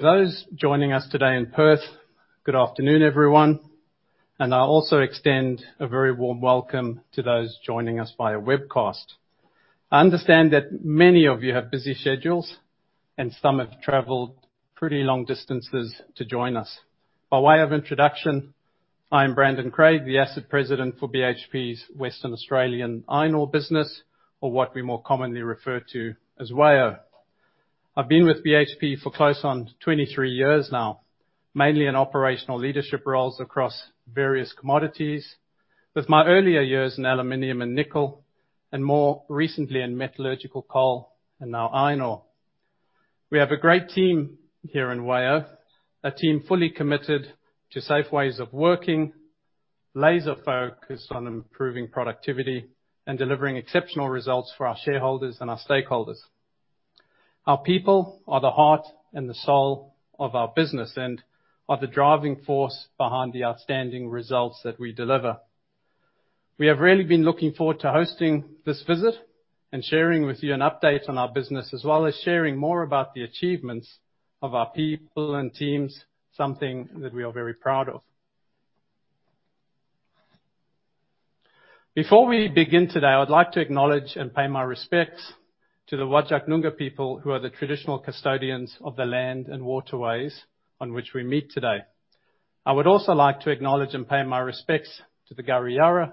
Those joining us today in Perth, good afternoon, everyone. I also extend a very warm welcome to those joining us via webcast. I understand that many of you have busy schedules, and some have traveled pretty long distances to join us. By way of introduction, I'm Brandon Craig, the Asset President for BHP's Western Australian Iron Ore business, or what we more commonly refer to as WAIO. I've been with BHP for close on 23 years now, mainly in operational leadership roles across various commodities, with my earlier years in aluminum and nickel, and more recently in metallurgical coal and now iron ore. We have a great team here in WAIO, a team fully committed to safe ways of working, laser-focused on improving productivity, and delivering exceptional results for our shareholders and our stakeholders. Our people are the heart and the soul of our business, and are the driving force behind the outstanding results that we deliver. We have really been looking forward to hosting this visit, and sharing with you an update on our business, as well as sharing more about the achievements of our people and teams, something that we are very proud of. Before we begin today, I would like to acknowledge and pay my respects to the Whadjuk Noongar people who are the traditional custodians of the land and waterways on which we meet today. I would also like to acknowledge and pay my respects to the Kariyarra,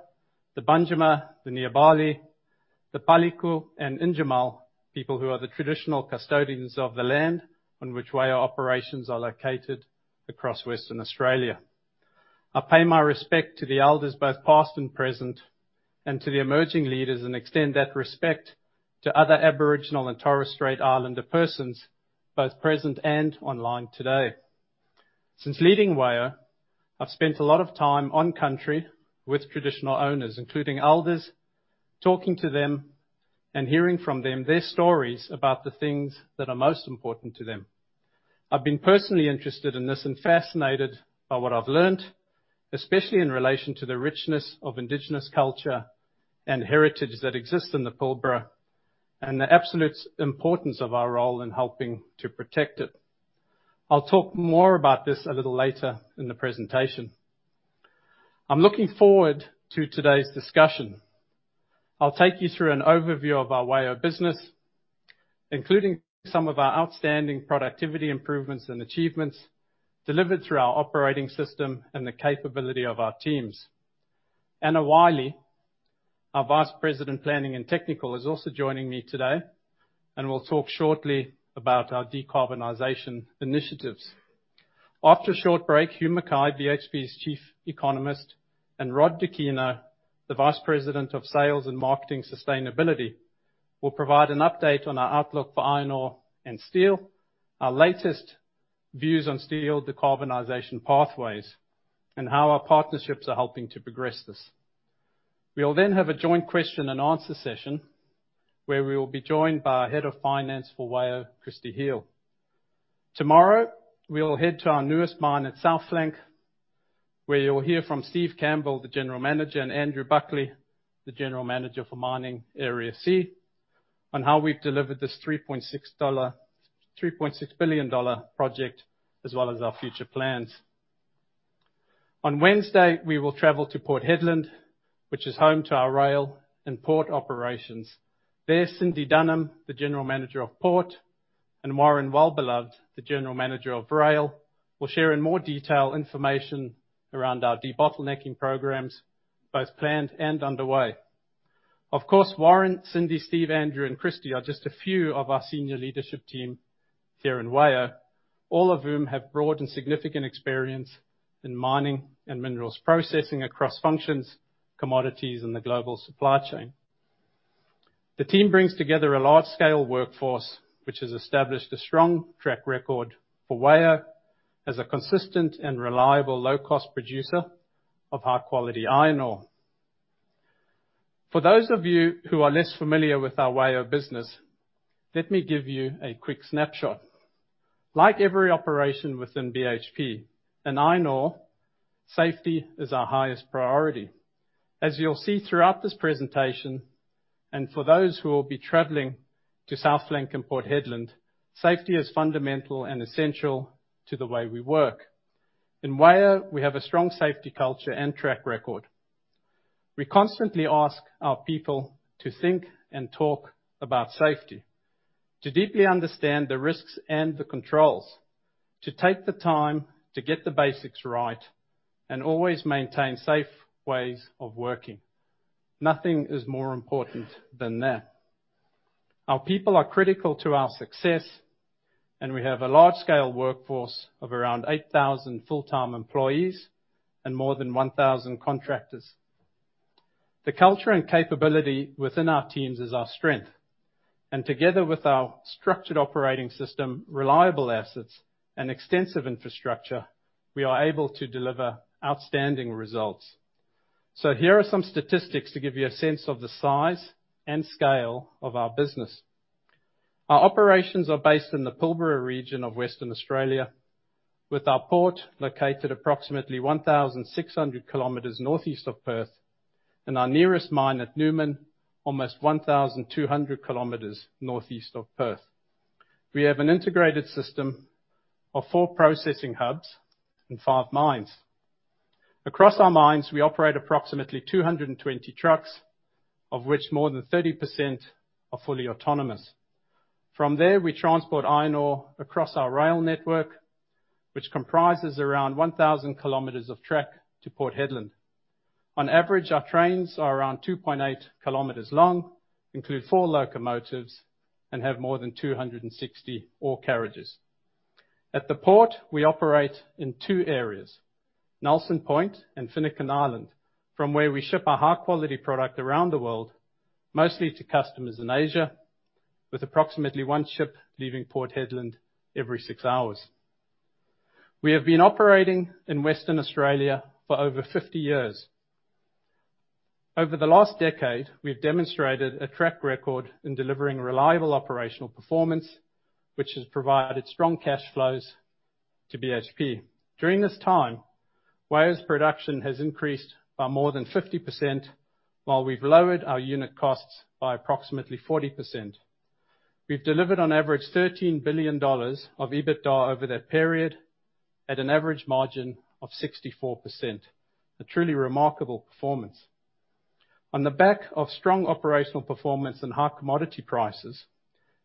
the Banjima, the Nyiyaparli, the Palyku, and Nyamal people who are the traditional custodians of the land on which WAIO operations are located across Western Australia. I pay my respect to the elders both past and present, and to the emerging leaders, and extend that respect to other Aboriginal and Torres Strait Islander persons, both present and online today. Since leading WAIO, I've spent a lot of time on country with traditional owners, including elders, talking to them and hearing from them their stories about the things that are most important to them. I've been personally interested in this and fascinated by what I've learned, especially in relation to the richness of Indigenous culture and heritage that exists in the Pilbara, and the absolute importance of our role in helping to protect it. I'll talk more about this a little later in the presentation. I'm looking forward to today's discussion. I'll take you through an overview of our WAIO business, including some of our outstanding productivity improvements and achievements delivered through our operating system and the capability of our teams. Anna Wiley, our Vice President, Planning and Technical, is also joining me today, and will talk shortly about our decarbonization initiatives. After a short break, Huw McKay, BHP's Chief Economist, and Rod Dukino, the Vice President of Sales and Marketing Sustainability, will provide an update on our outlook for iron ore and steel, our latest views on steel decarbonization pathways, and how our partnerships are helping to progress this. We'll then have a joint Q&A session where we will be joined by our Head of Finance for WAIO, Kristy Heal. Tomorrow, we'll head to our newest mine at South Flank, where you'll hear from Steve Campbell, the General Manager, and Andrew Buckley, the General Manager for Mining Area C, on how we've delivered this $3.6 billion project, as well as our future plans. On Wednesday, we will travel to Port Hedland, which is home to our rail and port operations. There's Cindy Dunham, the General Manager of port, and Warren Wellbeloved, the General Manager of rail, will share in more detail information around our debottlenecking programs, both planned and underway. Of course, Warren, Cindy, Steve, Andrew, and Kristy are just a few of our senior leadership team here in WAIO, all of whom have broad and significant experience in mining and minerals processing across functions, commodities, and the global supply chain. The team brings together a large-scale workforce, which has established a strong track record for WAIO as a consistent and reliable low-cost producer of high-quality iron ore. For those of you who are less familiar with our WAIO business, let me give you a quick snapshot. Like every operation within BHP, in iron ore, safety is our highest priority. As you'll see throughout this presentation, and for those who will be traveling to South Flank and Port Hedland, safety is fundamental and essential to the way we work. In WAIO, we have a strong safety culture and track record. We constantly ask our people to think and talk about safety, to deeply understand the risks and the controls, to take the time to get the basics right, and always maintain safe ways of working. Nothing is more important than that. Our people are critical to our success, and we have a large-scale workforce of around 8,000 full-time employees and more than 1,000 contractors. The culture and capability within our teams is our strength, and together with our structured operating system, reliable assets, and extensive infrastructure, we are able to deliver outstanding results. Here are some statistics to give you a sense of the size and scale of our business. Our operations are based in the Pilbara region of Western Australia. With our port located approximately 1,600 kilometers northeast of Perth, and our nearest mine at Newman, almost 1,200 kilometers northeast of Perth. We have an integrated system of four processing hubs and five mines. Across our mines, we operate approximately 220 trucks, of which more than 30% are fully autonomous. From there, we transport iron ore across our rail network, which comprises around 1,000 kilometers of track to Port Hedland. On average, our trains are around 2.8 kilometers long, include 4 locomotives and have more than 260 ore carriages. At the port, we operate in two areas, Nelson Point and Finucane Island, from where we ship our high-quality product around the world, mostly to customers in Asia, with approximately 1 ship leaving Port Hedland every 6 hours. We have been operating in Western Australia for over 50 years. Over the last decade, we have demonstrated a track record in delivering reliable operational performance, which has provided strong cash flows to BHP. During this time, WA's production has increased by more than 50% while we've lowered our unit costs by approximately 40%. We've delivered on average $13 billion of EBITDA over that period at an average margin of 64%. A truly remarkable performance. On the back of strong operational performance and high commodity prices,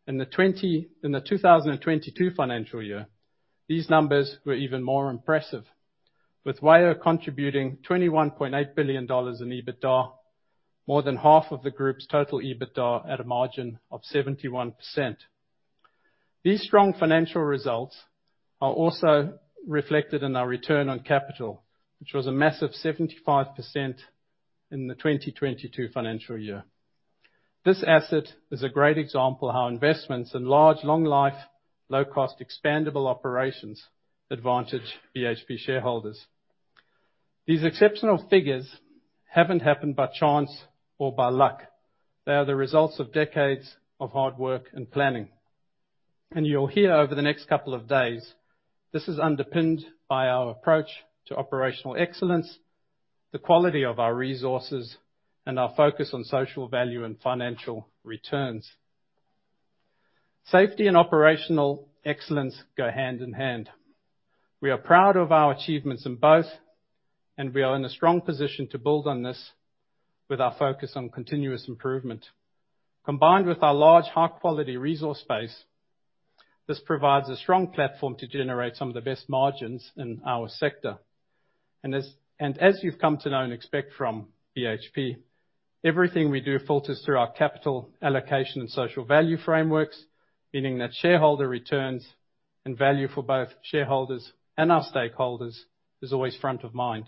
in the 2022 financial year, these numbers were even more impressive, with WA contributing $21.8 billion in EBITDA, more than half of the group's total EBITDA at a margin of 71%. These strong financial results are also reflected in our return on capital, which was a massive 75% in the 2022 financial year. This asset is a great example how investments in large, long life, low cost expandable operations advantage BHP shareholders. These exceptional figures haven't happened by chance or by luck. They are the results of decades of hard work and planning. You'll hear over the next couple of days, this is underpinned by our approach to operational excellence, the quality of our resources, and our focus on social value and financial returns. Safety and operational excellence go hand in hand. We are proud of our achievements in both, and we are in a strong position to build on this with our focus on continuous improvement. Combined with our large, high-quality resource base, this provides a strong platform to generate some of the best margins in our sector. As you've come to know and expect from BHP, everything we do filters through our capital allocation and social value frameworks, meaning that shareholder returns and value for both shareholders and our stakeholders is always front of mind.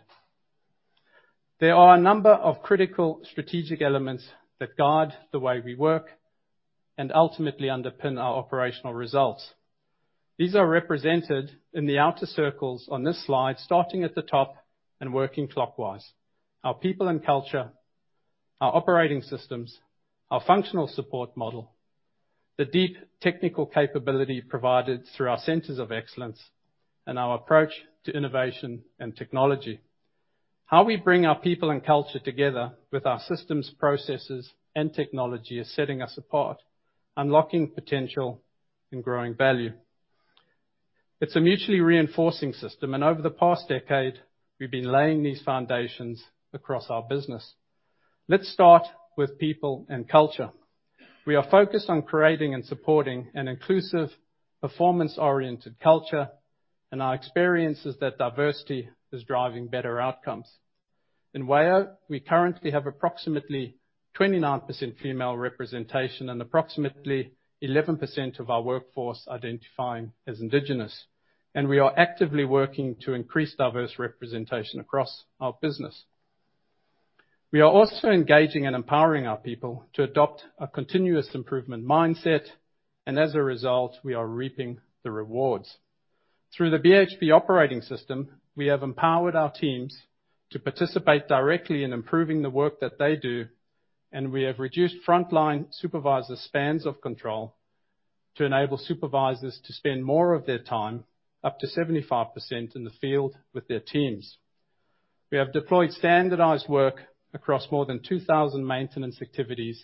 There are a number of critical strategic elements that guide the way we work and ultimately underpin our operational results. These are represented in the outer circles on this slide, starting at the top and working clockwise. Our people and culture, our operating systems, our functional support model, the deep technical capability provided through our centers of excellence, and our approach to innovation and technology. How we bring our people and culture together with our systems, processes, and technology is setting us apart, unlocking potential and growing value. It's a mutually reinforcing system, and over the past decade, we've been laying these foundations across our business. Let's start with people and culture. We are focused on creating and supporting an inclusive, performance-oriented culture, and our experience is that diversity is driving better outcomes. In WA, we currently have approximately 29% female representation and approximately 11% of our workforce identifying as Indigenous, and we are actively working to increase diverse representation across our business. We are also engaging and empowering our people to adopt a continuous improvement mindset, and as a result, we are reaping the rewards. Through the BHP Operating System, we have empowered our teams to participate directly in improving the work that they do, and we have reduced frontline supervisor spans of control to enable supervisors to spend more of their time, up to 75%, in the field with their teams. We have deployed standardized work across more than 2,000 maintenance activities,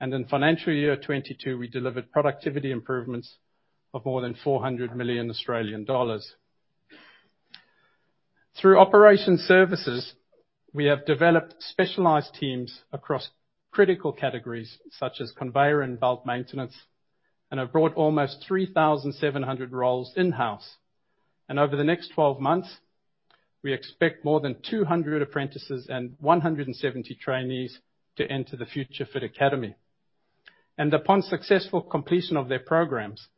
and in financial year 2022, we delivered productivity improvements of more than 400 million Australian dollars. Through operation services, we have developed specialized teams across critical categories such as conveyor and bulk maintenance, and have brought almost 3,700 roles in-house. Over the next 12 months, we expect more than 200 apprentices and 170 trainees to enter the FutureFit Academy. Upon successful completion of their programs,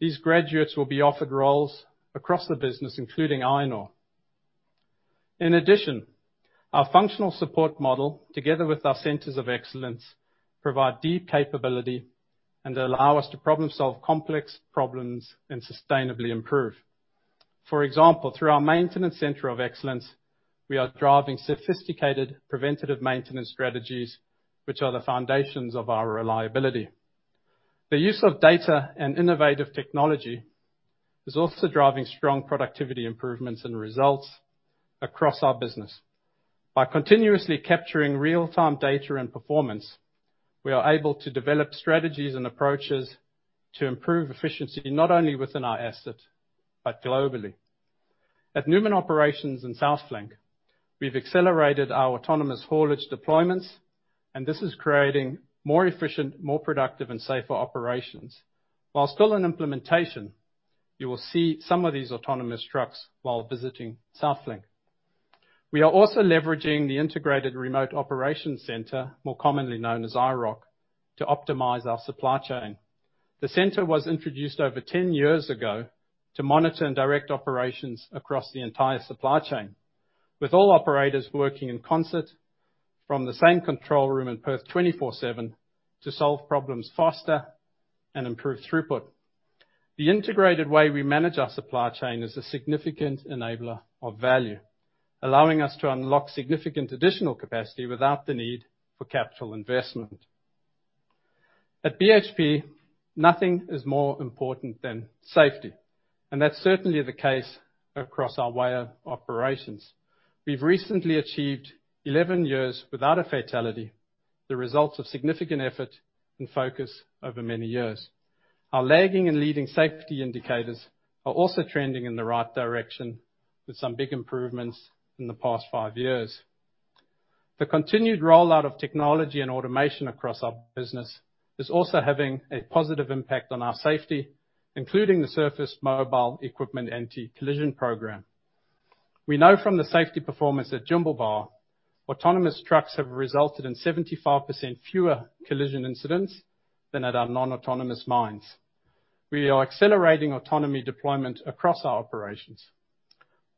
these graduates will be offered roles across the business, including iron ore. In addition, our functional support model, together with our centers of excellence, provide deep capability and allow us to problem-solve complex problems and sustainably improve. For example, through our maintenance center of excellence, we are driving sophisticated preventative maintenance strategies, which are the foundations of our reliability. The use of data and innovative technology is also driving strong productivity improvements and results across our business. By continuously capturing real-time data and performance, we are able to develop strategies and approaches to improve efficiency, not only within our asset, but globally. At Newman Operations in South Flank, we've accelerated our autonomous haulage deployments, and this is creating more efficient, more productive, and safer operations. While still in implementation, you will see some of these autonomous trucks while visiting South Flank. We are also leveraging the Integrated Remote Operations Center, more commonly known as IROC, to optimize our supply chain. The center was introduced over 10 years ago to monitor and direct operations across the entire supply chain, with all operators working in concert from the same control room in Perth, 24/7, to solve problems faster and improve throughput. The integrated way we manage our supply chain is a significant enabler of value, allowing us to unlock significant additional capacity without the need for capital investment. At BHP, nothing is more important than safety, and that's certainly the case across our WAIO operations. We've recently achieved 11 years without a fatality, the results of significant effort and focus over many years. Our lagging and leading safety indicators are also trending in the right direction with some big improvements in the past 5 years. The continued rollout of technology and automation across our business is also having a positive impact on our safety, including the Surface Mobile Equipment Anti-Collision program. We know from the safety performance at Jimblebar, autonomous trucks have resulted in 75% fewer collision incidents than at our non-autonomous mines. We are accelerating autonomy deployment across our operations.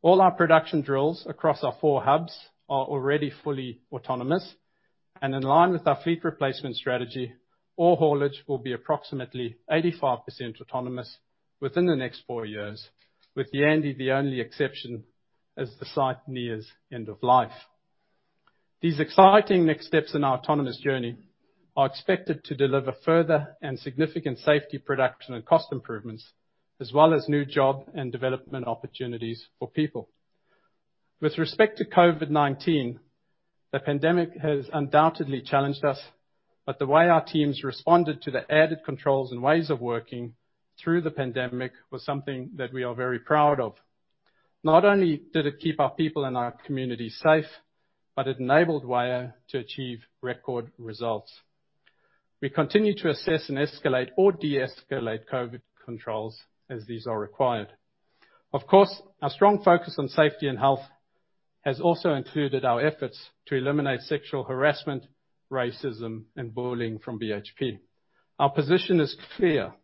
All our production drills across our four hubs are already fully autonomous. In line with our fleet replacement strategy, all haulage will be approximately 85% autonomous within the next 4 years, with Yandi the only exception as the site nears end of life. These exciting next steps in our autonomous journey are expected to deliver further and significant safety, production, and cost improvements, as well as new job and development opportunities for people. With respect to COVID-19, the pandemic has undoubtedly challenged us, but the way our teams responded to the added controls and ways of working through the pandemic was something that we are very proud of. Not only did it keep our people and our community safe, but it enabled us to achieve record results. We continue to assess and escalate or de-escalate COVID controls as these are required. Of course, our strong focus on safety and health has also included our efforts to eliminate sexual harassment, racism, and bullying from BHP. Our position is clear.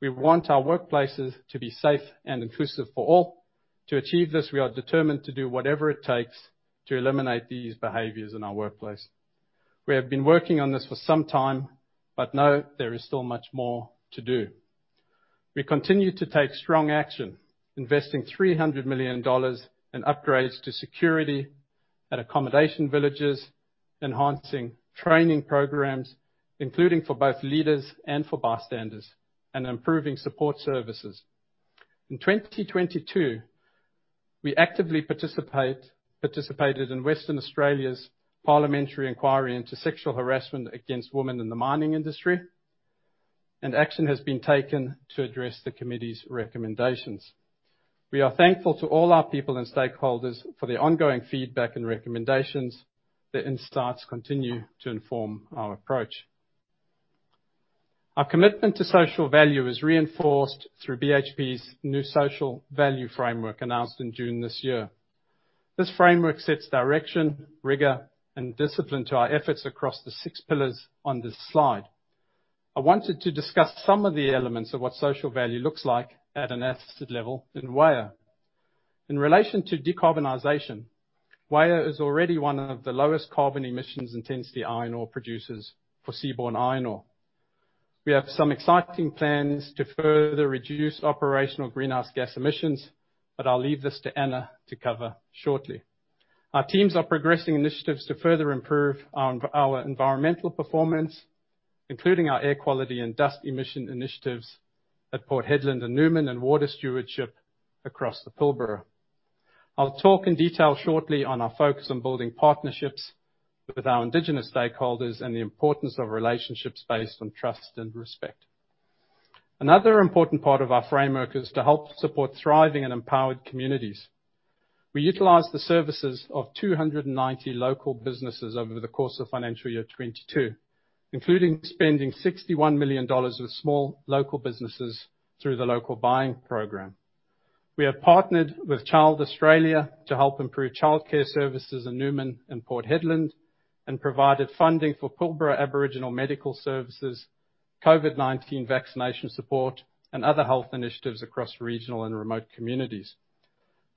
We want our workplaces to be safe and inclusive for all. To achieve this, we are determined to do whatever it takes to eliminate these behaviors in our workplace. We have been working on this for some time, but know there is still much more to do. We continue to take strong action, investing $300 million in upgrades to security at accommodation villages, enhancing training programs, including for both leaders and for bystanders, and improving support services. In 2022, we participated in Western Australia's parliamentary inquiry into sexual harassment against women in the mining industry, and action has been taken to address the committee's recommendations. We are thankful to all our people and stakeholders for their ongoing feedback and recommendations. Their insights continue to inform our approach. Our commitment to social value is reinforced through BHP's new social value framework announced in June this year. This framework sets direction, rigor, and discipline to our efforts across the six pillars on this slide. I wanted to discuss some of the elements of what social value looks like at an asset level in WAIO. In relation to decarbonization, WAIO is already one of the lowest carbon emissions intensity iron ore producers for seaborne iron ore. We have some exciting plans to further reduce operational greenhouse gas emissions, but I'll leave this to Anna to cover shortly. Our teams are progressing initiatives to further improve our environmental performance, including our air quality and dust emission initiatives at Port Hedland and Newman and water stewardship across the Pilbara. I'll talk in detail shortly on our focus on building partnerships with our Indigenous stakeholders and the importance of relationships based on trust and respect. Another important part of our framework is to help support thriving and empowered communities. We utilize the services of 290 local businesses over the course of financial year 2022, including spending $61 million with small local businesses through the local buying program. We have partnered with Child Australia to help improve childcare services in Newman and Port Hedland and provided funding for Pilbara Aboriginal Medical Services, COVID-19 vaccination support, and other health initiatives across regional and remote communities.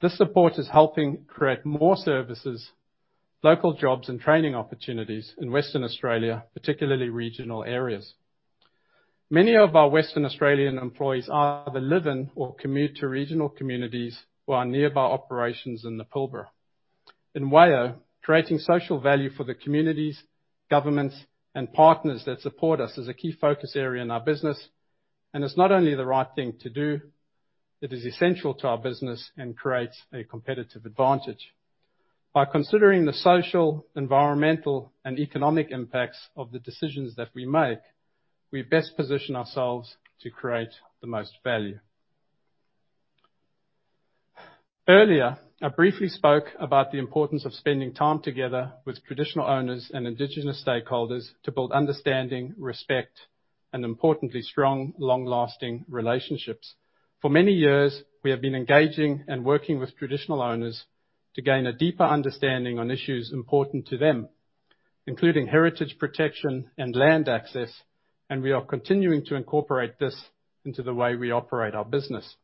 This support is helping create more services, local jobs, and training opportunities in Western Australia, particularly regional areas. Many of our Western Australian employees either live in or commute to regional communities who are nearby operations in the Pilbara. In WAIO, creating social value for the communities, governments, and partners that support us is a key focus area in our business. It's not only the right thing to do, it is essential to our business and creates a competitive advantage. By considering the social, environmental, and economic impacts of the decisions that we make, we best position ourselves to create the most value. Earlier, I briefly spoke about the importance of spending time together with traditional owners and indigenous stakeholders to build understanding, respect, and importantly, strong, long-lasting relationships. For many years, we have been engaging and working with traditional owners to gain a deeper understanding on issues important to them, including heritage protection and land access, and we are continuing to incorporate this into the way we operate our business.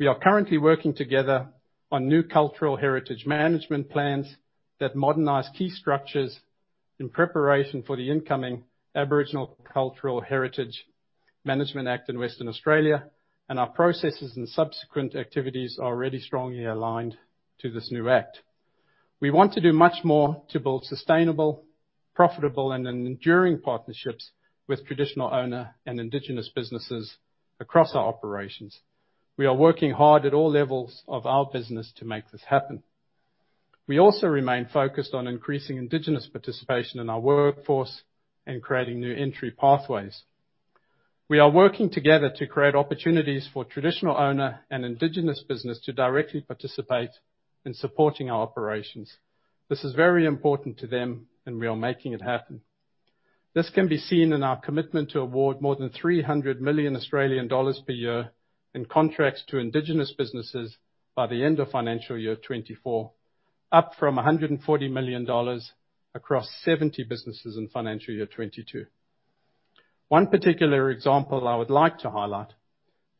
We are currently working together on new cultural heritage management plans that modernize key structures in preparation for the incoming Aboriginal Cultural Heritage Act 2021 in Western Australia, and our processes and subsequent activities are already strongly aligned to this new act. We want to do much more to build sustainable, profitable, and enduring partnerships with traditional owner and indigenous businesses across our operations. We are working hard at all levels of our business to make this happen. We also remain focused on increasing indigenous participation in our workforce and creating new entry pathways. We are working together to create opportunities for traditional owner and indigenous business to directly participate in supporting our operations. This is very important to them, and we are making it happen. This can be seen in our commitment to award more than 300 million Australian dollars per year in contracts to indigenous businesses by the end of financial year 2024, up from 140 million dollars across 70 businesses in financial year 2022. One particular example I would like to highlight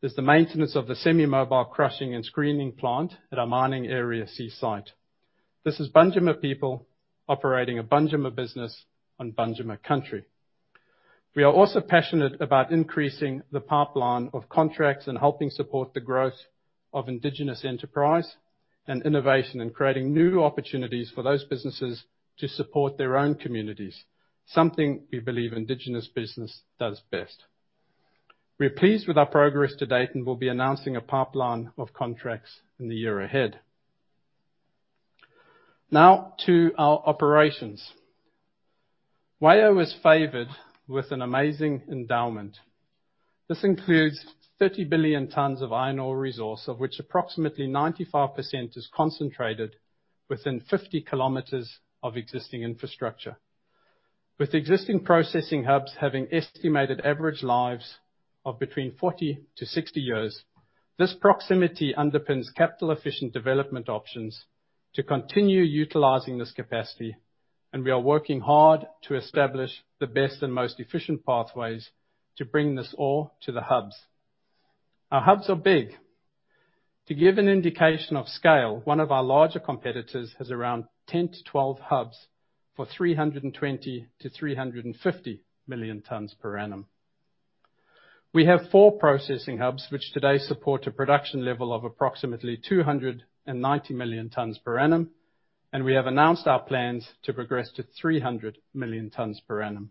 is the maintenance of the semi-mobile crushing and screening plant at our Mining Area C site. This is Banjima people operating a Banjima business on Banjima country. We are also passionate about increasing the pipeline of contracts and helping support the growth of indigenous enterprise and innovation, and creating new opportunities for those businesses to support their own communities, something we believe indigenous business does best. We are pleased with our progress to date, and we'll be announcing a pipeline of contracts in the year ahead. Now to our operations. WAIO was favored with an amazing endowment. This includes 30 billion tons of iron ore resource, of which approximately 95% is concentrated within 50 kilometers of existing infrastructure. With existing processing hubs having estimated average lives of between 40-60 years, this proximity underpins capital-efficient development options to continue utilizing this capacity, and we are working hard to establish the best and most efficient pathways to bring this ore to the hubs. Our hubs are big. To give an indication of scale, one of our larger competitors has around 10 to 12 hubs for 320 to 350 million tons per annum. We have four processing hubs, which today support a production level of approximately 290 million tons per annum, and we have announced our plans to progress to 300 million tons per annum.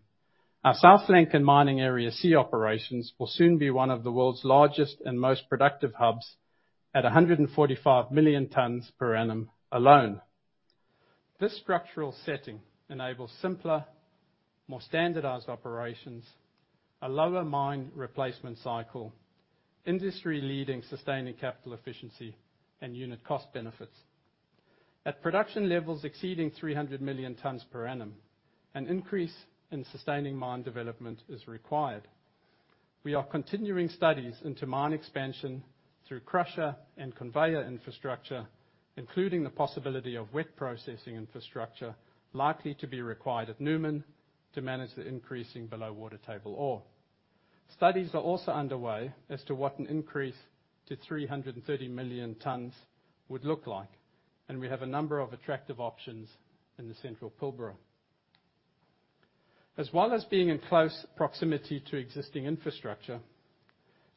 Our South Flank and Mining Area C operations will soon be one of the world's largest and most productive hubs at 145 million tons per annum alone. This structural setting enables simpler, more standardized operations, a lower mine replacement cycle, industry leading sustaining capital efficiency, and unit cost benefits. At production levels exceeding 300 million tons per annum, an increase in sustaining mine development is required. We are continuing studies into mine expansion through crusher and conveyor infrastructure, including the possibility of wet processing infrastructure likely to be required at Newman to manage the increasing below water table ore. Studies are also underway as to what an increase to 330 million tons would look like, and we have a number of attractive options in the Central Pilbara. As well as being in close proximity to existing infrastructure,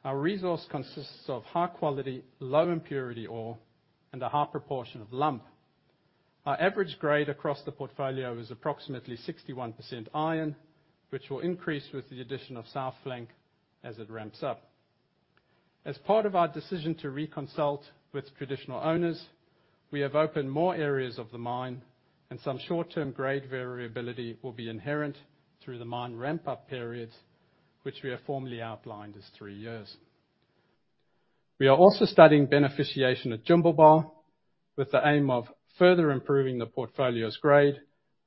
our resource consists of high quality, low impurity ore and a high proportion of lump. Our average grade across the portfolio is approximately 61% iron, which will increase with the addition of South Flank as it ramps up. As part of our decision to reconsult with traditional owners, we have opened more areas of the mine and some short-term grade variability will be inherent through the mine ramp-up periods, which we have formally outlined as 3 years. We are also studying beneficiation at Jimblebar, with the aim of further improving the portfolio's grade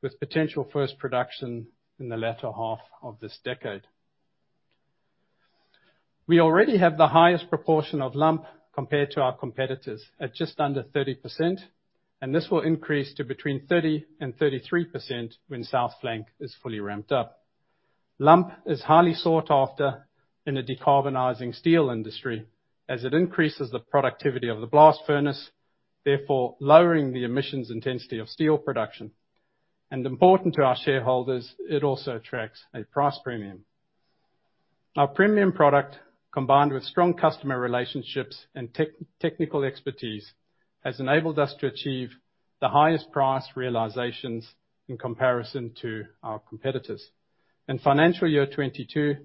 with potential first production in the latter half of this decade. We already have the highest proportion of lump compared to our competitors at just under 30%, and this will increase to between 30% and 33% when South Flank is fully ramped up. Lump is highly sought after in a decarbonizing steel industry as it increases the productivity of the blast furnace, therefore lowering the emissions intensity of steel production, and important to our shareholders, it also attracts a price premium. Our premium product, combined with strong customer relationships and technical expertise, has enabled us to achieve the highest price realizations in comparison to our competitors. In financial year 2022,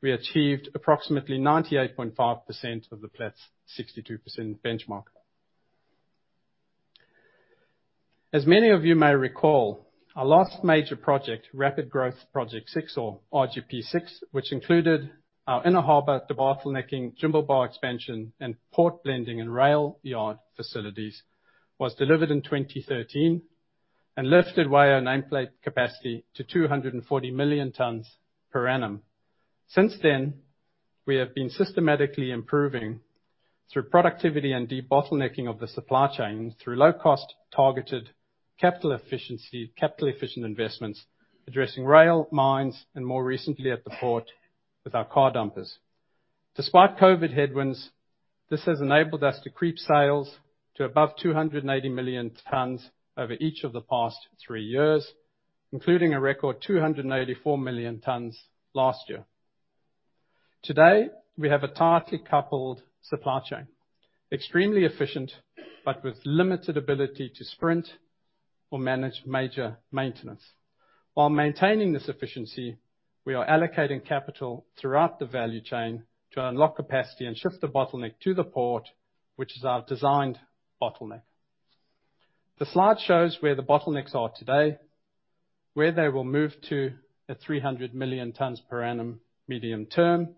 we achieved approximately 98.5% of the Platts 62% benchmark. As many of you may recall, our last major project, Rapid Growth Project 6 or RGP 6, which included our inner harbor debottlenecking, Jimblebar expansion, and port blending and rail yard facilities, was delivered in 2013 and lifted WAIO nameplate capacity to 240 million tons per annum. Since then, we have been systematically improving through productivity and debottlenecking of the supply chain through low cost, targeted, capital efficiency, capital efficient investments addressing rail mines and more recently at the port with our car dumpers. Despite COVID headwinds, this has enabled us to creep sales to above 280 million tons over each of the past 3 years, including a record 284 million tons last year. Today, we have a tightly coupled supply chain, extremely efficient, but with limited ability to sprint or manage major maintenance. While maintaining this efficiency, we are allocating capital throughout the value chain to unlock capacity and shift the bottleneck to the port, which is our designed bottleneck. The slide shows where the bottlenecks are today, where they will move to at 300 million tons per annum medium term,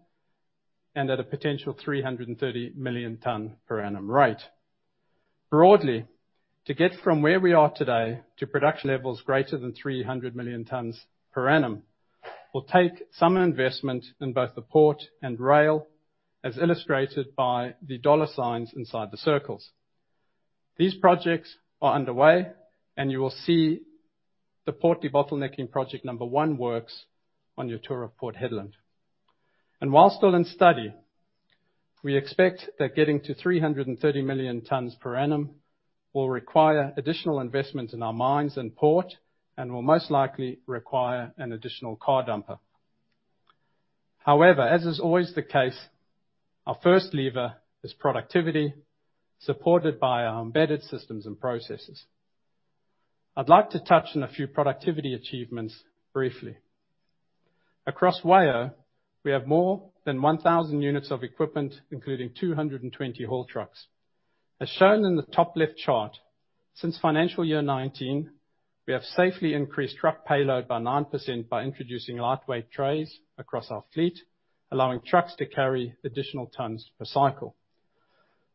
and at a potential 330 million ton per annum rate. Broadly, to get from where we are today to production levels greater than 300 million tons per annum will take some investment in both the port and rail, as illustrated by the dollar signs inside the circles. These projects are underway, and you will see the port debottlenecking project number one works on your tour of Port Hedland. While still in study, we expect that getting to 330 million tons per annum will require additional investment in our mines and port and will most likely require an additional car dumper. However, as is always the case, our first lever is productivity, supported by our embedded systems and processes. I'd like to touch on a few productivity achievements briefly. Across WAIO, we have more than 1,000 units of equipment, including 220 haul trucks. As shown in the top left chart, since financial year 2019, we have safely increased truck payload by 9% by introducing lightweight trays across our fleet, allowing trucks to carry additional tons per cycle.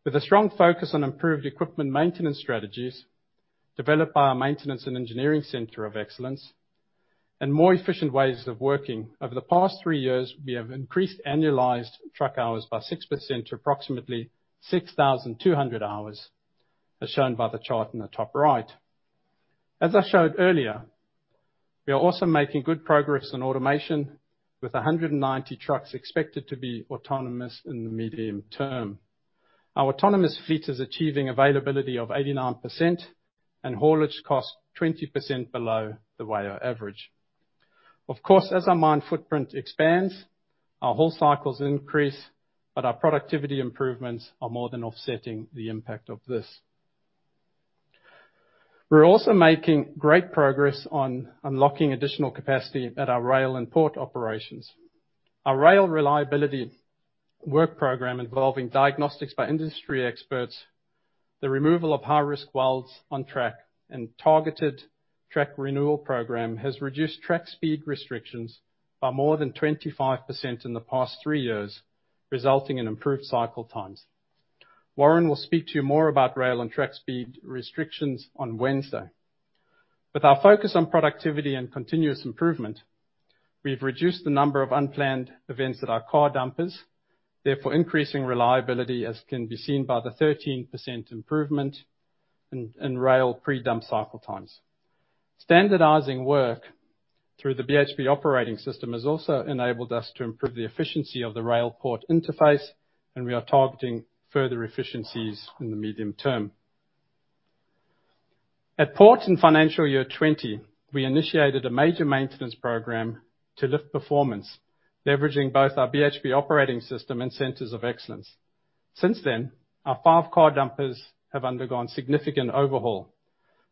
With a strong focus on improved equipment maintenance strategies developed by our maintenance and engineering center of excellence and more efficient ways of working, over the past three years, we have increased annualized truck hours by 6% to approximately 6,200 hours, as shown by the chart in the top right. As I showed earlier, we are also making good progress on automation with 190 trucks expected to be autonomous in the medium term. Our autonomous fleet is achieving availability of 89% and haulage cost 20% below the WAIO average. Of course, as our mine footprint expands, our haul cycles increase, but our productivity improvements are more than offsetting the impact of this. We're also making great progress on unlocking additional capacity at our rail and port operations. Our rail reliability work program involving diagnostics by industry experts, the removal of high-risk welds on track, and targeted track renewal program has reduced track speed restrictions by more than 25% in the past 3 years, resulting in improved cycle times. Warren will speak to you more about rail and track speed restrictions on Wednesday. With our focus on productivity and continuous improvement, we've reduced the number of unplanned events at our car dumpers, therefore increasing reliability, as can be seen by the 13% improvement in rail pre-dump cycle times. Standardizing work through the BHP Operating System has also enabled us to improve the efficiency of the rail port interface, and we are targeting further efficiencies in the medium term. At port in financial year 2020, we initiated a major maintenance program to lift performance, leveraging both our BHP Operating System and centers of excellence. Since then, our 5 car dumpers have undergone significant overhaul.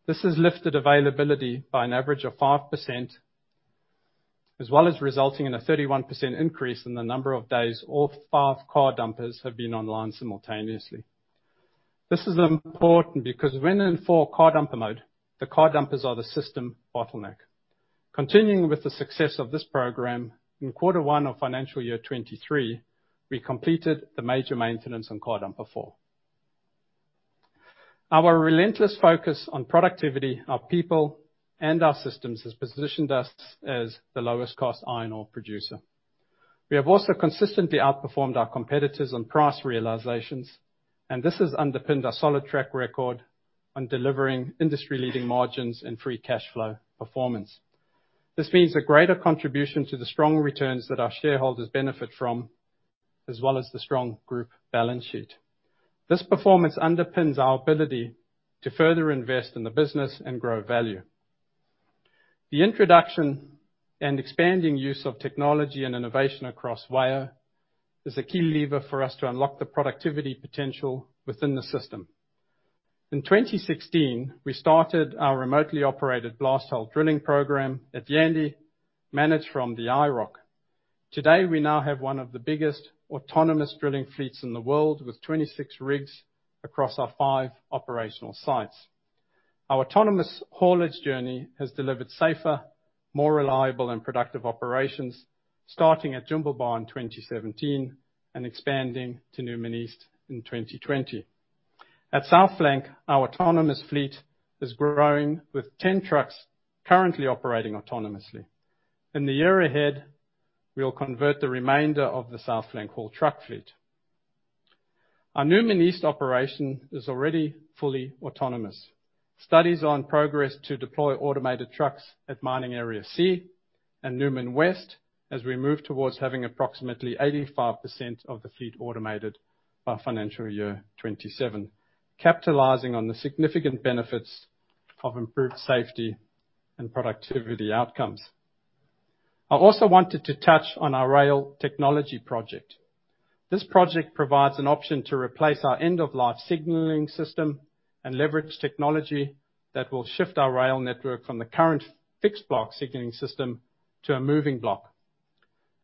This has lifted availability by an average of 5%, as well as resulting in a 31% increase in the number of days all 5 car dumpers have been online simultaneously. This is important because when in 4 car dumper mode, the car dumpers are the system bottleneck. Continuing with the success of this program, in quarter one of financial year 2023, we completed the major maintenance on car dumper 4. Our relentless focus on productivity, our people, and our systems has positioned us as the lowest-cost iron ore producer. We have also consistently outperformed our competitors on price realizations, and this has underpinned our solid track record on delivering industry-leading margins and free cash flow performance. This means a greater contribution to the strong returns that our shareholders benefit from, as well as the strong group balance sheet. This performance underpins our ability to further invest in the business and grow value. The introduction and expanding use of technology and innovation across WAIO is a key lever for us to unlock the productivity potential within the system. In 2016, we started our remotely operated blast hole drilling program at Yandi, managed from the IROC. Today, we now have one of the biggest autonomous drilling fleets in the world with 26 rigs across our 5 operational sites. Our autonomous haulage journey has delivered safer, more reliable, and productive operations, starting at Jimblebar in 2017 and expanding to Newman East in 2020. At South Flank, our autonomous fleet is growing with 10 trucks currently operating autonomously. In the year ahead, we'll convert the remainder of the South Flank haul truck fleet. Our Newman East operation is already fully autonomous. Studies are in progress to deploy automated trucks at Mining Area C and Newman West as we move towards having approximately 85% of the fleet automated by financial year 2027, capitalizing on the significant benefits of improved safety and productivity outcomes. I also wanted to touch on our rail technology project. This project provides an option to replace our end-of-life signaling system and leverage technology that will shift our rail network from the current fixed block signaling system to a moving block,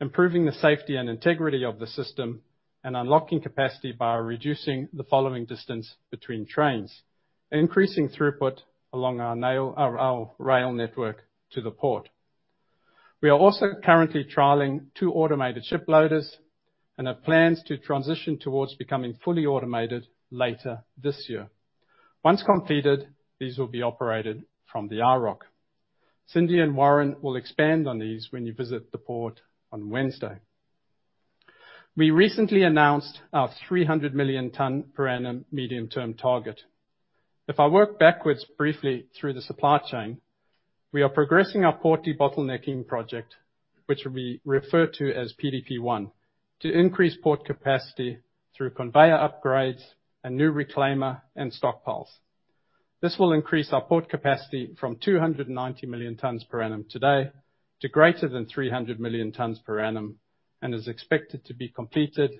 improving the safety and integrity of the system, and unlocking capacity by reducing the following distance between trains, increasing throughput along our rail network to the port. We are also currently trialing two automated ship loaders and have plans to transition towards becoming fully automated later this year. Once completed, these will be operated from the IROC. Cindy and Warren will expand on these when you visit the port on Wednesday. We recently announced our 300 million ton per annum medium-term target. If I work backwards briefly through the supply chain, we are progressing our port debottlenecking project, which will be referred to as PDP-1, to increase port capacity through conveyor upgrades and new reclaimer and stockpiles. This will increase our port capacity from 290 million tons per annum today to greater than 300 million tons per annum, and is expected to be completed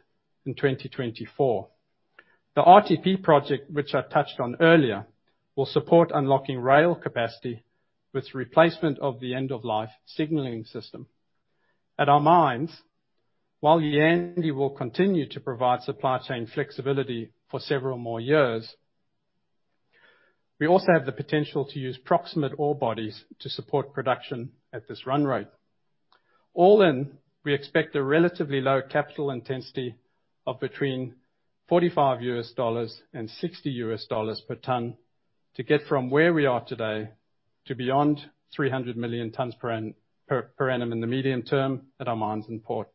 in 2024. The RTP project, which I touched on earlier, will support unlocking rail capacity with replacement of the end-of-life signaling system. At our mines, while Yandi will continue to provide supply chain flexibility for several more years, we also have the potential to use proximate ore bodies to support production at this run rate. All in, we expect a relatively low capital intensity of between $45 and $60 per ton to get from where we are today to beyond 300 million tons per annum in the medium term at our mines and port.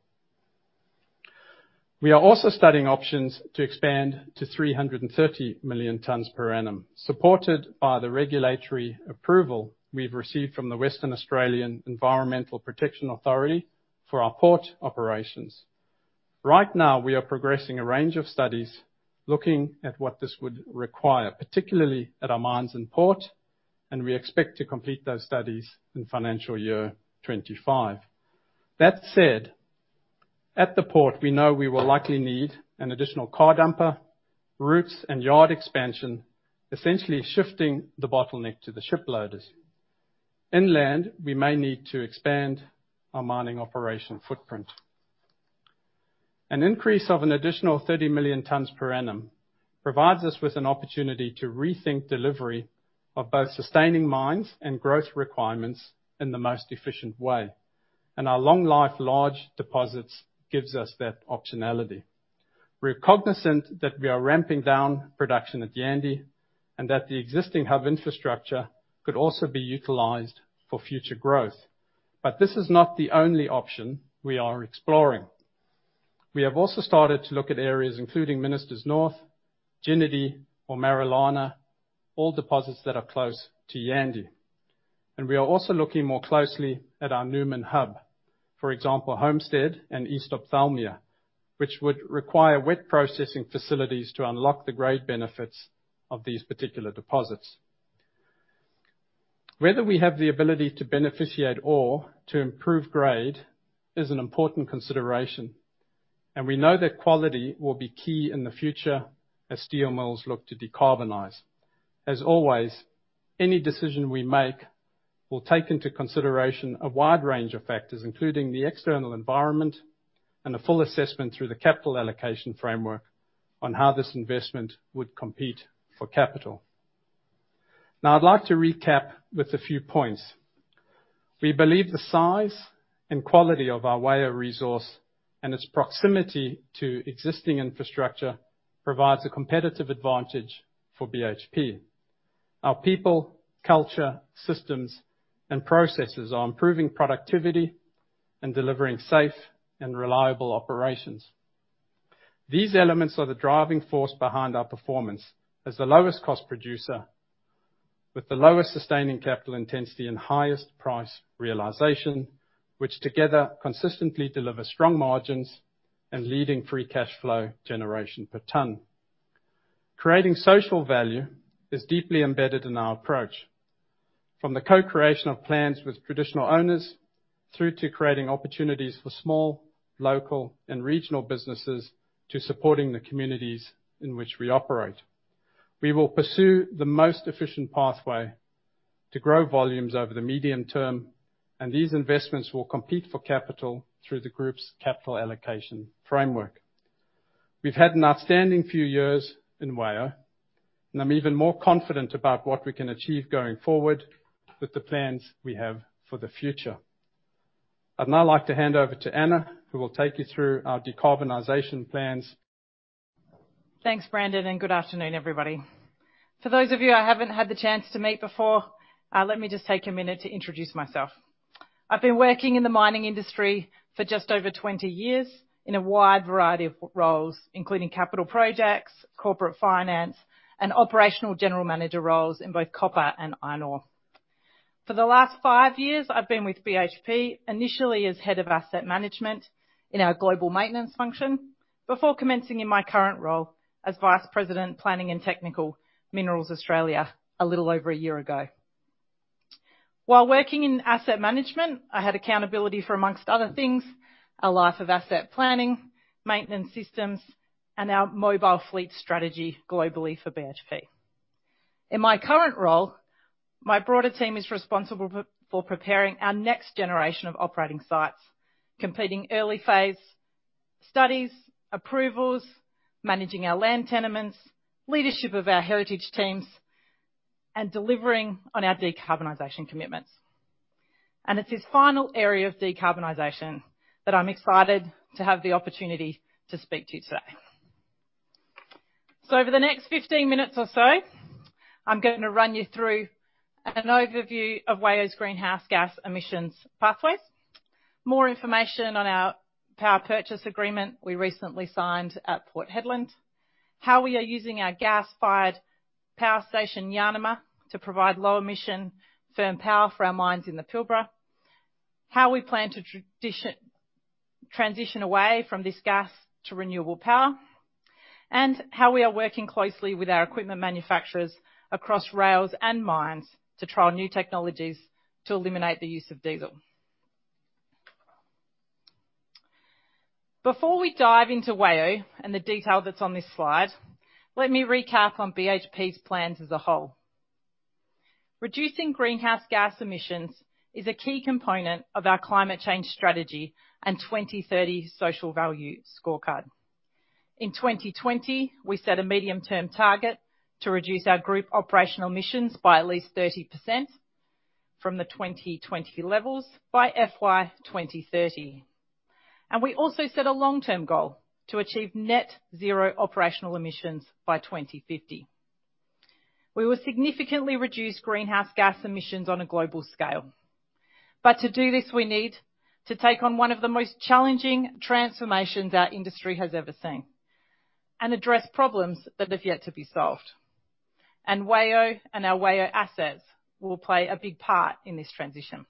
We are also studying options to expand to 330 million tons per annum, supported by the regulatory approval we've received from the Western Australian Environmental Protection Authority for our port operations. Right now, we are progressing a range of studies looking at what this would require, particularly at our mines and port, and we expect to complete those studies in financial year 2025. That said, at the port, we know we will likely need an additional car dumper, routes, and yard expansion, essentially shifting the bottleneck to the ship loaders. Inland, we may need to expand our mining operation footprint. An increase of an additional 30 million tons per annum provides us with an opportunity to rethink delivery of both sustaining mines and growth requirements in the most efficient way, and our long life large deposits gives us that optionality. We're cognizant that we are ramping down production at Yandi, and that the existing hub infrastructure could also be utilized for future growth. This is not the only option we are exploring. We have also started to look at areas including Ministers North, Jinidi or Marilana, all deposits that are close to Yandi. We are also looking more closely at our Newman hub. For example, Homestead and East Ophthalmia, which would require wet processing facilities to unlock the grade benefits of these particular deposits. Whether we have the ability to beneficiate ore to improve grade is an important consideration, and we know that quality will be key in the future as steel mills look to decarbonize. As always, any decision we make will take into consideration a wide range of factors, including the external environment and a full assessment through the capital allocation framework on how this investment would compete for capital. Now, I'd like to recap with a few points. We believe the size and quality of our Whyalla resource and its proximity to existing infrastructure provides a competitive advantage for BHP. Our people, culture, systems, and processes are improving productivity and delivering safe and reliable operations. These elements are the driving force behind our performance as the lowest cost producer with the lowest sustaining capital intensity and highest price realization, which together consistently deliver strong margins and leading free cash flow generation per ton. Creating social value is deeply embedded in our approach. From the co-creation of plans with traditional owners, through to creating opportunities for small, local and regional businesses, to supporting the communities in which we operate. We will pursue the most efficient pathway to grow volumes over the medium-term, and these investments will compete for capital through the group's capital allocation framework. We've had an outstanding few years in WAIO, and I'm even more confident about what we can achieve going forward with the plans we have for the future. I'd now like to hand over to Anna, who will take you through our decarbonization plans. Thanks, Brandon, and good afternoon, everybody. For those of you I haven't had the chance to meet before, let me just take a minute to introduce myself. I've been working in the mining industry for just over 20 years in a wide variety of roles, including capital projects, corporate finance, and operational general manager roles in both copper and iron ore. For the last five years, I've been with BHP, initially as head of asset management in our global maintenance function, before commencing in my current role as Vice President, Planning and Technical, Minerals Australia, a little over a year ago. While working in asset management, I had accountability for, among other things, a life of asset planning, maintenance systems, and our mobile fleet strategy globally for BHP. In my current role, my broader team is responsible for preparing our next generation of operating sites, completing early phase studies, approvals, managing our land tenements, leadership of our heritage teams, and delivering on our decarbonization commitments. It's this final area of decarbonization that I'm excited to have the opportunity to speak to you today. Over the next 15 minutes or so, I'm gonna run you through an overview of WAIO's greenhouse gas emissions pathways. More information on our power purchase agreement we recently signed at Port Hedland. How we are using our gas-fired power station, Yarnima, to provide low-emission firm power for our mines in the Pilbara. How we plan to transition away from this gas to renewable power. How we are working closely with our equipment manufacturers across rails and mines to trial new technologies to eliminate the use of diesel. Before we dive into WAIO and the detail that's on this slide, let me recap on BHP's plans as a whole. Reducing greenhouse gas emissions is a key component of our climate change strategy and 2030 social value scorecard. In 2020, we set a medium-term target to reduce our group operational emissions by at least 30% from the 2020 levels by FY 2030. We also set a long-term goal to achieve net zero operational emissions by 2050. We will significantly reduce greenhouse gas emissions on a global scale. To do this, we need to take on one of the most challenging transformations our industry has ever seen and address problems that have yet to be solved. WAIO and our WAIO assets will play a big part in this transition.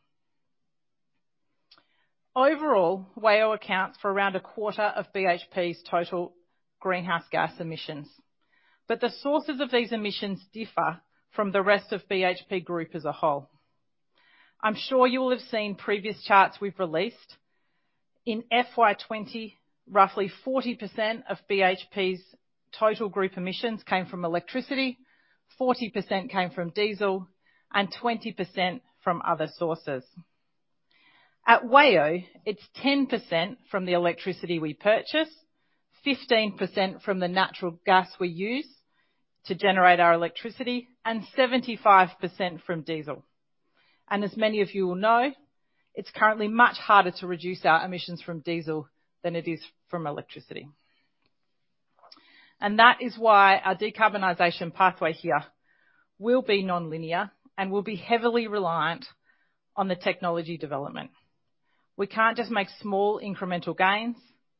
Overall, WAIO accounts for around a quarter of BHP's total greenhouse gas emissions. The sources of these emissions differ from the rest of BHP Group as a whole. I'm sure you will have seen previous charts we've released. In FY 2020, roughly 40% of BHP's total group emissions came from electricity, 40% came from diesel, and 20% from other sources. At WAIO, it's 10% from the electricity we purchase, 15% from the natural gas we use to generate our electricity, and 75% from diesel. As many of you will know, it's currently much harder to reduce our emissions from diesel than it is from electricity. That is why our decarbonization pathway here will be nonlinear and will be heavily reliant on the technology development. We can't just make small incremental gains.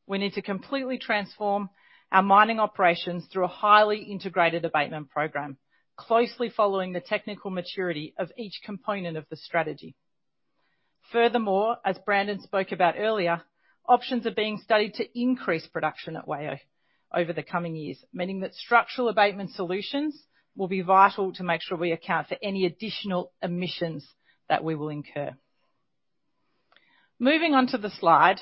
We need to completely transform our mining operations through a highly integrated abatement program, closely following the technical maturity of each component of the strategy. Furthermore, as Brandon spoke about earlier, options are being studied to increase production at WAIO over the coming years, meaning that structural abatement solutions will be vital to make sure we account for any additional emissions that we will incur. Moving on to the slide,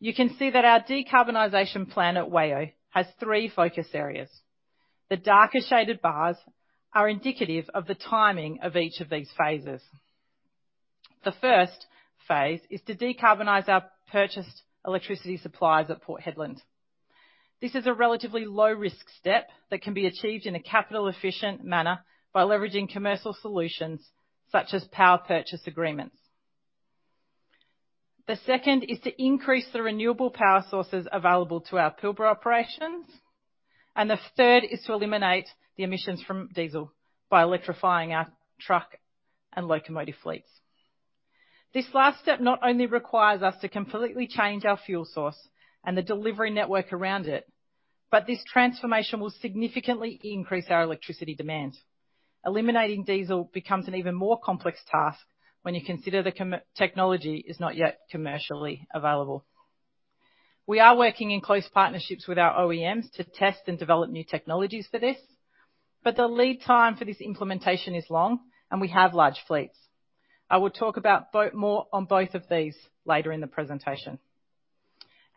you can see that our decarbonization plan at WAIO has three focus areas. The darker shaded bars are indicative of the timing of each of these phases. The first phase is to decarbonize our purchased electricity supplies at Port Hedland. This is a relatively low-risk step that can be achieved in a capital-efficient manner by leveraging commercial solutions such as power purchase agreements. The second is to increase the renewable power sources available to our Pilbara operations. The third is to eliminate the emissions from diesel by electrifying our truck and locomotive fleets. This last step not only requires us to completely change our fuel source and the delivery network around it, but this transformation will significantly increase our electricity demand. Eliminating diesel becomes an even more complex task when you consider the technology is not yet commercially available. We are working in close partnerships with our OEMs to test and develop new technologies for this, but the lead time for this implementation is long, and we have large fleets. I will talk about both more on both of these later in the presentation.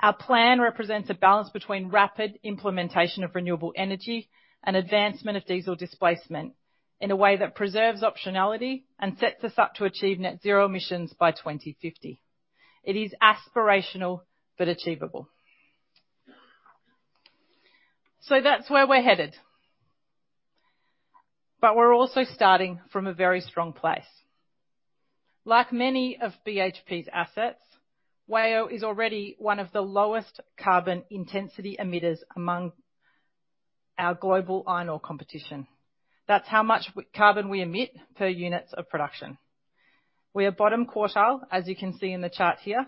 Our plan represents a balance between rapid implementation of renewable energy and advancement of diesel displacement in a way that preserves optionality and sets us up to achieve net zero emissions by 2050. It is aspirational but achievable. That's where we're headed. We're also starting from a very strong place. Like many of BHP's assets, WAIO is already one of the lowest carbon intensity emitters among our global iron ore competition. That's how much carbon we emit per units of production. We are bottom quartile, as you can see in the chart here,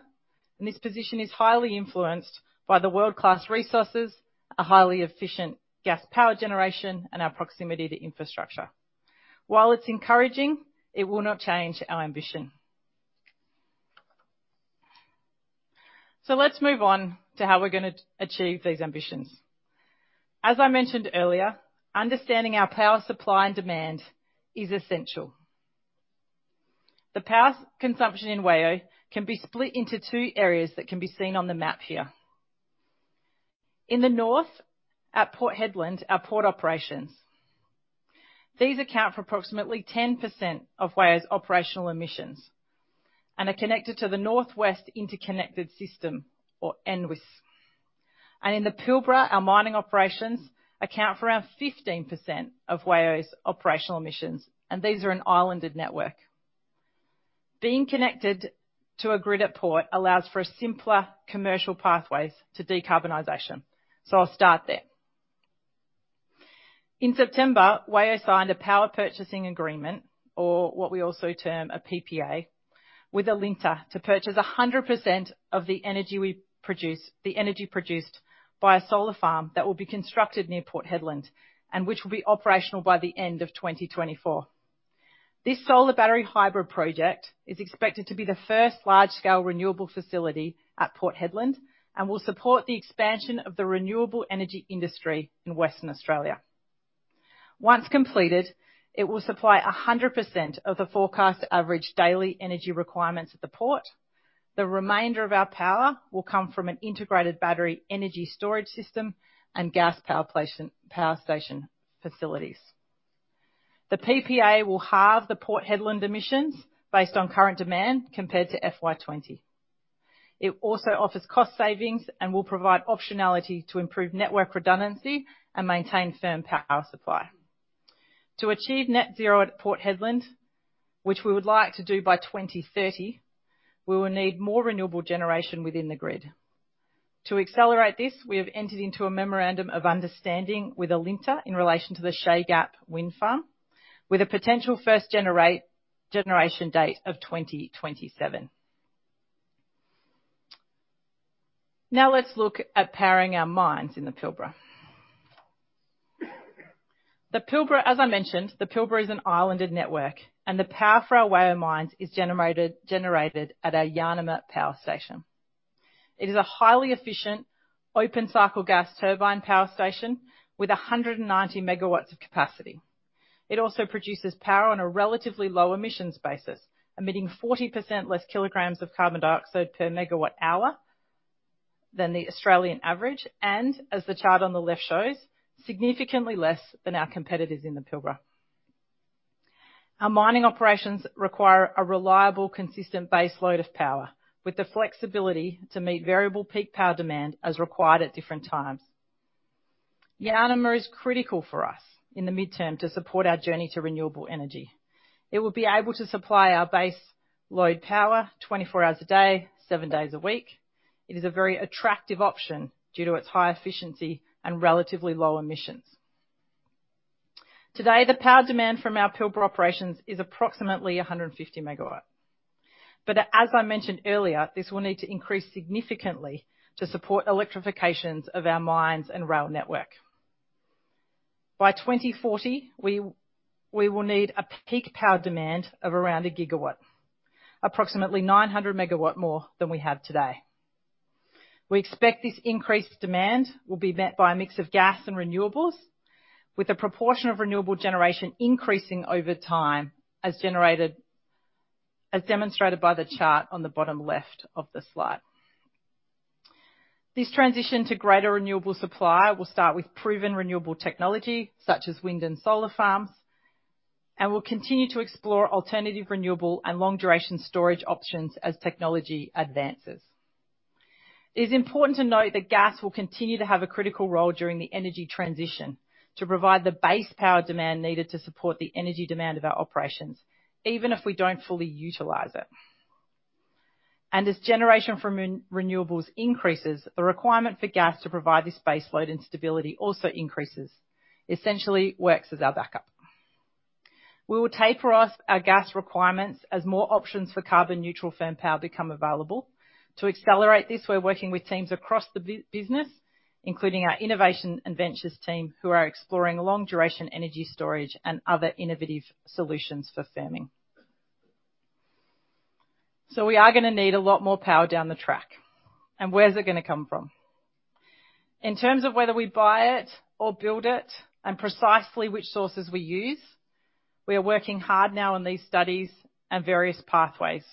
and this position is highly influenced by the world-class resources, a highly efficient gas power generation, and our proximity to infrastructure. While it's encouraging, it will not change our ambition. Let's move on to how we're gonna achieve these ambitions. As I mentioned earlier, understanding our power supply and demand is essential. The power consumption in WAIO can be split into two areas that can be seen on the map here. In the north at Port Hedland are port operations. These account for approximately 10% of WAIO's operational emissions and are connected to the Northwest Interconnected System, or NWIS. In the Pilbara, our mining operations account for around 15% of WAIO's operational emissions, and these are an islanded network. Being connected to a grid at port allows for a simpler commercial pathways to decarbonization, so I'll start there. In September, WAIO signed a power purchasing agreement, or what we also term a PPA, with Alinta to purchase 100% of the energy we produce, the energy produced by a solar farm that will be constructed near Port Hedland, and which will be operational by the end of 2024. This solar battery hybrid project is expected to be the first large-scale renewable facility at Port Hedland and will support the expansion of the renewable energy industry in Western Australia. Once completed, it will supply 100% of the forecast average daily energy requirements at the port. The remainder of our power will come from an integrated battery energy storage system and gas power station facilities. The PPA will halve the Port Hedland emissions based on current demand compared to FY 2020. It also offers cost savings and will provide optionality to improve network redundancy and maintain firm power supply. To achieve net zero at Port Hedland, which we would like to do by 2030, we will need more renewable generation within the grid. To accelerate this, we have entered into a memorandum of understanding with Alinta in relation to the Shay Gap wind farm, with a potential first generation date of 2027. Now let's look at powering our mines in the Pilbara. The Pilbara, as I mentioned, the Pilbara is an islanded network, and the power for our WAIO mines is generated at our Yanuma power station. It is a highly efficient open-cycle gas turbine power station with 190 MW of capacity. It also produces power on a relatively low-emissions basis, emitting 40% less kg of carbon dioxide per MWh than the Australian average, and, as the chart on the left shows, significantly less than our competitors in the Pilbara. Our mining operations require a reliable, consistent base load of power with the flexibility to meet variable peak power demand as required at different times. Yanuma's critical for us in the midterm to support our journey to renewable energy. It will be able to supply our base load power 24 hours a day, 7 days a week. It is a very attractive option due to its high efficiency and relatively low emissions. Today, the power demand from our Pilbara operations is approximately 150 MW. As I mentioned earlier, this will need to increase significantly to support electrification of our mines and rail network. By 2040, we will need a peak power demand of around 1 GW, approximately 900 MW more than we have today. We expect this increased demand will be met by a mix of gas and renewables, with a proportion of renewable generation increasing over time as demonstrated by the chart on the bottom left of the slide. This transition to greater renewable supply will start with proven renewable technology, such as wind and solar farms, and will continue to explore alternative renewable and long-duration storage options as technology advances. It is important to note that gas will continue to have a critical role during the energy transition to provide the base power demand needed to support the energy demand of our operations, even if we don't fully utilize it. As generation from renewables increases, the requirement for gas to provide this base load and stability also increases. Essentially, it works as our backup. We will taper off our gas requirements as more options for carbon-neutral firm power become available. To accelerate this, we're working with teams across the business, including our innovation and ventures team, who are exploring long-duration energy storage and other innovative solutions for firming. We are gonna need a lot more power down the track. Where is it gonna come from? In terms of whether we buy it or build it, and precisely which sources we use, we are working hard now on these studies and various pathways.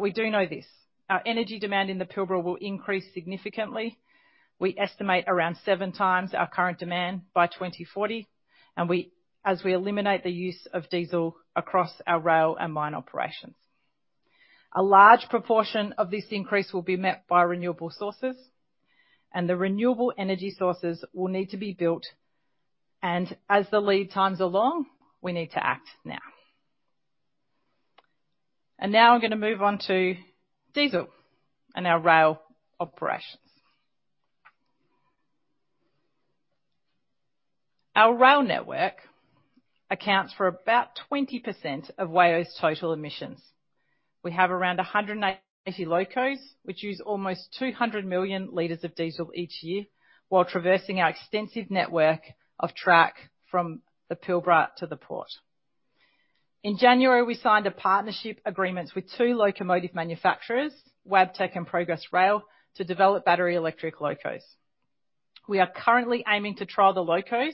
We do know this, our energy demand in the Pilbara will increase significantly. We estimate around 7 times our current demand by 2040, and as we eliminate the use of diesel across our rail and mine operations. A large proportion of this increase will be met by renewable sources, and the renewable energy sources will need to be built, and as the lead times are long, we need to act now. Now I'm gonna move on to diesel and our rail operations. Our rail network accounts for about 20% of WAIO's total emissions. We have around 190 locos, which use almost 200 million liters of diesel each year while traversing our extensive network of track from the Pilbara to the port. In January, we signed a partnership agreement with two locomotive manufacturers, Wabtec and Progress Rail, to develop battery electric locos. We are currently aiming to trial the locos,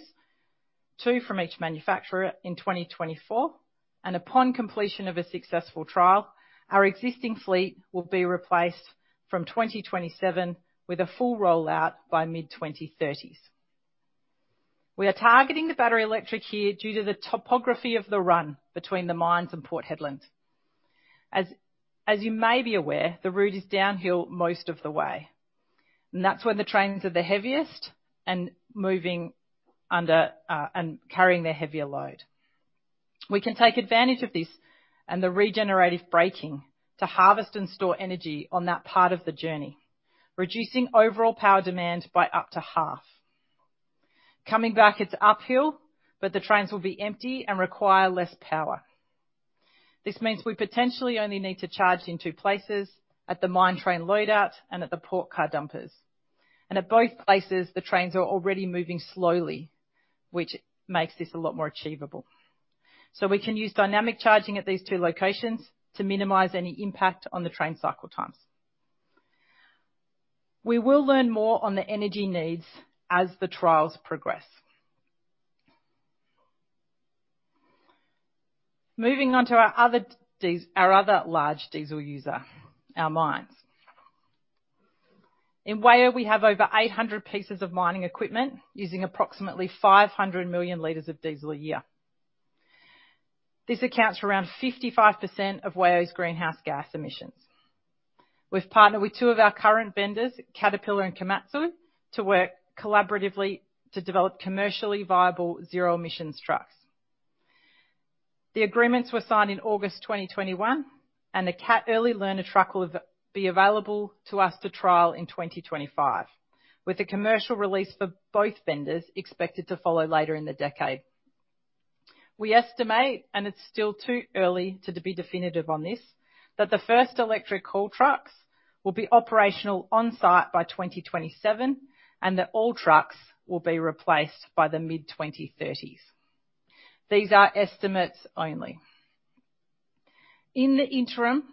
2 from each manufacturer in 2024, and upon completion of a successful trial, our existing fleet will be replaced from 2027 with a full rollout by mid-2030's. We are targeting the battery electric here due to the topography of the run between the mines and Port Hedland. As you may be aware, the route is downhill most of the way, and that's when the trains are the heaviest and moving under, and carrying their heavier load. We can take advantage of this and the regenerative braking to harvest and store energy on that part of the journey, reducing overall power demand by up to half. Coming back, it's uphill, but the trains will be empty and require less power. This means we potentially only need to charge in 2 places, at the mine train loadout and at the port car dumpers. At both places, the trains are already moving slowly, which makes this a lot more achievable. We can use dynamic charging at these two locations to minimize any impact on the train cycle times. We will learn more on the energy needs as the trials progress. Moving on to our other large diesel user, our mines. In WAIO, we have over 800 pieces of mining equipment using approximately 500 million liters of diesel a year. This accounts for around 55% of WAIO's greenhouse gas emissions. We've partnered with two of our current vendors, Caterpillar and Komatsu, to work collaboratively to develop commercially viable zero emissions trucks. The agreements were signed in August 2021, and the Cat Early Learner truck will be available to us for trial in 2025, with a commercial release for both vendors expected to follow later in the decade. We estimate, and it's still too early to be definitive on this, that the first electric haul trucks will be operational on-site by 2027 and that all trucks will be replaced by the mid-2030s. These are estimates only. In the interim,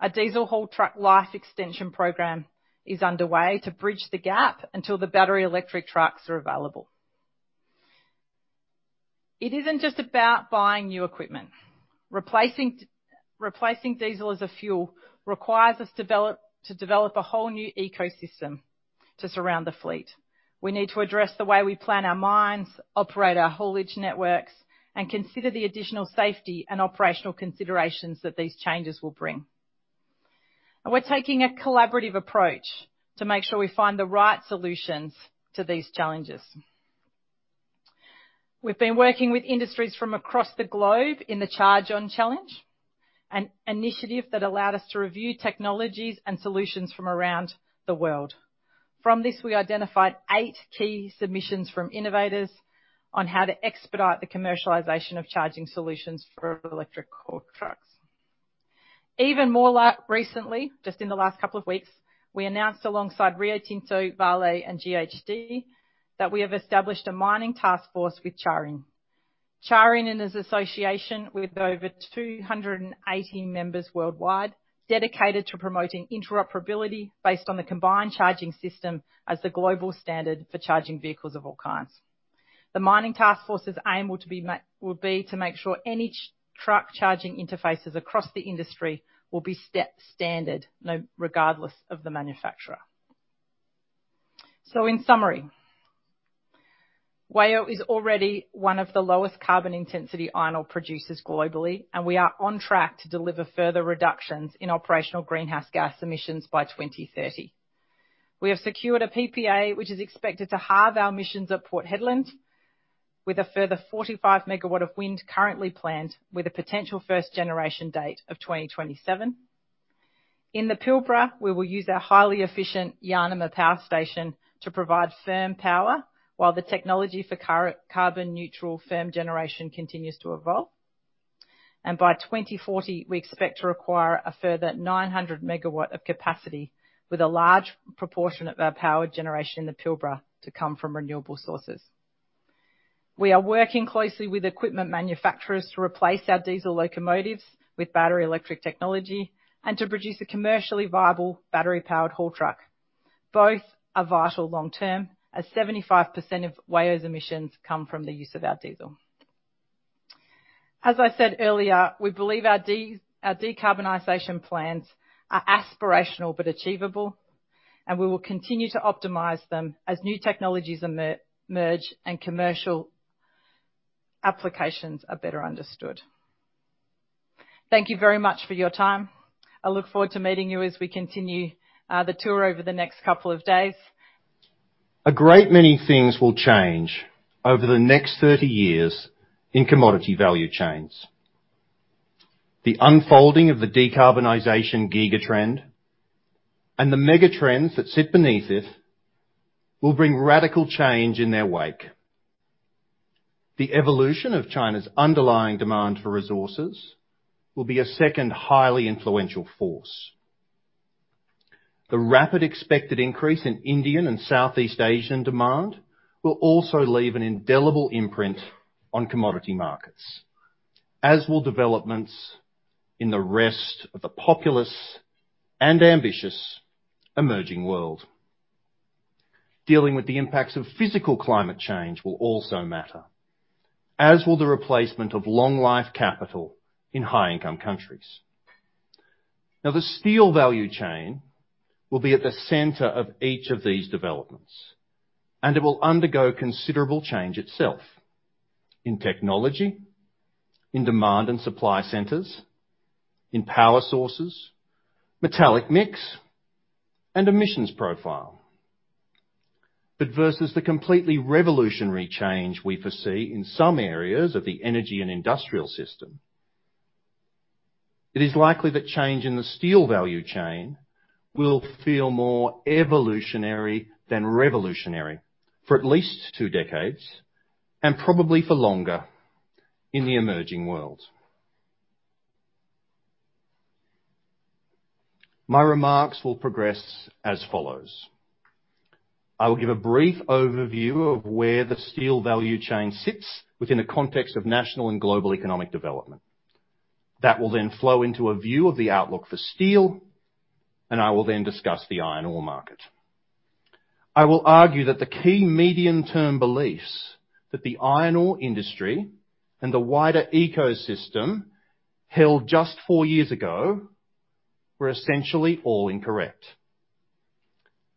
a diesel haul truck life extension program is underway to bridge the gap until the battery electric trucks are available. It isn't just about buying new equipment. Replacing diesel as a fuel requires us to develop a whole new ecosystem to surround the fleet. We need to address the way we plan our mines, operate our haulage networks, and consider the additional safety and operational considerations that these changes will bring. We're taking a collaborative approach to make sure we find the right solutions to these challenges. We've been working with industries from across the globe in the Charge On Innovation Challenge, an initiative that allowed us to review technologies and solutions from around the world. From this, we identified eight key submissions from innovators on how to expedite the commercialization of charging solutions for electric haul trucks. Even more recently, just in the last couple of weeks, we announced alongside Rio Tinto, Vale, and GHD that we have established a mining task force with CharIN. CharIN and its association with over 218 members worldwide dedicated to promoting interoperability based on the Combined Charging System as the global standard for charging vehicles of all kinds. The mining task force's aim will be to make sure any truck charging interfaces across the industry will be standard regardless of the manufacturer. In summary, WAIO is already one of the lowest carbon intensity iron ore producers globally, and we are on track to deliver further reductions in operational greenhouse gas emissions by 2030. We have secured a PPA, which is expected to halve our emissions at Port Hedland with a further 45 megawatts of wind currently planned with a potential first generation date of 2027. In the Pilbara, we will use our highly efficient Yanima Power Station to provide firm power while the technology for carbon-neutral firm generation continues to evolve. By 2040, we expect to require a further 900 MW of capacity with a large proportion of our power generation in the Pilbara to come from renewable sources. We are working closely with equipment manufacturers to replace our diesel locomotives with battery electric technology and to produce a commercially viable battery-powered haul truck. Both are vital long-term, as 75% of WAIO's emissions come from the use of our diesel. As I said earlier, we believe our decarbonization plans are aspirational but achievable, and we will continue to optimize them as new technologies emerge and commercial applications are better understood. Thank you very much for your time. I look forward to meeting you as we continue the tour over the next couple of days. A great many things will change over the next 30 years in commodity value chains. The unfolding of the decarbonization gigatrend and the megatrends that sit beneath it will bring radical change in their wake. The evolution of China's underlying demand for resources will be a second highly influential force. The rapid expected increase in Indian and Southeast Asian demand will also leave an indelible imprint on commodity markets, as will developments in the rest of the populous and ambitious emerging world. Dealing with the impacts of physical climate change will also matter, as will the replacement of long-life capital in high-income countries. Now, the steel value chain will be at the center of each of these developments, and it will undergo considerable change itself in technology, in demand and supply centers, in power sources, metallic mix, and emissions profile. Versus the completely revolutionary change we foresee in some areas of the energy and industrial system, it is likely that change in the steel value chain will feel more evolutionary than revolutionary for at least two decades, and probably for longer in the emerging world. My remarks will progress as follows. I will give a brief overview of where the steel value chain sits within the context of national and global economic development. That will then flow into a view of the outlook for steel, and I will then discuss the iron ore market. I will argue that the key medium-term beliefs that the iron ore industry and the wider ecosystem held just four years ago were essentially all incorrect,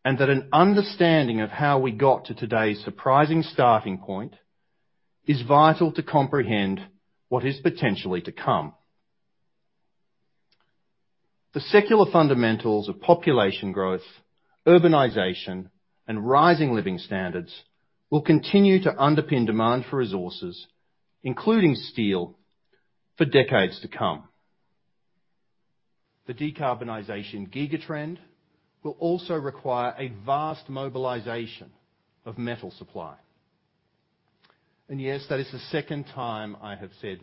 and that an understanding of how we got to today's surprising starting point is vital to comprehend what is potentially to come. The secular fundamentals of population growth, urbanization, and rising living standards will continue to underpin demand for resources, including steel, for decades to come. The decarbonization gigatrend will also require a vast mobilization of metal supply. Yes, that is the second time I have said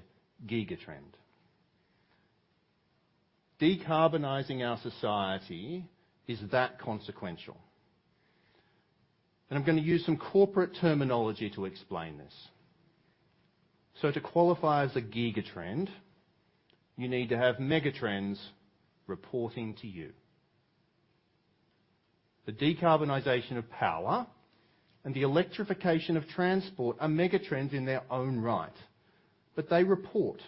gigatrend. Decarbonizing our society is that consequential. I'm gonna use some corporate terminology to explain this. To qualify as a gigatrend, you need to have megatrends reporting to you. The decarbonization of power and the electrification of transport are megatrends in their own right, but they report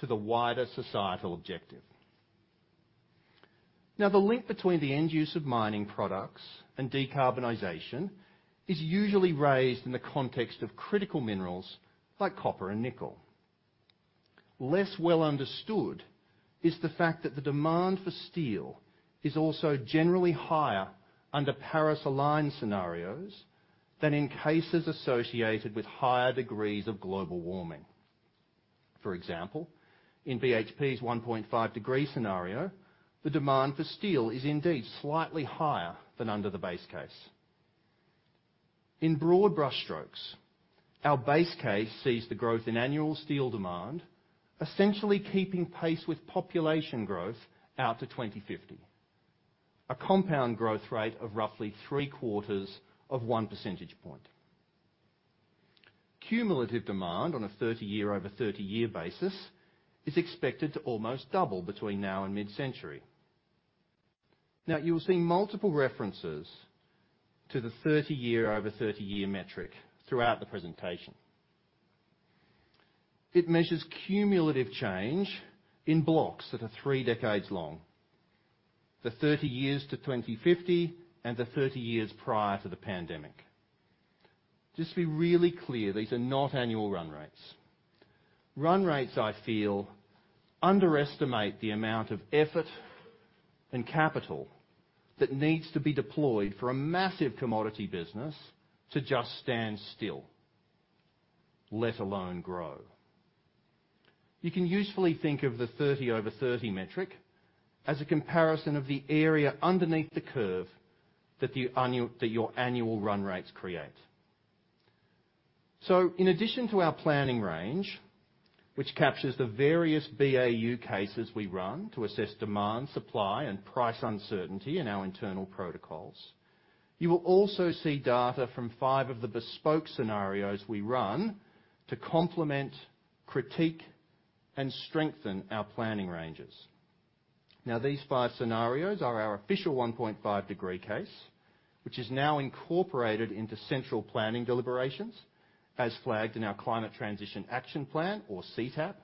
to the wider societal objective. Now, the link between the end use of mining products and decarbonization is usually raised in the context of critical minerals like copper and nickel. Less well understood is the fact that the demand for steel is also generally higher under Paris-aligned scenarios than in cases associated with higher degrees of global warming. For example, in BHP's 1.5-degree scenario, the demand for steel is indeed slightly higher than under the base case. In broad brushstrokes, our base case sees the growth in annual steel demand essentially keeping pace with population growth out to 2050. A compound growth rate of roughly 0.75 percentage points. Cumulative demand on a 30-year over 30-year basis is expected to almost double between now and mid-century. Now, you'll see multiple references to the 30-year over 30-year metric throughout the presentation. It measures cumulative change in blocks that are three decades long, the 30 years to 2050 and the 30 years prior to the pandemic. Just to be really clear, these are not annual run rates. Run rates, I feel, underestimate the amount of effort and capital that needs to be deployed for a massive commodity business to just stand still, let alone grow. You can usefully think of the 30 over 30 metric as a comparison of the area underneath the curve that your annual run rates create. In addition to our planning range, which captures the various BAU cases we run to assess demand, supply, and price uncertainty in our internal protocols. You will also see data from five of the bespoke scenarios we run to complement, critique, and strengthen our planning ranges. Now these five scenarios are our official 1.5-degree case, which is now incorporated into central planning deliberations, as flagged in our Climate Transition Action Plan, or CTAP.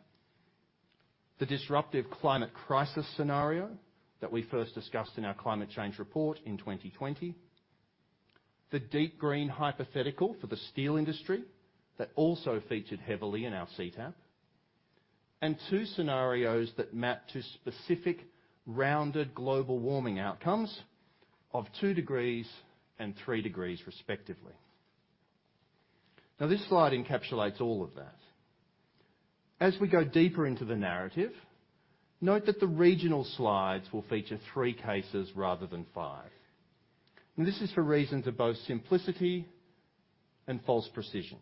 The disruptive climate crisis scenario that we first discussed in our climate change report in 2020. The deep green hypothetical for the steel industry that also featured heavily in our CTAP, and two scenarios that map to specific rounded global warming outcomes of 2 degrees and 3 degrees respectively. Now this slide encapsulates all of that. As we go deeper into the narrative, note that the regional slides will feature 3 cases rather than 5. This is for reasons of both simplicity and false precision.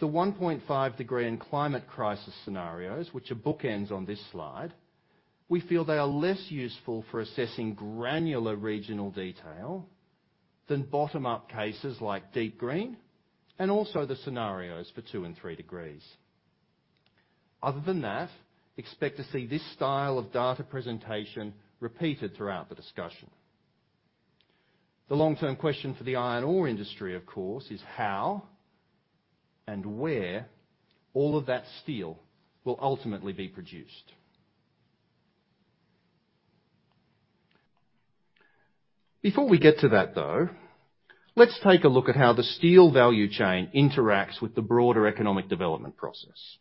One-point-five degree in climate crisis scenarios, which are bookends on this slide, we feel they are less useful for assessing granular regional detail than bottom-up cases like deep green and also the scenarios for 2 and 3 degrees. Other than that, expect to see this style of data presentation repeated throughout the discussion. The long-term question for the iron ore industry, of course, is how and where all of that steel will ultimately be produced. Before we get to that though, let's take a look at how the steel value chain interacts with the broader economic development process.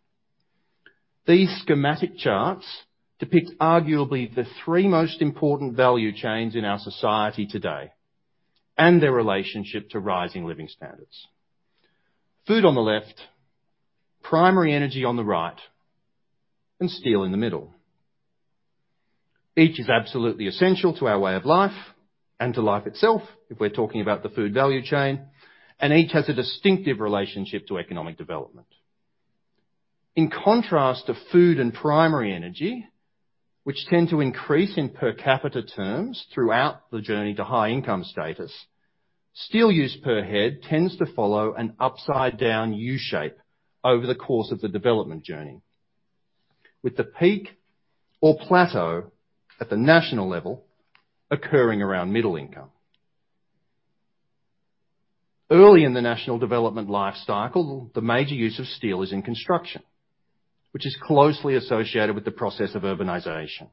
These schematic charts depict arguably the three most important value chains in our society today and their relationship to rising living standards. Food on the left, primary energy on the right, and steel in the middle. Each is absolutely essential to our way of life and to life itself, if we're talking about the food value chain, and each has a distinctive relationship to economic development. In contrast to food and primary energy, which tend to increase in per capita terms throughout the journey to high income status, steel use per head tends to follow an upside-down U shape over the course of the development journey, with the peak or plateau at the national level occurring around middle income. Early in the national development life cycle, the major use of steel is in construction, which is closely associated with the process of urbanization.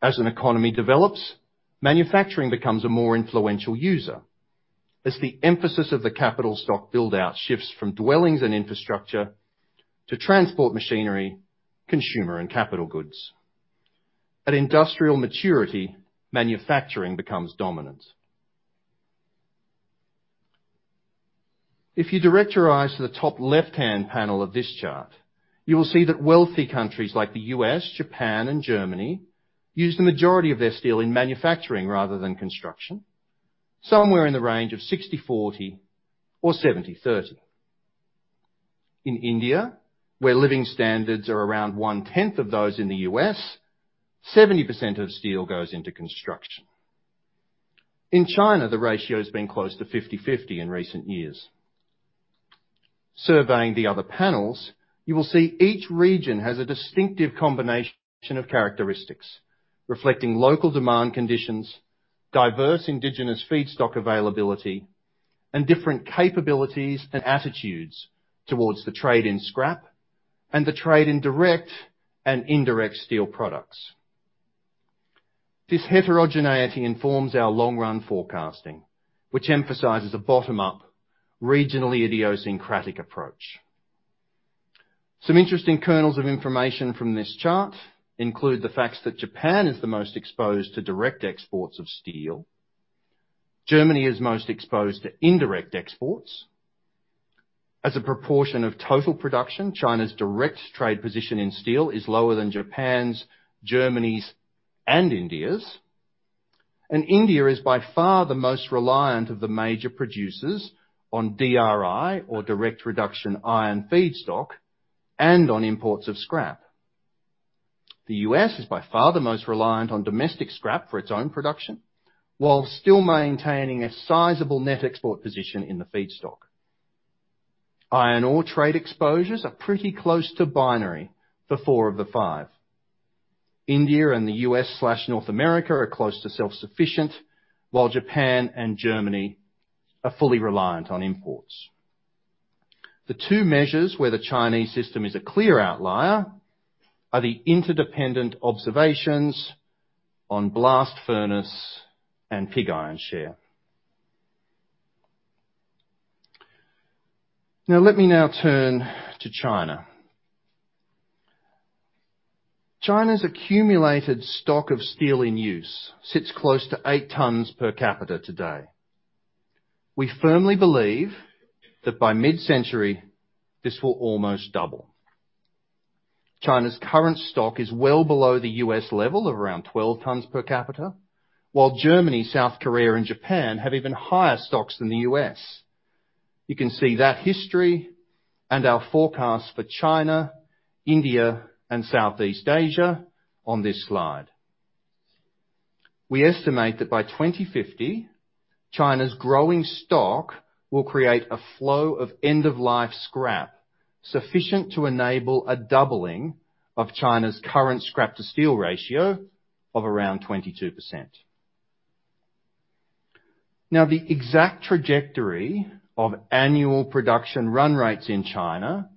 As an economy develops, manufacturing becomes a more influential user as the emphasis of the capital stock build-out shifts from dwellings and infrastructure to transport machinery, consumer and capital goods. At industrial maturity, manufacturing becomes dominant. If you direct your eyes to the top left-hand panel of this chart, you will see that wealthy countries like the U.S., Japan, and Germany use the majority of their steel in manufacturing rather than construction, somewhere in the range of 60/40 or 70/30. In India, where living standards are around one-tenth of those in the U.S., 70% of steel goes into construction. In China, the ratio has been close to 50/50 in recent years. Surveying the other panels, you will see each region has a distinctive combination of characteristics reflecting local demand conditions, diverse indigenous feedstock availability, and different capabilities and attitudes towards the trade in scrap and the trade in direct and indirect steel products. This heterogeneity informs our long-run forecasting, which emphasizes a bottom-up, regionally idiosyncratic approach. Some interesting kernels of information from this chart include the facts that Japan is the most exposed to direct exports of steel. Germany is most exposed to indirect exports. As a proportion of total production, China's direct trade position in steel is lower than Japan's, Germany's and India's. India is by far the most reliant of the major producers on DRI or direct reduction iron feedstock, and on imports of scrap. The U.S. is by far the most reliant on domestic scrap for its own production, while still maintaining a sizable net export position in the feedstock. Iron ore trade exposures are pretty close to binary for four of the five. India and the U.S./North America are close to self-sufficient, while Japan and Germany are fully reliant on imports. The two measures where the Chinese system is a clear outlier are the interdependent observations on blast furnace and pig iron share. Now, let me turn to China. China's accumulated stock of steel in use sits close to 8 tons per capita today. We firmly believe that by mid-century, this will almost double. China's current stock is well below the US level of around 12 tons per capita, while Germany, South Korea, and Japan have even higher stocks than the US. You can see that history and our forecast for China, India, and Southeast Asia on this slide. We estimate that by 2050, China's growing stock will create a flow of end-of-life scrap sufficient to enable a doubling of China's current scrap-to-steel ratio of around 22%. Now, the exact trajectory of annual production run rates in China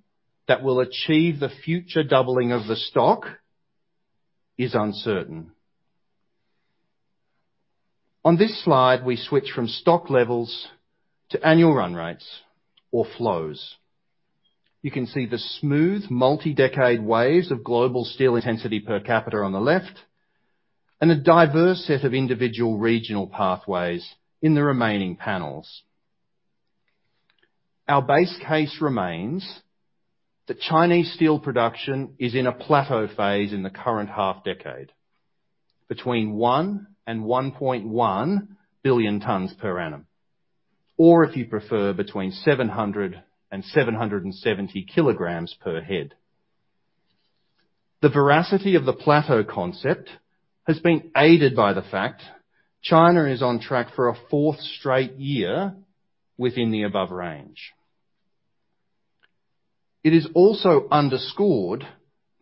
that will achieve the future doubling of the stock is uncertain. On this slide, we switch from stock levels to annual run rates or flows. You can see the smooth multi-decade waves of global steel intensity per capita on the left, and a diverse set of individual regional pathways in the remaining panels. Our base case remains that Chinese steel production is in a plateau phase in the current half decade, between 1 and 1.1 billion tons per annum, or if you prefer, between 700 and 770 kilograms per head. The veracity of the plateau concept has been aided by the fact China is on track for a fourth straight year within the above range. It is also underscored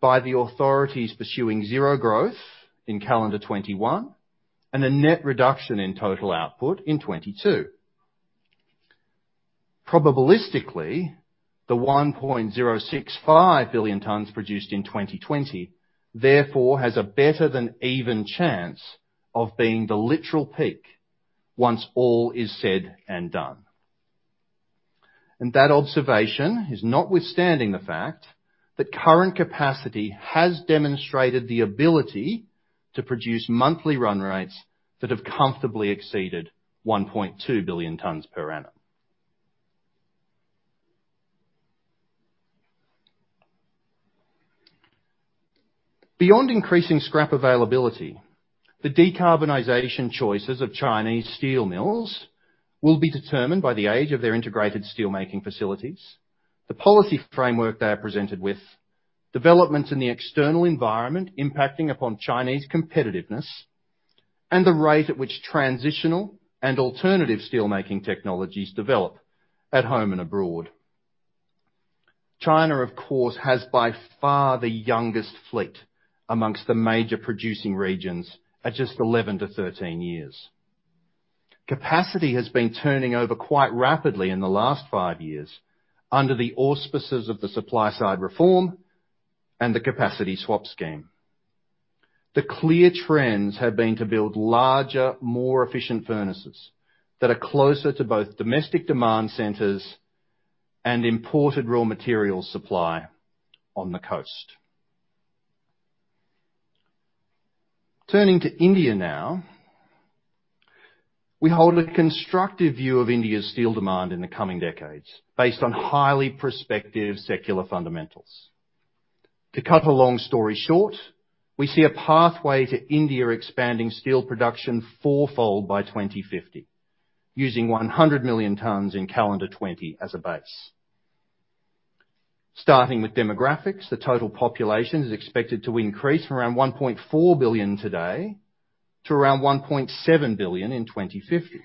by the authorities pursuing 0 growth in calendar 2021, and a net reduction in total output in 2022. Probabilistically, the 1.065 billion tons produced in 2020 therefore has a better than even chance of being the literal peak once all is said and done. That observation is notwithstanding the fact that current capacity has demonstrated the ability to produce monthly run rates that have comfortably exceeded 1.2 billion tons per annum. Beyond increasing scrap availability, the decarbonization choices of Chinese steel mills will be determined by the age of their integrated steelmaking facilities, the policy framework they are presented with, developments in the external environment impacting upon Chinese competitiveness, and the rate at which transitional and alternative steelmaking technologies develop at home and abroad. China, of course, has by far the youngest fleet amongst the major producing regions at just 11-13 years. Capacity has been turning over quite rapidly in the last 5 years under the auspices of the supply-side reform and the capacity swap scheme. The clear trends have been to build larger, more efficient furnaces that are closer to both domestic demand centers and imported raw material supply on the coast. Turning to India now. We hold a constructive view of India's steel demand in the coming decades based on highly prospective secular fundamentals. To cut a long story short, we see a pathway to India expanding steel production four-fold by 2050, using 100 million tons in calendar 2020 as a base. Starting with demographics, the total population is expected to increase from around 1.4 billion today to around 1.7 billion in 2050.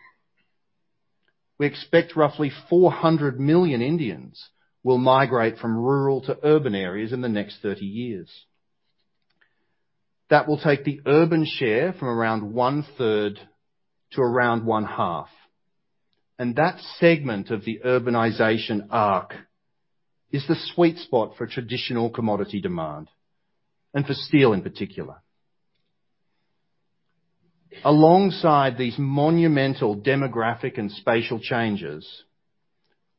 We expect roughly 400 million Indians will migrate from rural to urban areas in the next 30 years. That will take the urban share from around 1/3 to around 1/2, and that segment of the urbanization arc is the sweet spot for traditional commodity demand and for steel in particular. Alongside these monumental demographic and spatial changes,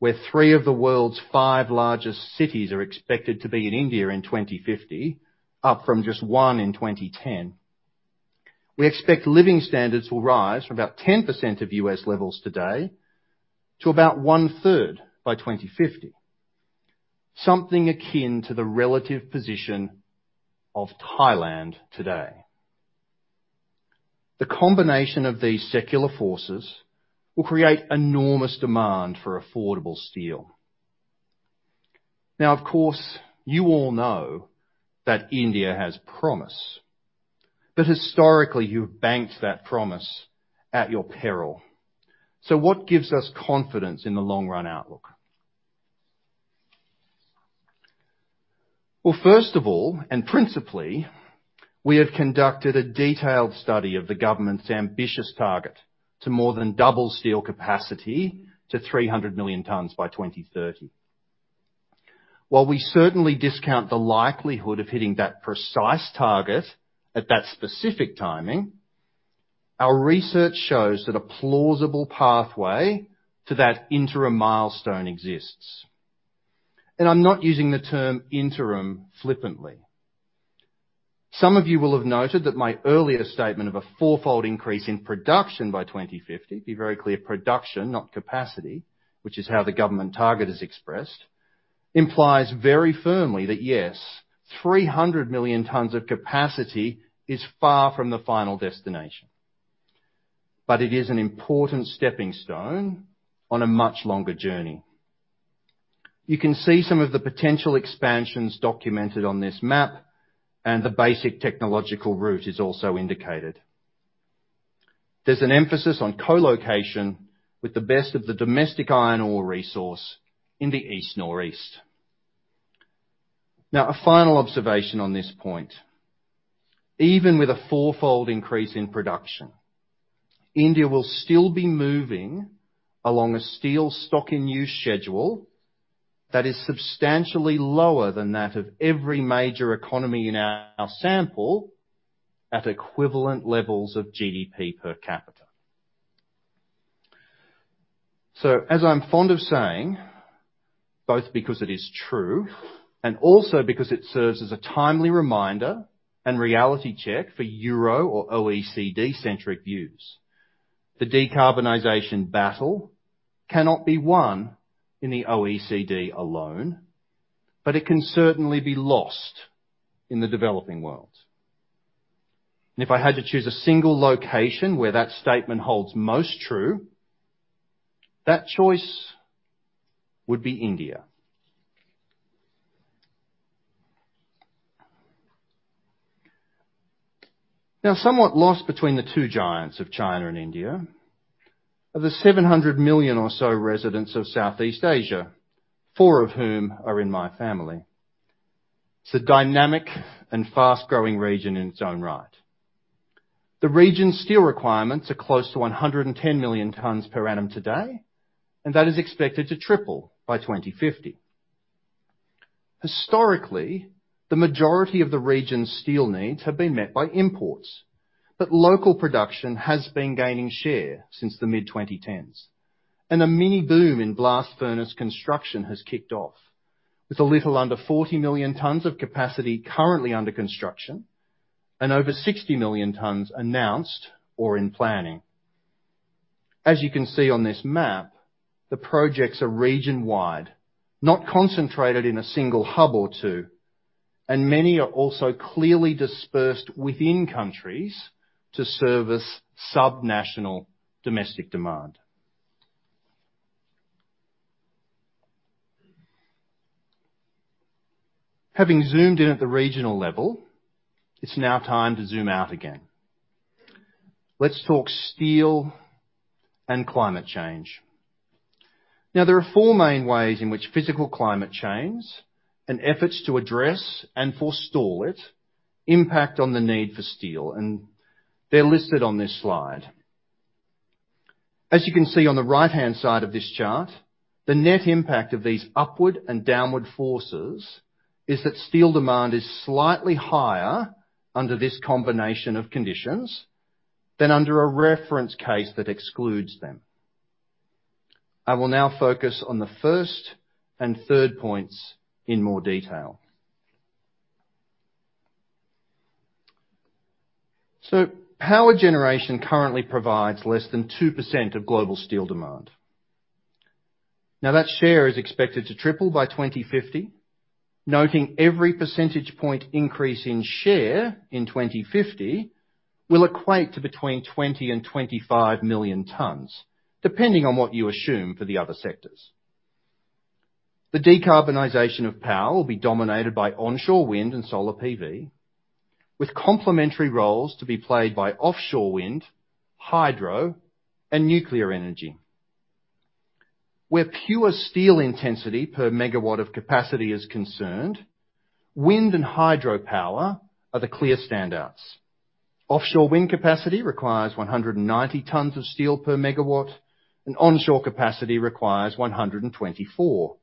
where 3 of the world's 5 largest cities are expected to be in India in 2050, up from just 1 in 2010, we expect living standards will rise from about 10% of US levels today to about 1/3 by 2050, something akin to the relative position of Thailand today. The combination of these secular forces will create enormous demand for affordable steel. Now, of course, you all know that India has promise, but historically, you've banked that promise at your peril. What gives us confidence in the long-run outlook? Well, first of all, and principally, we have conducted a detailed study of the government's ambitious target to more than double steel capacity to 300 million tons by 2030. While we certainly discount the likelihood of hitting that precise target at that specific timing, our research shows that a plausible pathway to that interim milestone exists. I'm not using the term interim flippantly. Some of you will have noted that my earlier statement of a four-fold increase in production by 2050, be very clear, production, not capacity, which is how the government target is expressed, implies very firmly that yes, 300 million tons of capacity is far from the final destination. It is an important stepping stone on a much longer journey. You can see some of the potential expansions documented on this map, and the basic technological route is also indicated. There's an emphasis on co-location with the best of the domestic iron ore resource in the east nor east. Now, a final observation on this point. Even with a four-fold increase in production, India will still be moving along a steel stock and use schedule that is substantially lower than that of every major economy in our sample at equivalent levels of GDP per capita. As I'm fond of saying, both because it is true, and also because it serves as a timely reminder and reality check for Euro or OECD-centric views, the decarbonization battle cannot be won in the OECD alone, but it can certainly be lost in the developing world. If I had to choose a single location where that statement holds most true, that choice would be India. Now, somewhat lost between the two giants of China and India are the 700 million or so residents of Southeast Asia, four of whom are in my family. It's a dynamic and fast-growing region in its own right. The region's steel requirements are close to 110 million tons per annum today, and that is expected to triple by 2050. Historically, the majority of the region's steel needs have been met by imports, but local production has been gaining share since the mid-2010s. A mini boom in blast furnace construction has kicked off with a little under 40 million tons of capacity currently under construction and over 60 million tons announced or in planning. As you can see on this map, the projects are region-wide, not concentrated in a single hub or two, and many are also clearly dispersed within countries to service sub-national domestic demand. Having zoomed in at the regional level, it's now time to zoom out again. Let's talk steel and climate change. Now, there are four main ways in which physical climate change and efforts to address and forestall it impact on the need for steel, and they're listed on this slide. As you can see on the right-hand side of this chart, the net impact of these upward and downward forces is that steel demand is slightly higher under this combination of conditions than under a reference case that excludes them. I will now focus on the first and third points in more detail. Power generation currently provides less than 2% of global steel demand. Now, that share is expected to triple by 2050, noting every percentage point increase in share in 2050 will equate to between 20 to 25 million tons, depending on what you assume for the other sectors. The decarbonization of power will be dominated by onshore wind and solar PV, with complementary roles to be played by offshore wind, hydro, and nuclear energy. Where pure steel intensity per megawatt of capacity is concerned, wind and hydro power are the clear standouts. Offshore wind capacity requires 190 tons of steel per megawatt, and onshore capacity requires 124.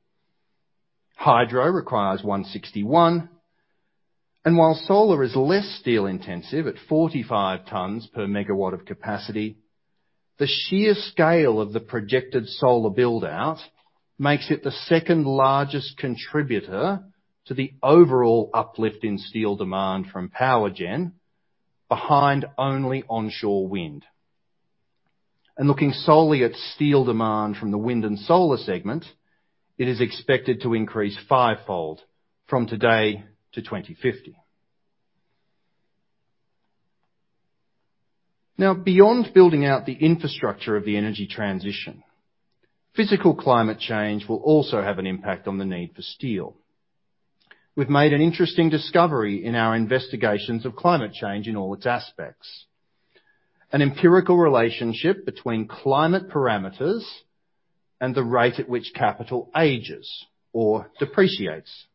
Hydro requires 161, and while solar is less steel-intensive at 45 tons per megawatt of capacity, the sheer scale of the projected solar build-out makes it the second-largest contributor to the overall uplift in steel demand from power gen, behind only onshore wind. Looking solely at steel demand from the wind and solar segment, it is expected to increase five-fold from today to 2050. Now, beyond building out the infrastructure of the energy transition, physical climate change will also have an impact on the need for steel. We've made an interesting discovery in our investigations of climate change in all its aspects. An empirical relationship between climate parameters and the rate at which capital ages or depreciates.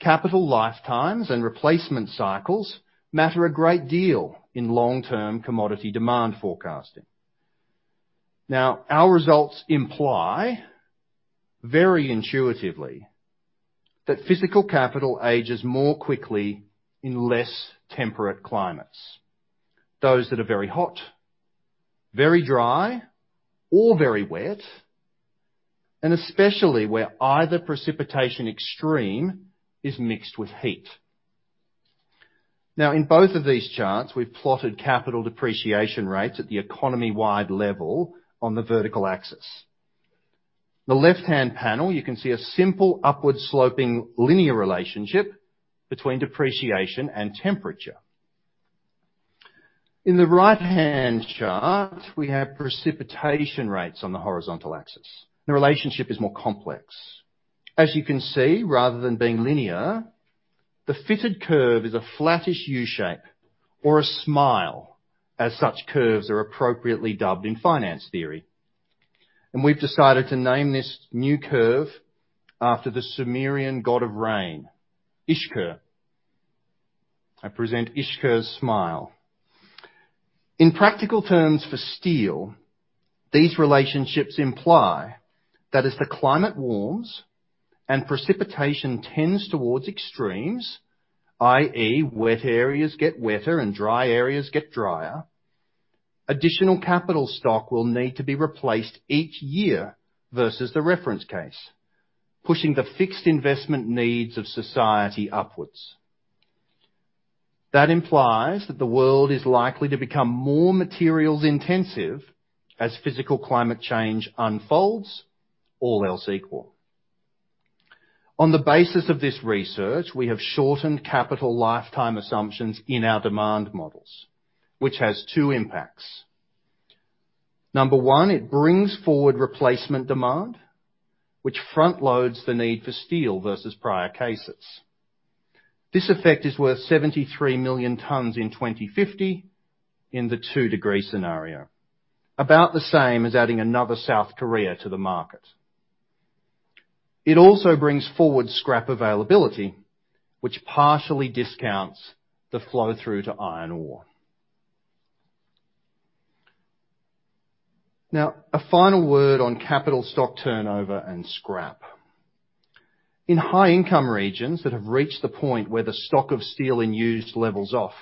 Capital lifetimes and replacement cycles matter a great deal in long-term commodity demand forecasting. Now, our results imply, very intuitively, that physical capital ages more quickly in less temperate climates. Those that are very hot, very dry, or very wet and especially where either precipitation extreme is mixed with heat. Now, in both of these charts, we've plotted capital depreciation rates at the economy-wide level on the vertical axis. The left-hand panel, you can see a simple upward sloping linear relationship between depreciation and temperature. In the right-hand chart, we have precipitation rates on the horizontal axis. The relationship is more complex. As you can see, rather than being linear, the fitted curve is a flattish U-shape or a smile, as such curves are appropriately dubbed in finance theory. We've decided to name this new curve after the Sumerian god of rain, Ishkur. I present Ishkur's smile. In practical terms for steel, these relationships imply that as the climate warms and precipitation tends towards extremes, i.e., wet areas get wetter and dry areas get drier, additional capital stock will need to be replaced each year versus the reference case, pushing the fixed investment needs of society upwards. That implies that the world is likely to become more materials-intensive as physical climate change unfolds, all else equal. On the basis of this research, we have shortened capital lifetime assumptions in our demand models, which has two impacts. Number one, it brings forward replacement demand, which front loads the need for steel versus prior cases. This effect is worth 73 million tons in 2050 in the 2-degree scenario. About the same as adding another South Korea to the market. It also brings forward scrap availability, which partially discounts the flow-through to iron ore. Now, a final word on capital stock turnover and scrap. In high-income regions that have reached the point where the stock of steel in use levels off,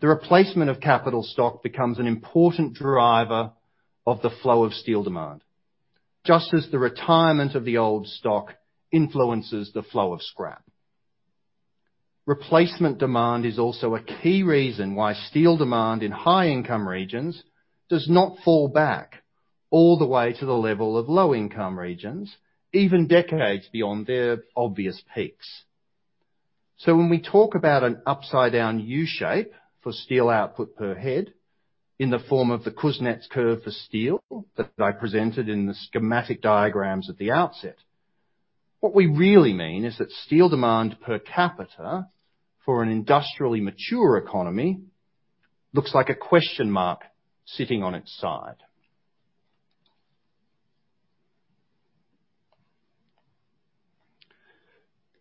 the replacement of capital stock becomes an important driver of the flow of steel demand, just as the retirement of the old stock influences the flow of scrap. Replacement demand is also a key reason why steel demand in high-income regions does not fall back all the way to the level of low-income regions, even decades beyond their obvious peaks. When we talk about an upside-down U-shape for steel output per head in the form of the Kuznets curve for steel that I presented in the schematic diagrams at the outset, what we really mean is that steel demand per capita for an industrially mature economy looks like a question mark sitting on its side.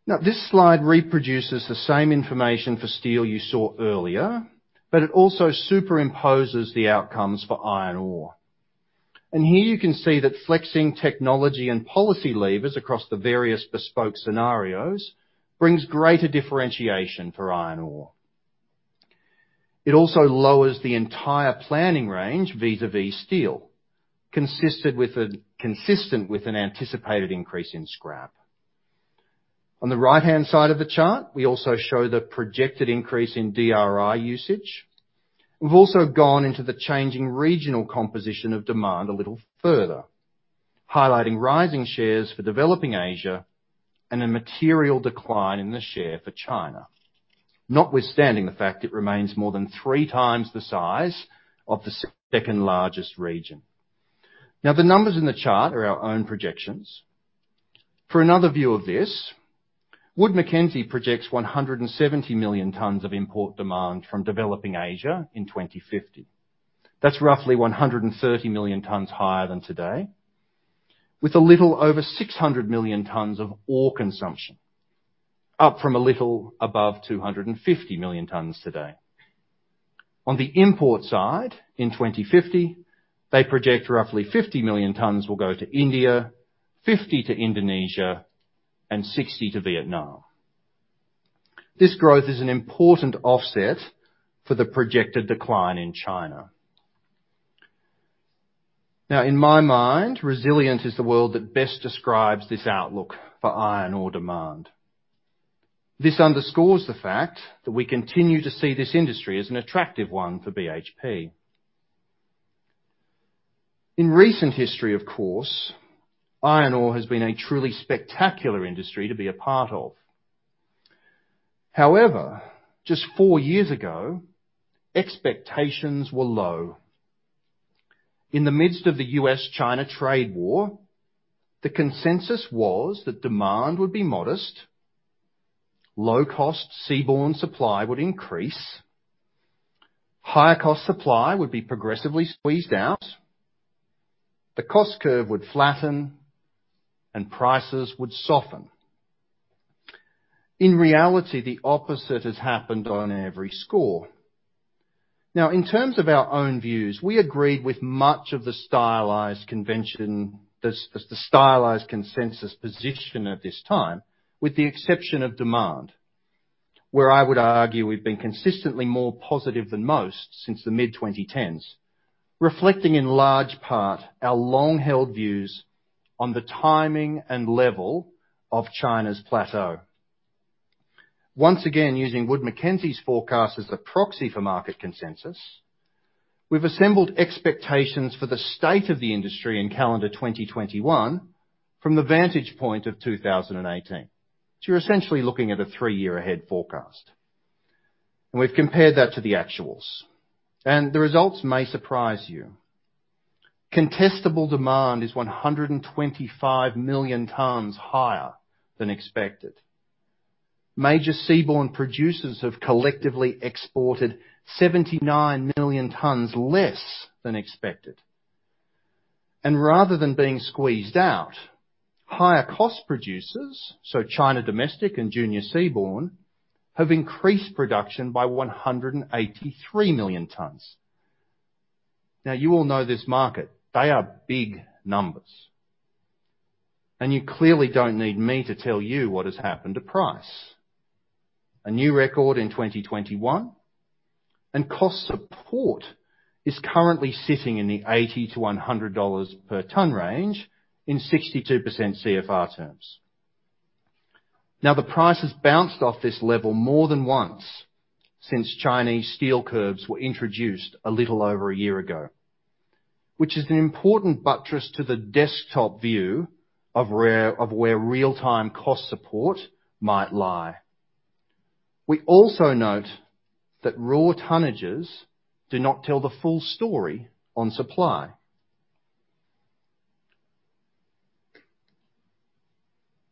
Now, this slide reproduces the same information for steel you saw earlier, but it also superimposes the outcomes for iron ore. Here you can see that flexing technology and policy levers across the various bespoke scenarios brings greater differentiation for iron ore. It also lowers the entire planning range vis-à-vis steel, consistent with an anticipated increase in scrap. On the right-hand side of the chart, we also show the projected increase in DRI usage. We've also gone into the changing regional composition of demand a little further, highlighting rising shares for developing Asia and a material decline in the share for China, notwithstanding the fact it remains more than three times the size of the second-largest region. Now, the numbers in the chart are our own projections. For another view of this, Wood Mackenzie projects 170 million tons of import demand from developing Asia in 2050. That's roughly 130 million tons higher than today, with a little over 600 million tons of ore consumption, up from a little above 250 million tons today. On the import side, in 2050, they project roughly 50 million tons will go to India, 50 to Indonesia, and 60 to Vietnam. This growth is an important offset for the projected decline in China. Now, in my mind, resilience is the word that best describes this outlook for iron ore demand. This underscores the fact that we continue to see this industry as an attractive one for BHP. In recent history, of course, iron ore has been a truly spectacular industry to be a part of. However, just four years ago, expectations were low. In the midst of the U.S.-China trade war, the consensus was that demand would be modest, low-cost seaborne supply would increase, higher cost supply would be progressively squeezed out, the cost curve would flatten, and prices would soften. In reality, the opposite has happened on every score. Now, in terms of our own views, we agreed with much of the stylized convention, the stylized consensus position at this time, with the exception of demand. I would argue we've been consistently more positive than most since the mid-2010s, reflecting in large part our long-held views on the timing and level of China's plateau. Once again, using Wood Mackenzie's forecast as a proxy for market consensus, we've assembled expectations for the state of the industry in calendar 2021 from the vantage point of 2018. You're essentially looking at a three-year ahead forecast. We've compared that to the actuals, and the results may surprise you. Contestable demand is 125 million tons higher than expected. Major seaborne producers have collectively exported 79 million tons less than expected. Rather than being squeezed out, higher cost producers, so China domestic and junior seaborne, have increased production by 183 million tons. Now, you all know this market, they are big numbers. You clearly don't need me to tell you what has happened to price. A new record in 2021, and cost support is currently sitting in the $80 to $100 per ton range in 62% CFR terms. Now, the price has bounced off this level more than once since Chinese steel curves were introduced a little over a year ago, which is an important buttress to the desktop view of where real-time cost support might lie. We also note that raw tonnages do not tell the full story on supply.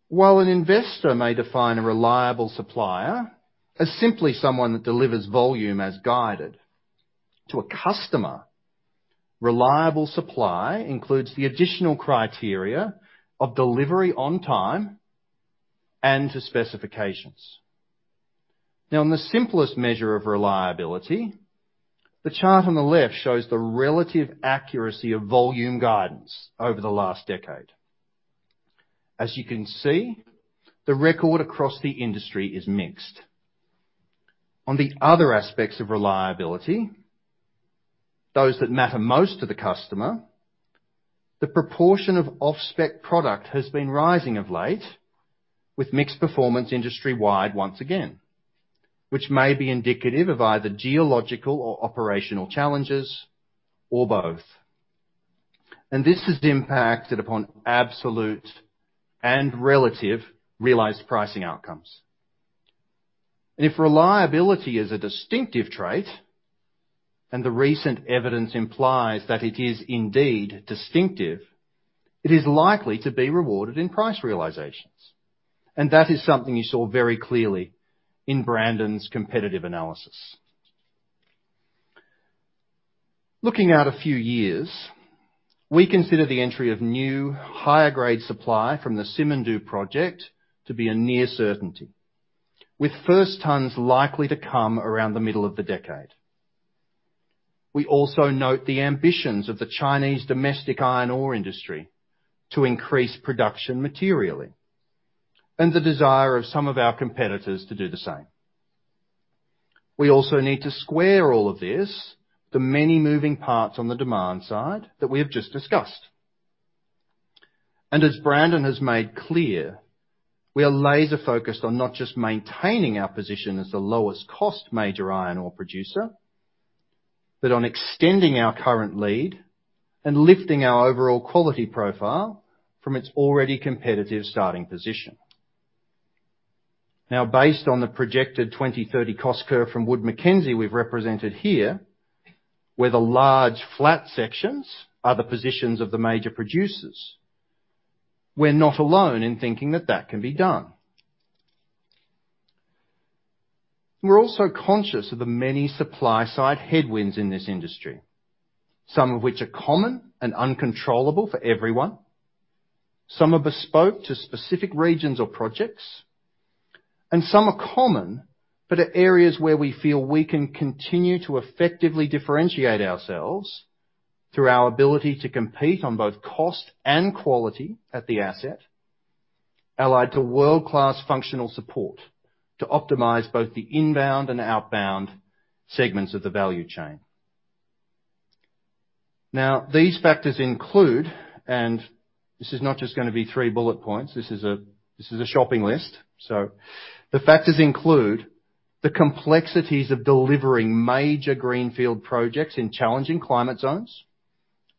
While an investor may define a reliable supplier as simply someone that delivers volume as guided, to a customer, reliable supply includes the additional criteria of delivery on time and to specifications. Now, in the simplest measure of reliability, the chart on the left shows the relative accuracy of volume guidance over the last decade. As you can see, the record across the industry is mixed. On the other aspects of reliability, those that matter most to the customer, the proportion of off-spec product has been rising of late with mixed performance industry-wide once again, which may be indicative of either geological or operational challenges or both. This has impacted upon absolute and relative realized pricing outcomes. If reliability is a distinctive trait, and the recent evidence implies that it is indeed distinctive, it is likely to be rewarded in price realizations. That is something you saw very clearly in Brandon's competitive analysis. Looking out a few years, we consider the entry of new higher-grade supply from the Simandou project to be a near certainty. With first tons likely to come around the middle of the decade. We also note the ambitions of the Chinese domestic iron ore industry to increase production materially, and the desire of some of our competitors to do the same. We also need to square all of this, the many moving parts on the demand side that we have just discussed. As Brandon has made clear, we are laser-focused on not just maintaining our position as the lowest cost major iron ore producer, but on extending our current lead and lifting our overall quality profile from its already competitive starting position. Now, based on the projected 2030 cost curve from Wood Mackenzie we've represented here, where the large flat sections are the positions of the major producers, we're not alone in thinking that that can be done. We're also conscious of the many supply-side headwinds in this industry, some of which are common and uncontrollable for everyone, some are bespoke to specific regions or projects, and some are common, but are areas where we feel we can continue to effectively differentiate ourselves through our ability to compete on both cost and quality at the asset, allied to world-class functional support to optimize both the inbound and outbound segments of the value chain. Now, these factors include, and this is not just gonna be three bullet points, this is a shopping list, so the factors include the complexities of delivering major greenfield projects in challenging climate zones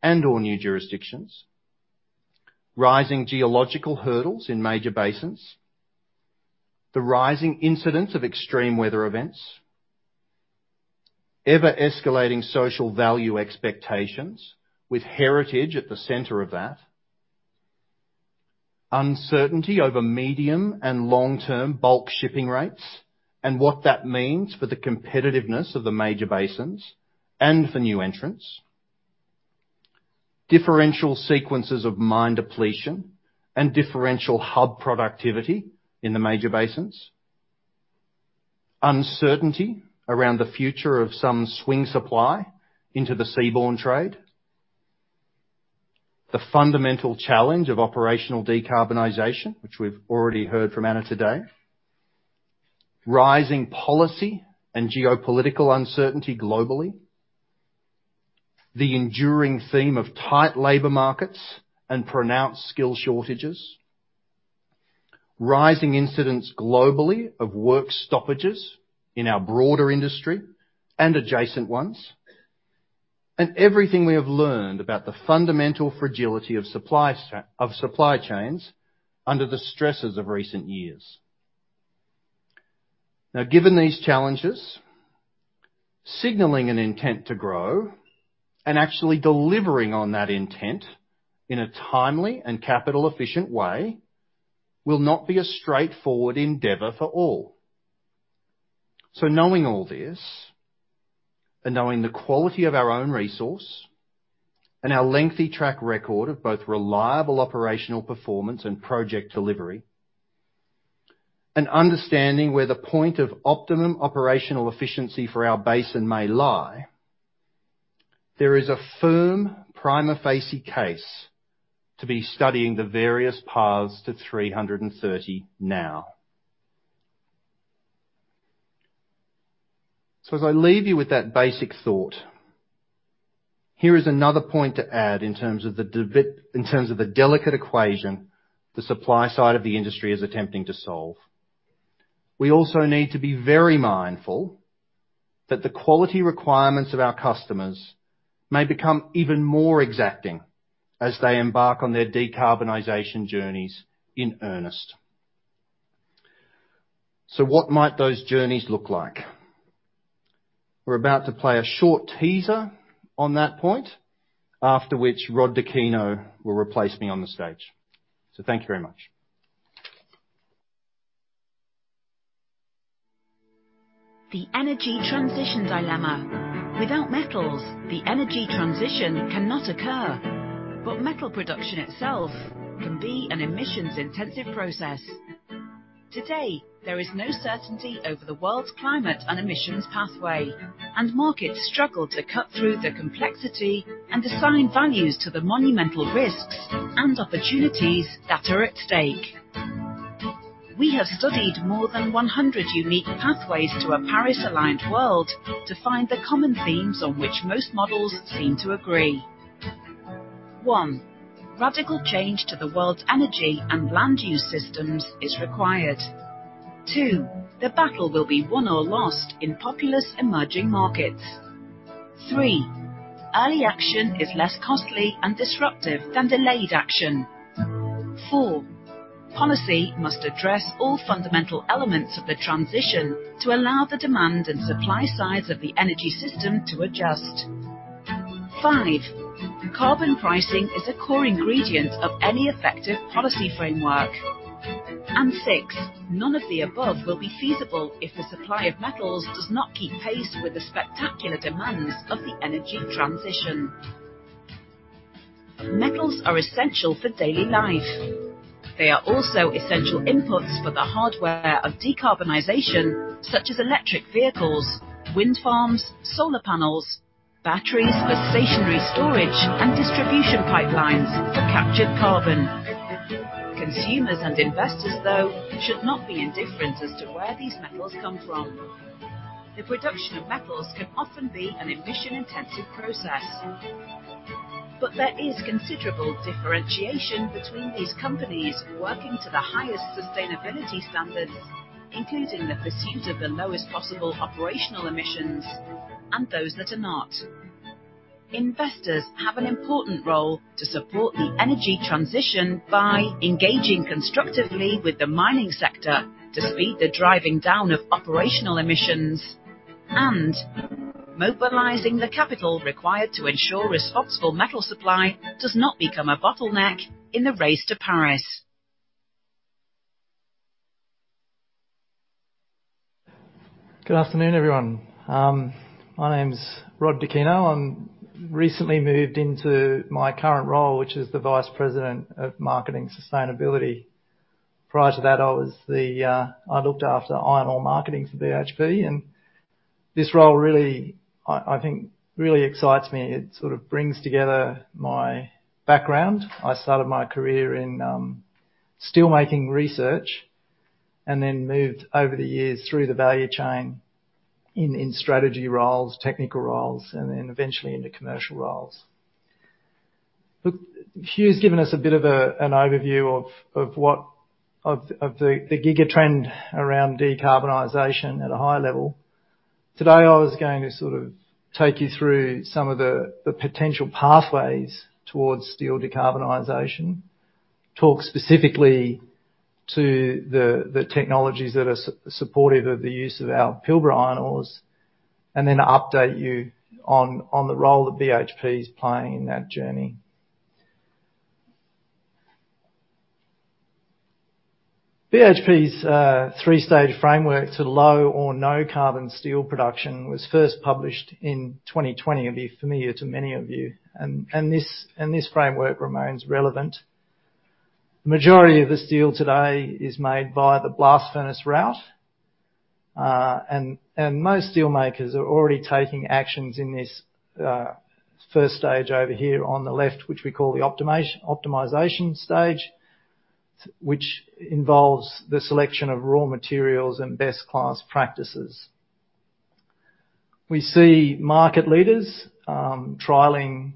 and or new jurisdictions, rising geological hurdles in major basins, the rising incidence of extreme weather events, ever-escalating social value expectations with heritage at the center of that, uncertainty over medium and long-term bulk shipping rates and what that means for the competitiveness of the major basins and for new entrants, differential sequences of mine depletion and differential hub productivity in the major basins, uncertainty around the future of some swing supply into the seaborne trade. The fundamental challenge of operational decarbonization, which we've already heard from Anna today. Rising policy and geopolitical uncertainty globally. The enduring theme of tight labor markets and pronounced skill shortages. Rising incidents globally of work stoppages in our broader industry and adjacent ones. Everything we have learned about the fundamental fragility of supply chains under the stresses of recent years. Given these challenges, signaling an intent to grow and actually delivering on that intent in a timely and capital-efficient way will not be a straightforward endeavor for all. Knowing all this, and knowing the quality of our own resource, and our lengthy track record of both reliable operational performance and project delivery, and understanding where the point of optimum operational efficiency for our basin may lie, there is a firm prima facie case to be studying the various paths to 330 now. As I leave you with that basic thought, here is another point to add in terms of the delicate equation the supply side of the industry is attempting to solve. We also need to be very mindful that the quality requirements of our customers may become even more exacting as they embark on their decarbonization journeys in earnest. What might those journeys look like? We're about to play a short teaser on that point, after which Rod Dukino will replace me on the stage. Thank you very much. The energy transition dilemma. Without metals, the energy transition cannot occur. Metal production itself can be an emissions-intensive process. Today, there is no certainty over the world's climate and emissions pathway, and markets struggle to cut through the complexity and assign values to the monumental risks and opportunities that are at stake. We have studied more than 100 unique pathways to a Paris-aligned world to find the common themes on which most models seem to agree. One, radical change to the world's energy and land use systems is required. Two, the battle will be won or lost in populous emerging markets. Three, early action is less costly and disruptive than delayed action. Four, policy must address all fundamental elements of the transition to allow the demand and supply sides of the energy system to adjust. Five, carbon pricing is a core ingredient of any effective policy framework. Six, none of the above will be feasible if the supply of metals does not keep pace with the spectacular demands of the energy transition. Metals are essential for daily life. They are also essential inputs for the hardware of decarbonization, such as electric vehicles, wind farms, solar panels, batteries for stationary storage, and distribution pipelines for captured carbon. Consumers and investors, though, should not be indifferent as to where these metals come from. The production of metals can often be an emission-intensive process. There is considerable differentiation between these companies working to the highest sustainability standards, including the pursuit of the lowest possible operational emissions, and those that are not. Investors have an important role to support the energy transition by engaging constructively with the mining sector to speed the driving down of operational emissions and mobilizing the capital required to ensure responsible metal supply does not become a bottleneck in the race to Paris. Good afternoon, everyone. My name's Rod Dukino. I've recently moved into my current role, which is the Vice President of Sales and Marketing Sustainability. Prior to that, I looked after iron ore marketing for BHP, and this role really, I think, excites me. It sort of brings together my background. I started my career in steelmaking research and then moved over the years through the value chain in strategy roles, technical roles, and then eventually into commercial roles. Look, Huw has given us a bit of an overview of the gigatrend around decarbonization at a high level. Today, I was going to sort of take you through some of the potential pathways towards steel decarbonization. Talk specifically to the technologies that are supportive of the use of our Pilbara iron ores, and then update you on the role that BHP is playing in that journey. BHP's three-stage framework to low or no carbon steel production was first published in 2020. It'll be familiar to many of you. This framework remains relevant. The majority of the steel today is made via the blast furnace route. Most steel makers are already taking actions in this first stage over here on the left, which we call the optimization stage, which involves the selection of raw materials and best-in-class practices. We see market leaders trialing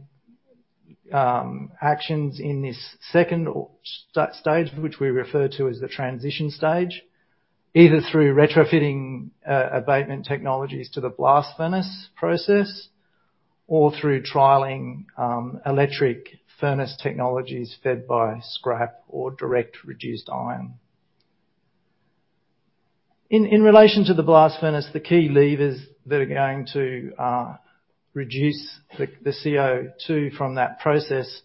actions in this second stage, which we refer to as the transition stage, either through retrofitting abatement technologies to the blast furnace process, or through trialing electric furnace technologies fed by scrap or direct reduced iron. In relation to the blast furnace, the key levers that are going to reduce the CO2 from that process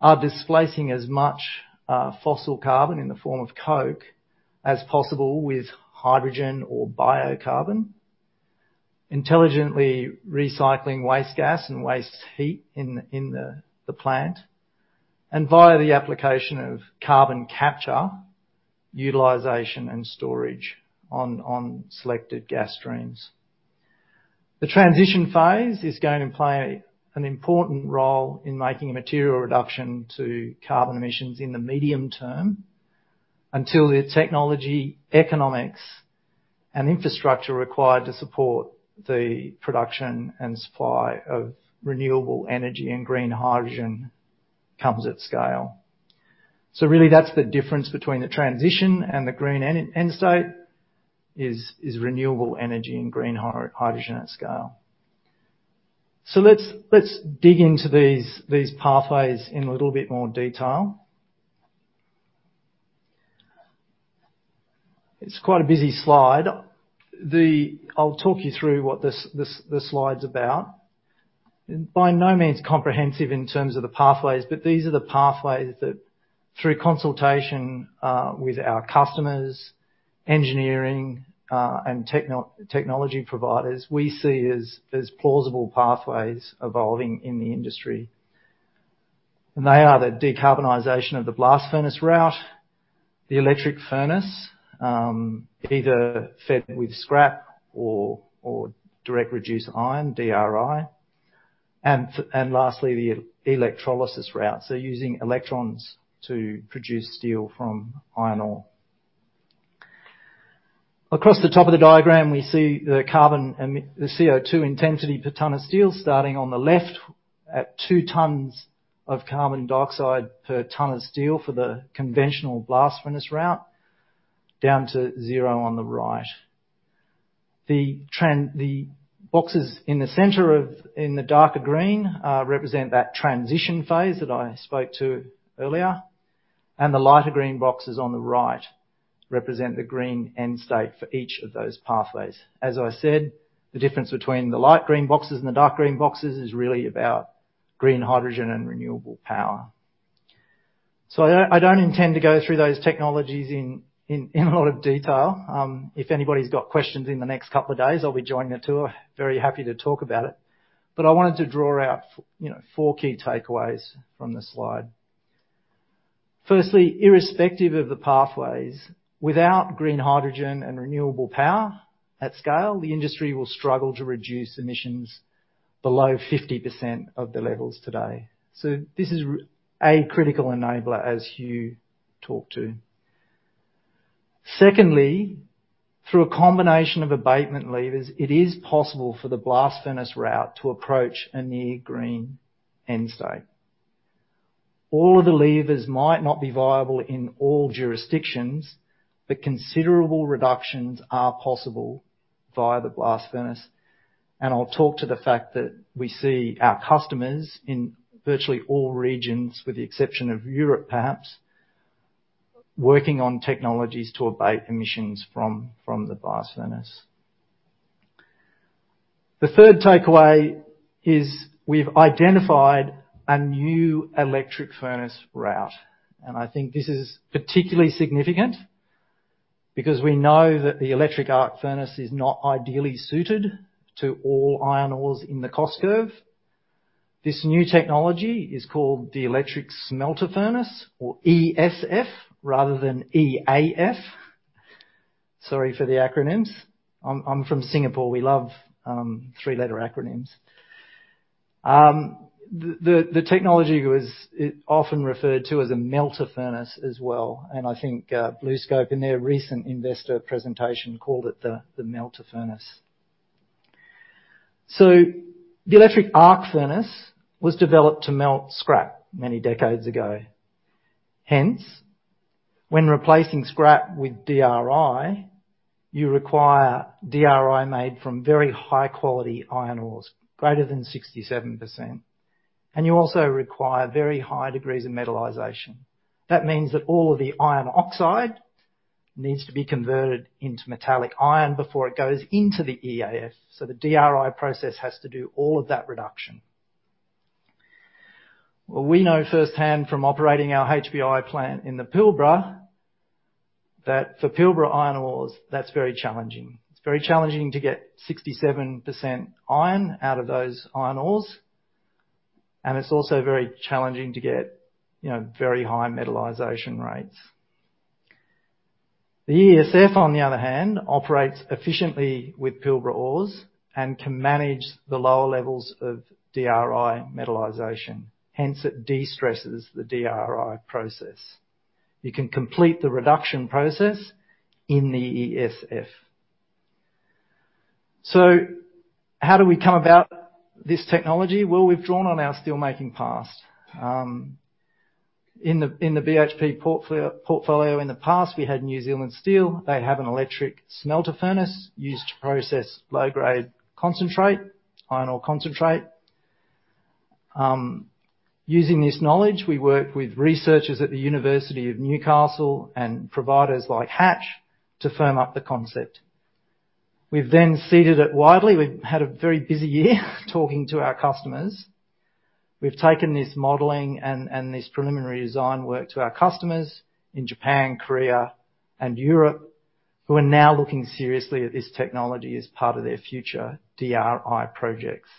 are displacing as much fossil carbon in the form of coke as possible with hydrogen or biocarbon, intelligently recycling waste gas and waste heat in the plant, and via the application of carbon capture, utilization, and storage on selected gas streams. The transition phase is going to play an important role in making a material reduction to carbon emissions in the medium term until the technology, economics, and infrastructure required to support the production and supply of renewable energy and green hydrogen comes at scale. Really that's the difference between the transition and the green end state is renewable energy and green hydrogen at scale. Let's dig into these pathways in a little bit more detail. It's quite a busy slide. I'll talk you through what this slide's about. By no means comprehensive in terms of the pathways, but these are the pathways that through consultation with our customers, engineering, and technology providers, we see as plausible pathways evolving in the industry. They are the decarbonization of the blast furnace route, the electric furnace either fed with scrap or direct reduced iron, DRI, and lastly, the electrolysis route, so using electrons to produce steel from iron ore. Across the top of the diagram, we see the CO2 intensity per ton of steel starting on the left at 2 tons of carbon dioxide per ton of steel for the conventional blast furnace route, down to 0 on the right. The boxes in the center of, in the darker green, represent that transition phase that I spoke to earlier, and the lighter green boxes on the right represent the green end state for each of those pathways. As I said, the difference between the light green boxes and the dark green boxes is really about green hydrogen and renewable power. I don't intend to go through those technologies in a lot of detail. If anybody's got questions in the next couple of days, I'll be joining the tour, very happy to talk about it. I wanted to draw out you know, four key takeaways from this slide. Firstly, irrespective of the pathways, without green hydrogen and renewable power at scale, the industry will struggle to reduce emissions below 50% of the levels today. This is a critical enabler, as Hugh talked to. Secondly, through a combination of abatement levers, it is possible for the blast furnace route to approach a near green end state. All of the levers might not be viable in all jurisdictions, but considerable reductions are possible via the blast furnace. I'll talk to the fact that we see our customers in virtually all regions, with the exception of Europe perhaps, working on technologies to abate emissions from the blast furnace. The third takeaway is we've identified a new electric furnace route, and I think this is particularly significant because we know that the electric arc furnace is not ideally suited to all iron ores in the cost curve. This new technology is called the electric smelting furnace, or ESF rather than EAF. Sorry for the acronyms. I'm from Singapore, we love three-letter acronyms. The technology was often referred to as a melter furnace as well, and I think BlueScope in their recent investor presentation called it the melter furnace. The electric arc furnace was developed to melt scrap many decades ago. Hence, when replacing scrap with DRI, you require DRI made from very high quality iron ores, greater than 67%, and you also require very high degrees of metallization. That means that all of the iron oxide needs to be converted into metallic iron before it goes into the EAF, so the DRI process has to do all of that reduction. We know firsthand from operating our HBI plant in the Pilbara, that for Pilbara iron ores, that's very challenging. It's very challenging to get 67% iron out of those iron ores, and it's also very challenging to get, you know, very high metallization rates. The ESF, on the other hand, operates efficiently with Pilbara ores and can manage the lower levels of DRI metallization. Hence, it de-stresses the DRI process. You can complete the reduction process in the ESF. How do we come about this technology? Well, we've drawn on our steel-making past. In the BHP portfolio in the past, we had New Zealand Steel. They have an electric smelter furnace used to process low-grade concentrate, iron ore concentrate. Using this knowledge, we worked with researchers at the University of Newcastle and providers like Hatch to firm up the concept. We've then seeded it widely. We've had a very busy year talking to our customers. We've taken this modeling and this preliminary design work to our customers in Japan, Korea, and Europe, who are now looking seriously at this technology as part of their future DRI projects.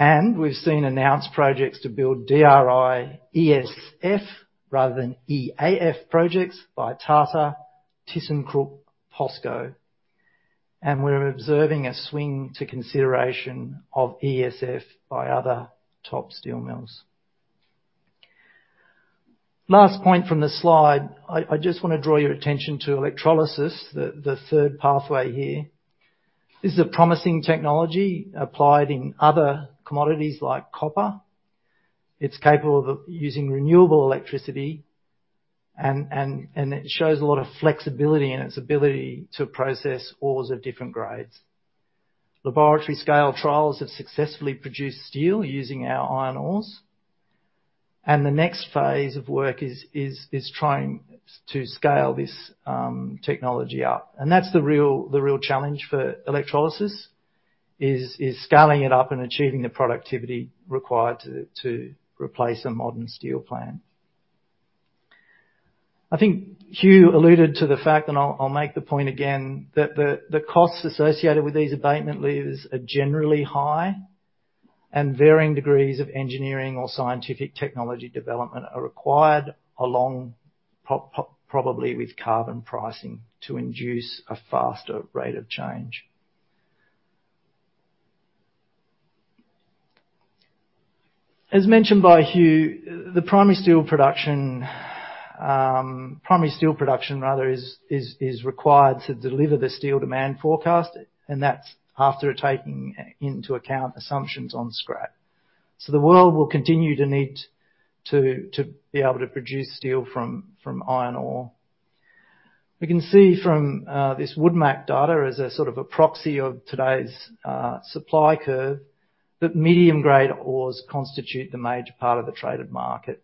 We've seen announced projects to build DRI ESF rather than EAF projects by Tata, thyssenkrupp, POSCO, and we're observing a swing to consideration of ESF by other top steel mills. Last point from the slide, I just wanna draw your attention to electrolysis, the third pathway here. This is a promising technology applied in other commodities like copper. It's capable of using renewable electricity and it shows a lot of flexibility in its ability to process ores of different grades. Laboratory-scale trials have successfully produced steel using our iron ores, and the next phase of work is trying to scale this technology up. That's the real challenge for electrolysis is scaling it up and achieving the productivity required to replace a modern steel plant. I think Hugh alluded to the fact, and I'll make the point again, that the costs associated with these abatement levers are generally high, and varying degrees of engineering or scientific technology development are required along probably with carbon pricing to induce a faster rate of change. As mentioned by Hugh, primary steel production rather is required to deliver the steel demand forecast, and that's after taking into account assumptions on scrap. The world will continue to need to be able to produce steel from iron ore. We can see from this WoodMac data as a sort of a proxy of today's supply curve, that medium-grade ores constitute the major part of the traded market.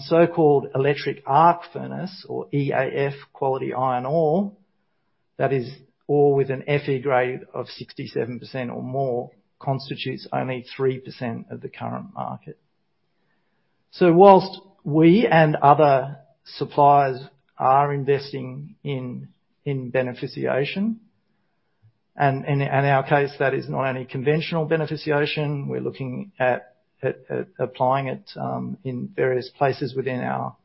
So-called electric arc furnace or EAF-quality iron ore, that is ore with an Fe grade of 67% or more, constitutes only 3% of the current market. Whilst we and other suppliers are investing in beneficiation, and in our case, that is not only conventional beneficiation, we're looking at applying it in various places within our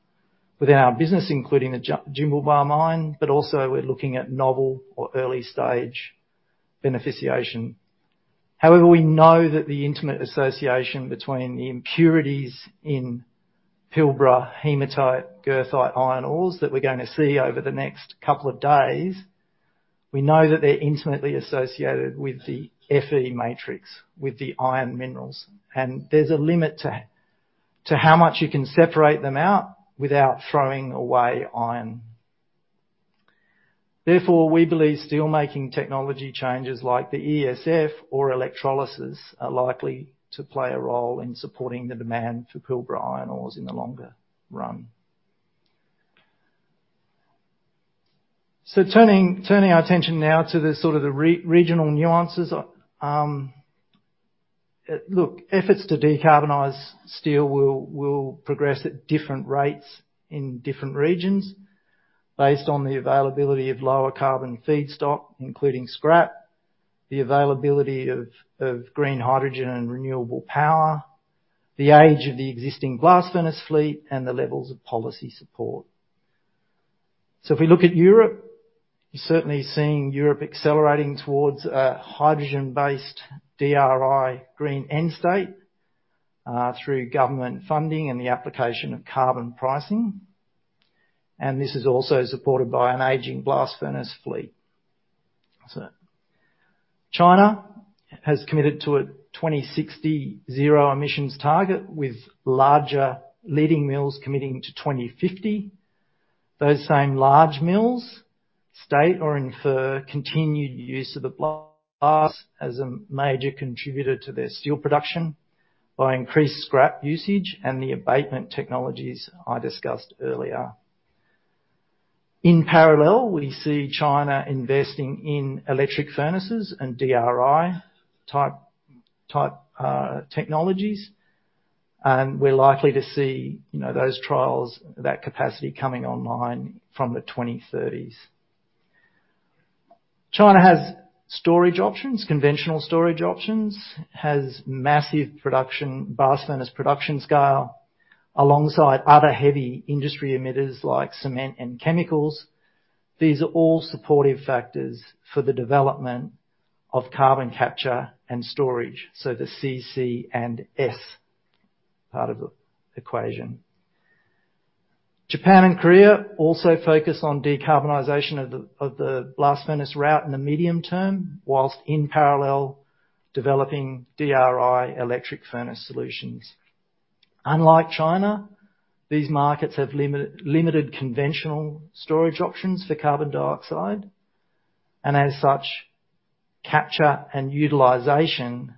business, including the Jimblebar mine, but also we're looking at novel or early-stage beneficiation. However, we know that the intimate association between the impurities in Pilbara hematite, goethite, iron ores that we're gonna see over the next couple of days, we know that they're intimately associated with the Fe matrix, with the iron minerals, and there's a limit to how much you can separate them out without throwing away iron. Therefore, we believe steel-making technology changes like the ESF or electrolysis are likely to play a role in supporting the demand for Pilbara iron ores in the longer run. Turning our attention now to the sort of the regional nuances. Efforts to decarbonize steel will progress at different rates in different regions based on the availability of lower carbon feedstock, including scrap, the availability of green hydrogen and renewable power, the age of the existing blast furnace fleet, and the levels of policy support. If we look at Europe, you're certainly seeing Europe accelerating towards a hydrogen-based DRI green end state, through government funding and the application of carbon pricing, and this is also supported by an aging blast furnace fleet. China has committed to a 2060 zero emissions target with larger leading mills committing to 2050. Those same large mills state or infer continued use of the blast as a major contributor to their steel production by increased scrap usage and the abatement technologies I discussed earlier. In parallel, we see China investing in electric furnaces and DRI-type technologies. We're likely to see, you know, those trials, that capacity coming online from the 2030's. China has storage options, conventional storage options, has massive production, blast furnace production scale, alongside other heavy industry emitters like cement and chemicals. These are all supportive factors for the development of carbon capture and storage, so the CC and S part of the equation. Japan and Korea also focus on decarbonization of the blast furnace route in the medium term, while in parallel developing DRI electric furnace solutions. Unlike China, these markets have limited conventional storage options for carbon dioxide, and as such, capture and utilization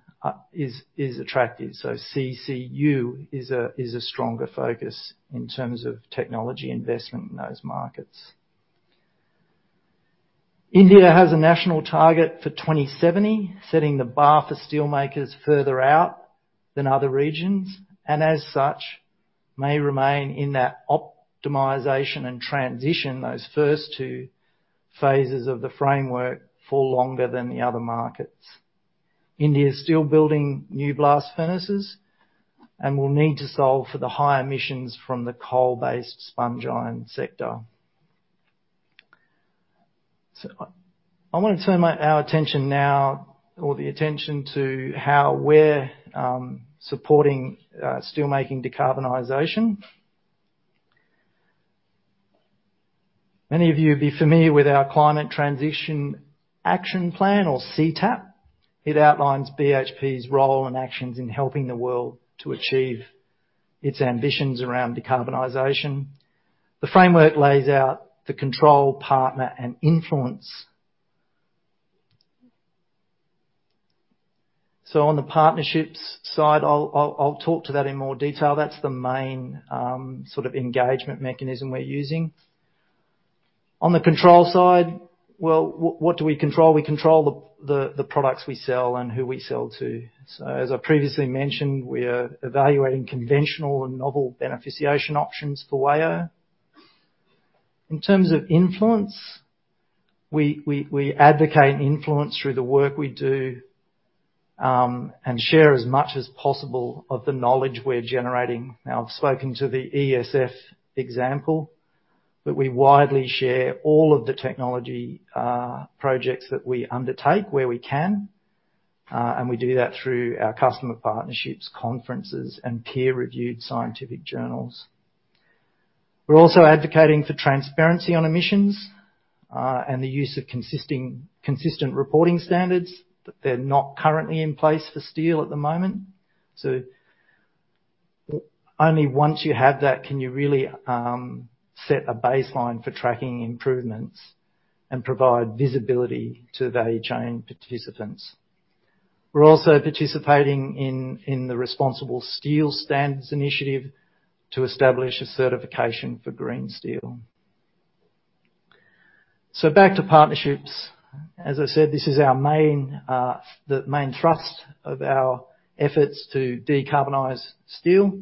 is attractive. CCU is a stronger focus in terms of technology investment in those markets. India has a national target for 2070, setting the bar for steelmakers further out than other regions, and as such, may remain in that optimization and transition those first two phases of the framework for longer than the other markets. India is still building new blast furnaces and will need to solve for the high emissions from the coal-based sponge iron sector. I want to turn our attention now to how we're supporting steelmaking decarbonization. Many of you will be familiar with our Climate Transition Action Plan, or CTAP. It outlines BHP's role and actions in helping the world to achieve its ambitions around decarbonization. The framework lays out the control, partner, and influence. On the partnerships side, I'll talk to that in more detail. That's the main sort of engagement mechanism we're using. On the control side, what do we control? We control the products we sell and who we sell to. As I previously mentioned, we are evaluating conventional and novel beneficiation options for WAIO. In terms of influence, we advocate influence through the work we do and share as much as possible of the knowledge we're generating. I've spoken to the ESF example, but we widely share all of the technology projects that we undertake where we can, and we do that through our customer partnerships, conferences, and peer-reviewed scientific journals. We're also advocating for transparency on emissions and the use of consistent reporting standards, but they're not currently in place for steel at the moment. Only once you have that can you really set a baseline for tracking improvements and provide visibility to the value chain participants. We're also participating in the ResponsibleSteel Standards Initiative to establish a certification for green steel. Back to partnerships. As I said, this is our main thrust of our efforts to decarbonize steel.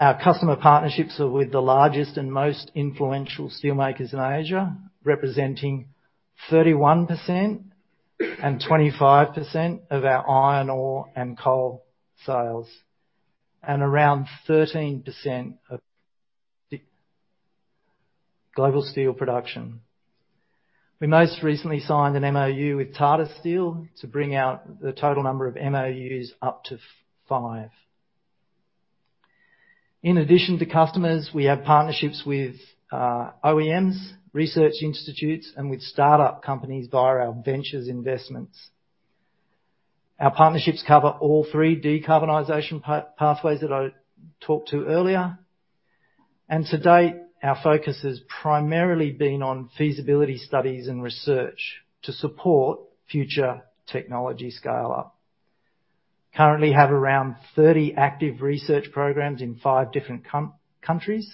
Our customer partnerships are with the largest and most influential steelmakers in Asia, representing 31% and 25% of our iron ore and coal sales, and around 13% of global steel production. We most recently signed an MoU with Tata Steel to bring out the total number of MoUs up to 5. In addition to customers, we have partnerships with OEMs, research institutes, and with startup companies via our ventures investments. Our partnerships cover all three decarbonization pathways that I talked to earlier. To date, our focus has primarily been on feasibility studies and research to support future technology scale-up. Currently have around 30 active research programs in five different countries.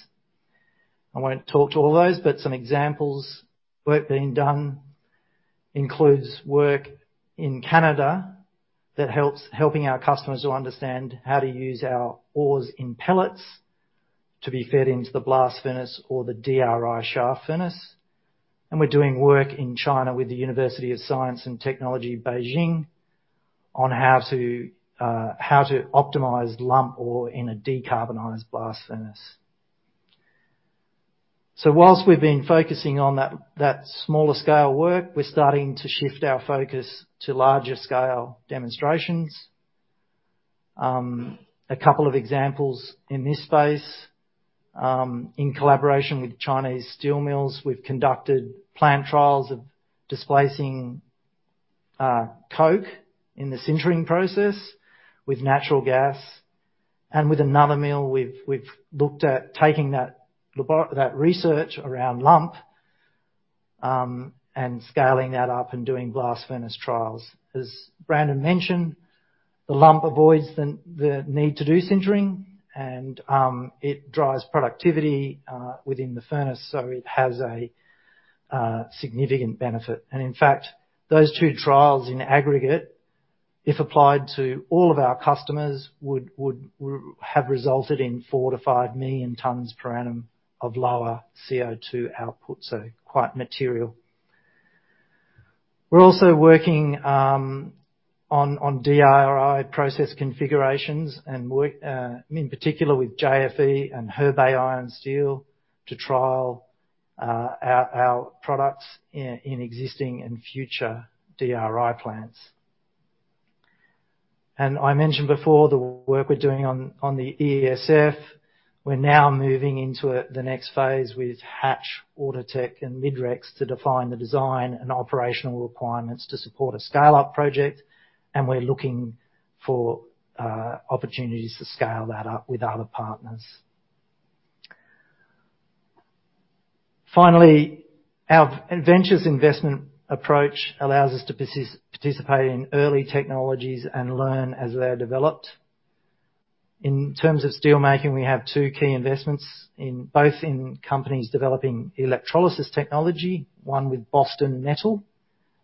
I won't talk to all those, but some examples, work being done includes work in Canada that helping our customers to understand how to use our ores in pellets to be fed into the blast furnace or the DRI shaft furnace. We're doing work in China with the University of Science and Technology, Beijing, on how to optimize lump ore in a decarbonized blast furnace. While we've been focusing on that smaller scale work, we're starting to shift our focus to larger scale demonstrations. A couple of examples in this space, in collaboration with Chinese steel mills, we've conducted plant trials of displacing coke in the sintering process with natural gas. With another mill, we've looked at taking that research around lump and scaling that up and doing blast furnace trials. As Brandon mentioned, the lump avoids the need to do sintering and it drives productivity within the furnace, so it has a significant benefit. In fact, those two trials in aggregate, if applied to all of our customers, would have resulted in 4-5 million tons per annum of lower CO₂ output, so quite material. We're also working on DRI process configurations and work in particular with JFE and Hebei Iron and Steel to trial our products in existing and future DRI plants. I mentioned before the work we're doing on the ESF. We're now moving into the next phase with Hatch, Auditech, and Midrex to define the design and operational requirements to support a scale-up project, and we're looking for opportunities to scale that up with other partners. Finally, our ventures investment approach allows us to participate in early technologies and learn as they are developed. In terms of steelmaking, we have two key investments in both companies developing electrolysis technology, one with Boston Metal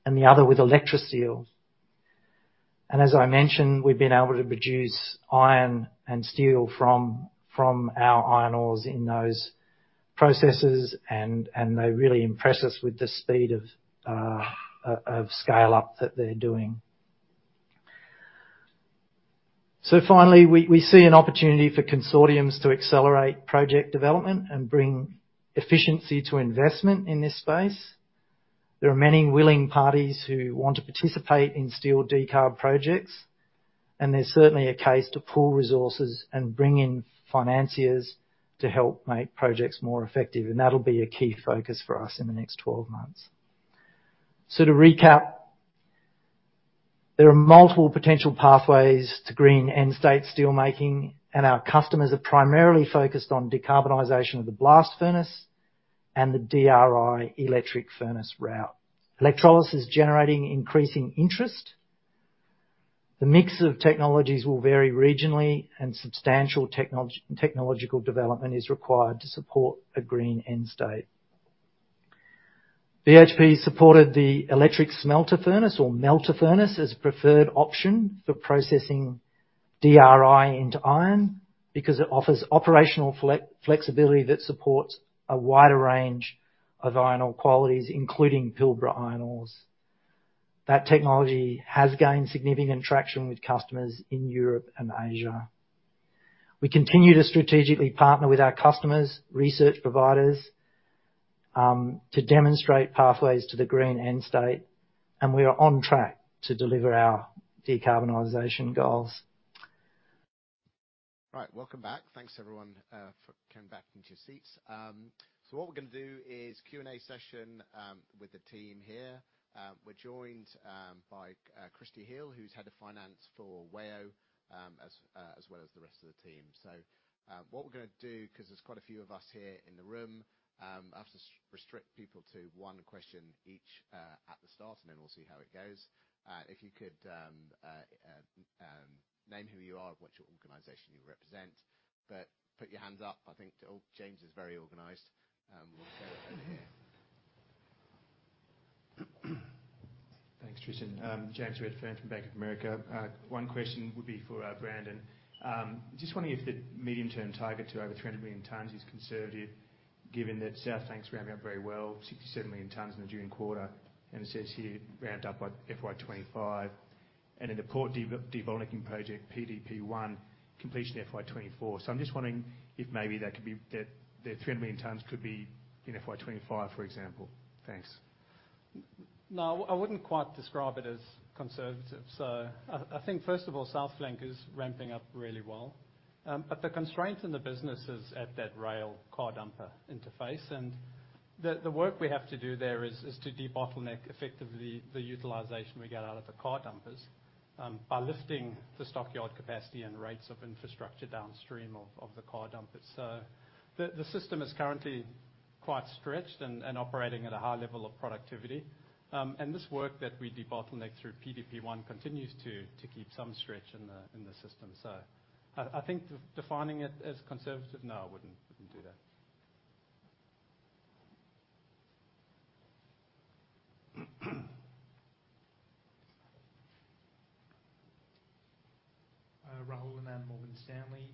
and the other with ElectroSteel. As I mentioned, we've been able to produce iron and steel from our iron ores in those processes, and they really impress us with the speed of scale up that they're doing. Finally, we see an opportunity for consortiums to accelerate project development and bring efficiency to investment in this space. There are many willing parties who want to participate in steel decarb projects, and there's certainly a case to pool resources and bring in financiers to help make projects more effective, and that'll be a key focus for us in the next twelve months. To recap, there are multiple potential pathways to green end-state steel making, and our customers are primarily focused on decarbonization of the blast furnace and the DRI electric furnace route. Electrolysis generating increasing interest. The mix of technologies will vary regionally, and substantial technological development is required to support a green end state. BHP supported the electric smelting furnace or melter furnace as preferred option for processing DRI into iron because it offers operational flexibility that supports a wider range of iron ore qualities, including Pilbara iron ores. That technology has gained significant traction with customers in Europe and Asia. We continue to strategically partner with our customers, research providers, to demonstrate pathways to the green end state, and we are on track to deliver our decarbonization goals. All right. Welcome back. Thanks everyone for coming back into your seats. What we're gonna do is Q&A session with the team here. We're joined by Kristy Heal, who's Head of Finance for WAIO, as well as the rest of the team. What we're gonna do, 'cause there's quite a few of us here in the room, I'll just restrict people to one question each, at the start, and then we'll see how it goes. If you could name who you are, what organization you represent, but put your hands up. I think James is very organized. We'll start over here. Thanks, Tristan. James Redfern from Bank of America. One question would be for Brandon. Just wondering if the medium-term target to over 300 million tons is conservative given that South Flank's ramping up very well, 67 million tons in the June quarter, and it says here ramped up by FY 2025. In the Port Debottlenecking Project, PDP-1, completion FY 2024. I'm just wondering if maybe that could be the 300 million tons could be in FY 2025, for example. Thanks. No, I wouldn't quite describe it as conservative. I think first of all, South Flank is ramping up really well. The constraint in the business is at that rail car dumper interface, and the work we have to do there is to debottleneck effectively the utilization we get out of the car dumpers by lifting the stockyard capacity and rates of infrastructure downstream of the car dumpers. The system is currently quite stretched and operating at a high level of productivity. This work that we debottleneck through PDP-1 continues to keep some stretch in the system. I think defining it as conservative, no, I wouldn't do that. Rahul Anand, Morgan Stanley.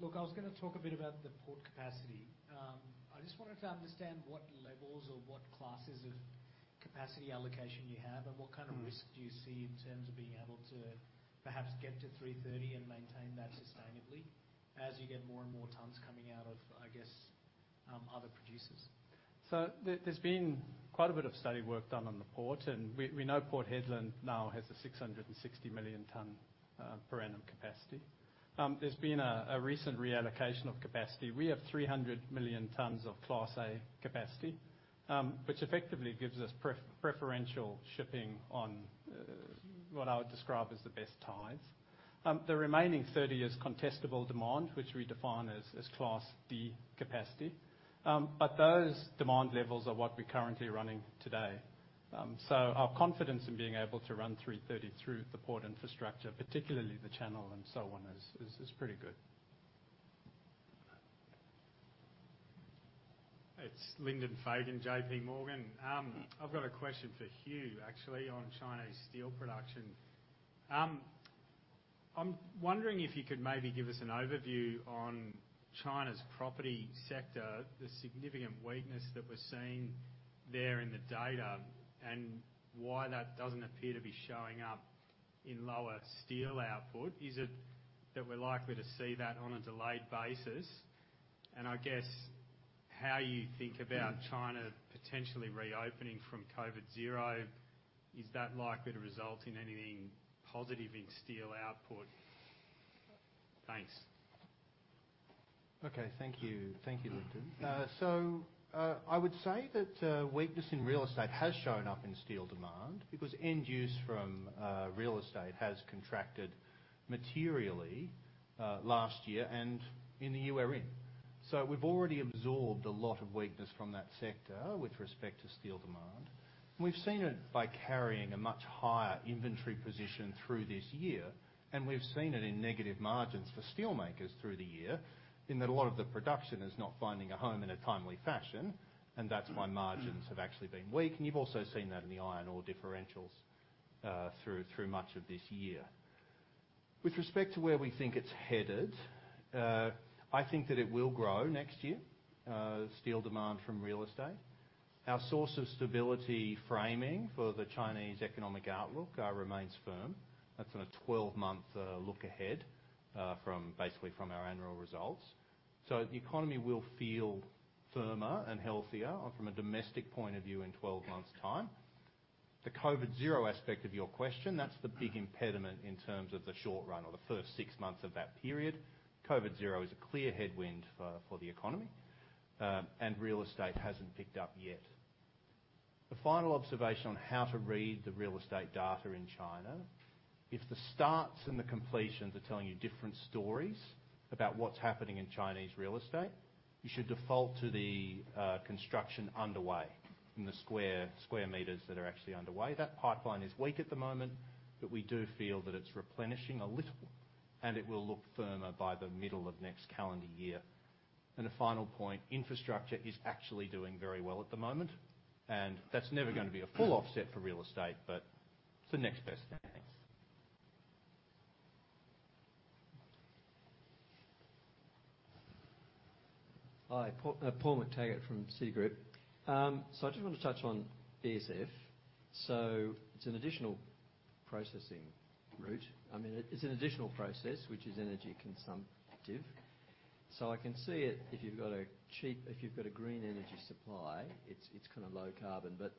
Look, I was gonna talk a bit about the port capacity. I just wanted to understand what levels or what classes of capacity allocation you have and what kind of risk do you see in terms of being able to perhaps get to 330 and maintain that sustainably as you get more and more tons coming out of other producers. There's been quite a bit of study work done on the port, and we know Port Hedland now has a 660 million tons per annum capacity. There's been a recent reallocation of capacity. We have 300 million tons of Class A capacity, which effectively gives us preferential shipping on what I would describe as the best tides. The remaining 30 is contestable demand, which we define as Class D capacity. Those demand levels are what we're currently running today. Our confidence in being able to run 330 through the port infrastructure, particularly the channel and so on is pretty good. It's Lyndon Fagan, J.P. Morgan. I've got a question for Huw McKay, actually, on Chinese steel production. I'm wondering if you could maybe give us an overview on China's property sector, the significant weakness that we're seeing there in the data, and why that doesn't appear to be showing up in lower steel output. Is it that we're likely to see that on a delayed basis? I guess, how you think about China potentially reopening from COVID Zero, is that likely to result in anything positive in steel output? Thanks. Okay. Thank you. Thank you, Lyndon. I would say that weakness in real estate has shown up in steel demand because end use from real estate has contracted materially last year and in the year we're in. We've already absorbed a lot of weakness from that sector with respect to steel demand. We've seen it by carrying a much higher inventory position through this year, and we've seen it in negative margins for steel makers through the year in that a lot of the production is not finding a home in a timely fashion, and that's why margins have actually been weak, and you've also seen that in the iron ore differentials through much of this year. With respect to where we think it's headed, I think that it will grow next year, steel demand from real estate. Our source of stability framing for the Chinese economic outlook remains firm. That's on a 12-month look ahead from basically our annual results. The economy will feel firmer and healthier from a domestic point of view in 12 months' time. The COVID Zero aspect of your question, that's the big impediment in terms of the short run or the first 6 months of that period. COVID Zero is a clear headwind for the economy, and real estate hasn't picked up yet. The final observation on how to read the real estate data in China, if the starts and the completions are telling you different stories about what's happening in Chinese real estate, you should default to the construction underway and the square meters that are actually underway. That pipeline is weak at the moment, but we do feel that it's replenishing a little, and it will look firmer by the middle of next calendar year. A final point, infrastructure is actually doing very well at the moment, and that's never gonna be a full offset for real estate, but it's the next best thing. Thanks. Hi. Paul McTaggart from Citi. I just want to touch on ESF. It's an additional processing route. I mean, it's an additional process which is energy consumptive. I can see it, if you've got a green energy supply, it's kinda low carbon. But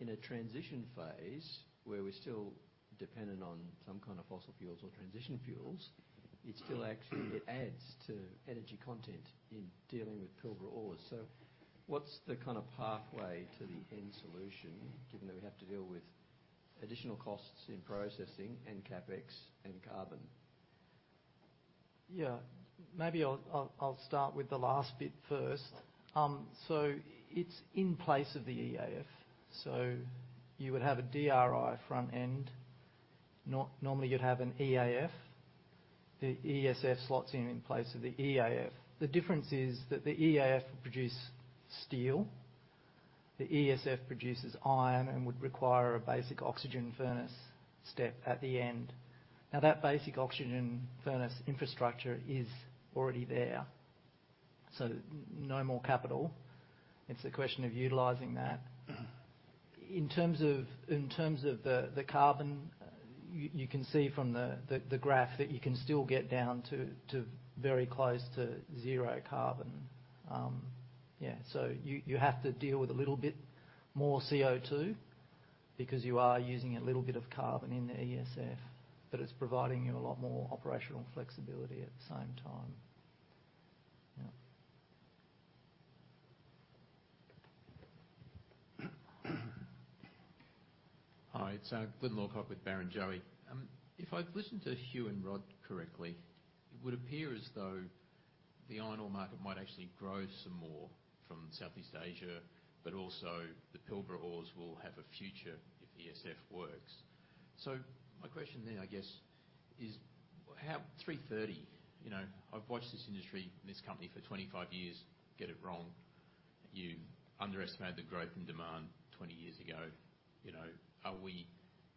in a transition phase, where we're still dependent on some kind of fossil fuels or transition fuels, it still actually adds to energy content in dealing with Pilbara ores. What's the kind of pathway to the end solution, given that we have to deal with additional costs in processing and CapEx and carbon? Maybe I'll start with the last bit first. It's in place of the EAF. You would have a DRI front end. Normally, you'd have an EAF. The ESF slots in place of the EAF. The difference is that the EAF will produce steel. The ESF produces iron and would require a basic oxygen furnace step at the end. Now, that basic oxygen furnace infrastructure is already there, so no more capital. It's a question of utilizing that. In terms of the carbon, you can see from the graph that you can still get down to very close to zero carbon. You have to deal with a little bit more CO2 because you are using a little bit of carbon in the ESF, but it's providing you a lot more operational flexibility at the same time. Hi. It's Glyn Lawcock with Barrenjoey. If I've listened to Hugh and Rod correctly, it would appear as though the iron ore market might actually grow some more from Southeast Asia, but also the Pilbara ores will have a future if ESF works. My question then, I guess, is how 330, you know, I've watched this industry and this company for 25 years get it wrong. You underestimate the growth in demand 20 years ago. You know,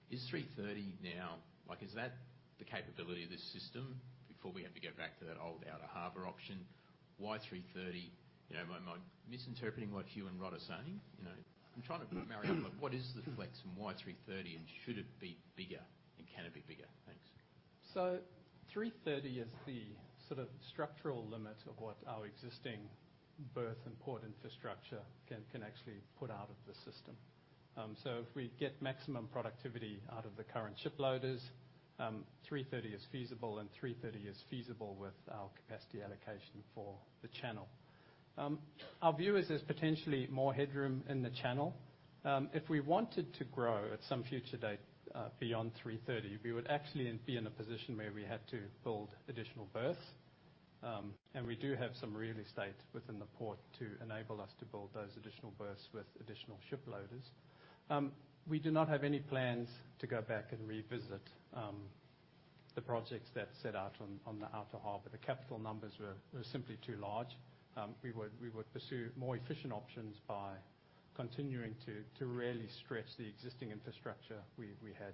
is 330 now, like is that the capability of this system before we have to go back to that old Outer Harbour option? Why 330? You know, am I misinterpreting what Hugh and Rod are saying? You know, I'm trying to marry up, like, what is the flex and why 330, and should it be bigger, and can it be bigger? Thanks. 330 is the sort of structural limit of what our existing berth and port infrastructure can actually put out of the system. If we get maximum productivity out of the current ship loaders, 330 is feasible, and 330 is feasible with our capacity allocation for the channel. Our view is there's potentially more headroom in the channel. If we wanted to grow at some future date beyond 330, we would actually then be in a position where we had to build additional berths, and we do have some real estate within the port to enable us to build those additional berths with additional ship loaders. We do not have any plans to go back and revisit the projects that set out on the Outer Harbour. The capital numbers were simply too large. We would pursue more efficient options by continuing to really stretch the existing infrastructure we had.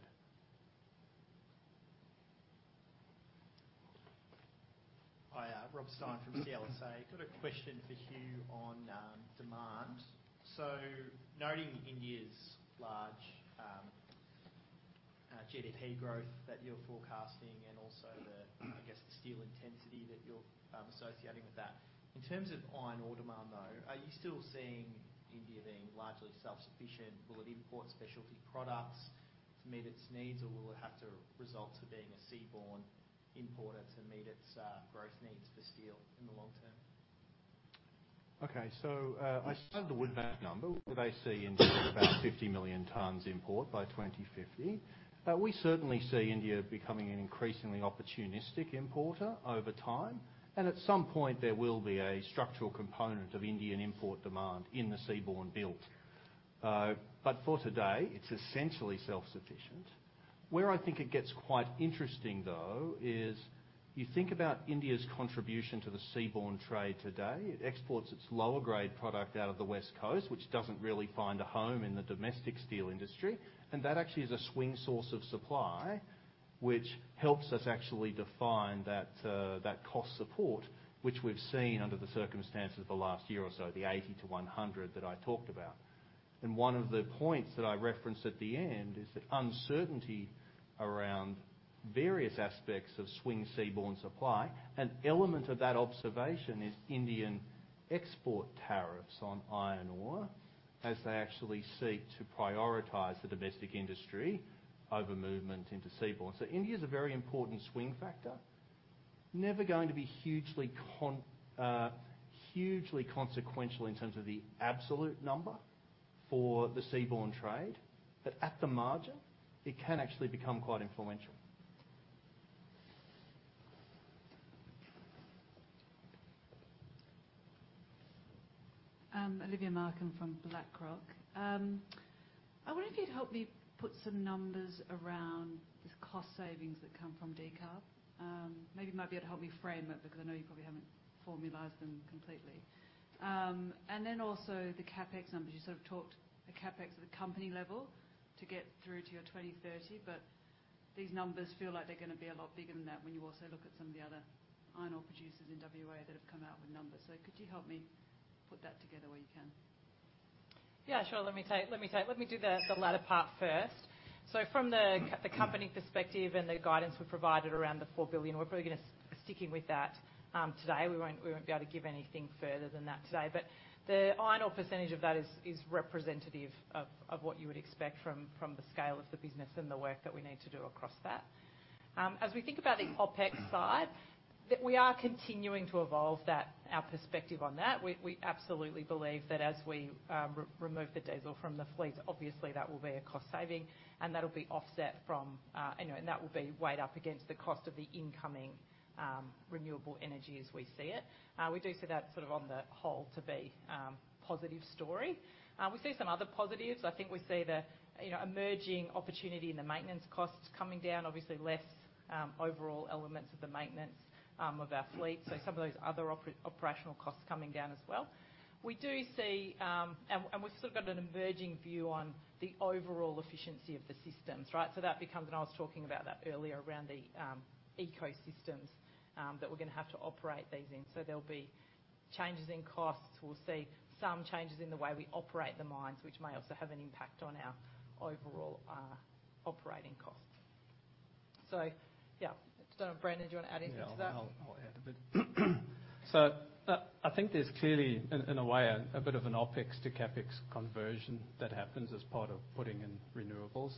Hi, Rob Stein from CLSA, got a question for Huw McKay on demand. Noting India's large GDP growth that you're forecasting and also the, I guess, steel intensity that you're associating with that. In terms of iron ore demand, though, are you still seeing India being largely self-sufficient? Will it import specialty products to meet its needs, or will it have to resort to being a seaborne importer to meet its growth needs for steel in the long term? Okay. I studied the Wood Mackenzie number, where they see India at about 50 million tons import by 2050. We certainly see India becoming an increasingly opportunistic importer over time, and at some point there will be a structural component of Indian import demand in the seaborne build. For today, it's essentially self-sufficient. Where I think it gets quite interesting though is you think about India's contribution to the seaborne trade today. It exports its lower grade product out of the West Coast, which doesn't really find a home in the domestic steel industry, and that actually is a swing source of supply, which helps us actually define that cost support, which we've seen under the circumstances the last year or so, the $80 to $100 that I talked about. One of the points that I referenced at the end is that uncertainty around various aspects of swing seaborne supply. An element of that observation is Indian export tariffs on iron ore, as they actually seek to prioritize the domestic industry over movement into seaborne. India is a very important swing factor. Never going to be hugely consequential in terms of the absolute number for the seaborne trade. At the margin, it can actually become quite influential. Olivia Markham from BlackRock. I wonder if you'd help me put some numbers around the cost savings that come from decarb. Maybe you might be able to help me frame it because I know you probably haven't formalized them completely. Also the CapEx numbers. You sort of talked the CapEx at the company level to get through to your 2030, but these numbers feel like they're gonna be a lot bigger than that when you also look at some of the other iron ore producers in WA that have come out with numbers. Could you help me put that together where you can? Let me tell you. Let me do the latter part first. From the company perspective and the guidance we provided around the $4 billion, we're probably gonna sticking with that today. We won't be able to give anything further than that today. The iron ore percentage of that is representative of what you would expect from the scale of the business and the work that we need to do across that. As we think about the OpEx side, we are continuing to evolve that, our perspective on that. We absolutely believe that as we remove the diesel from the fleet, obviously that will be a cost saving, and that'll be offset from, you know, and that will be weighed up against the cost of the incoming renewable energy as we see it. We do see that sort of on the whole to be positive story. We see some other positives. I think we see the, you know, emerging opportunity in the maintenance costs coming down, obviously less overall elements of the maintenance of our fleet. Some of those other operational costs coming down as well. We do see and we've still got an emerging view on the overall efficiency of the systems, right? That becomes, and I was talking about that earlier, around the ecosystems that we're gonna have to operate these in. There'll be changes in costs. We'll see some changes in the way we operate the mines, which may also have an impact on our overall, operating costs. I don't know, Brandon, do you want to add anything to that? I'll add a bit. I think there's clearly, in a way, a bit of an OpEx to CapEx conversion that happens as part of putting in renewables.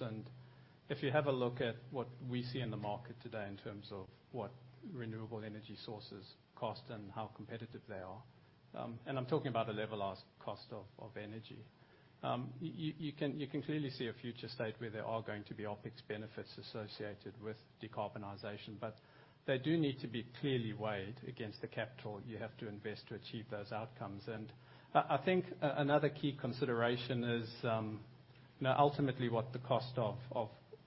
If you have a look at what we see in the market today in terms of what renewable energy sources cost and how competitive they are, and I'm talking about the levelized cost of energy. You can clearly see a future state where there are going to be OpEx benefits associated with decarbonization, but they do need to be clearly weighed against the capital you have to invest to achieve those outcomes. I think another key consideration is, you know, ultimately, what the cost of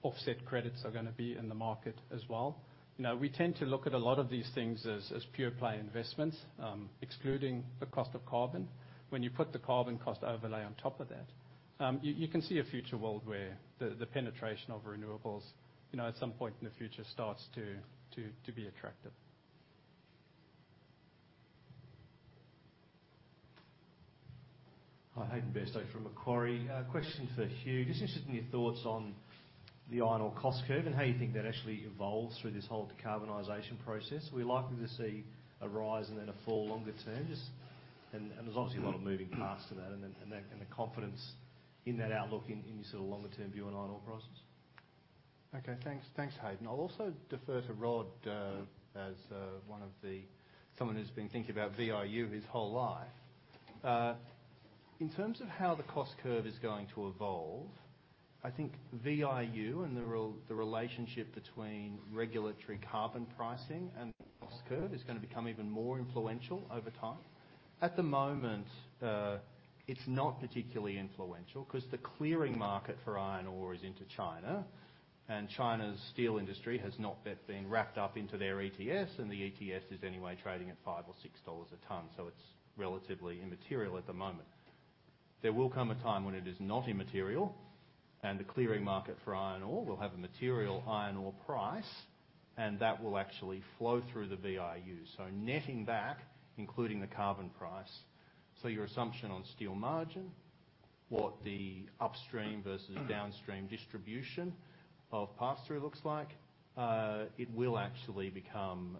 offset credits are gonna be in the market as well. You know, we tend to look at a lot of these things as pure play investments, excluding the cost of carbon. When you put the carbon cost overlay on top of that, you can see a future world where the penetration of renewables, you know, at some point in the future starts to be attractive. Hi. Hayden Bairstow from Macquarie. Question for Hugh. Just interested in your thoughts on the iron ore cost curve and how you think that actually evolves through this whole decarbonization process. Are we likely to see a rise and then a fall longer term? Just, and there's obviously a lot of moving parts to that and then the confidence in that outlook in your sort of longer-term view on iron ore prices. Okay. Thanks, Hayden. I'll also defer to Rod, as someone who's been thinking about VIU his whole life. In terms of how the cost curve is going to evolve. I think VIU and the relationship between regulatory carbon pricing and the cost curve is gonna become even more influential over time. At the moment, it's not particularly influential 'cause the clearing market for iron ore is into China, and China's steel industry has not yet been wrapped up into their ETS, and the ETS is anyway trading at $5 or $6 a ton. It's relatively immaterial at the moment. There will come a time when it is not immaterial, and the clearing market for iron ore will have a material iron ore price, and that will actually flow through the VIU. Netting back, including the carbon price, so your assumption on steel margin, what the upstream versus downstream distribution of pass-through looks like, it will actually become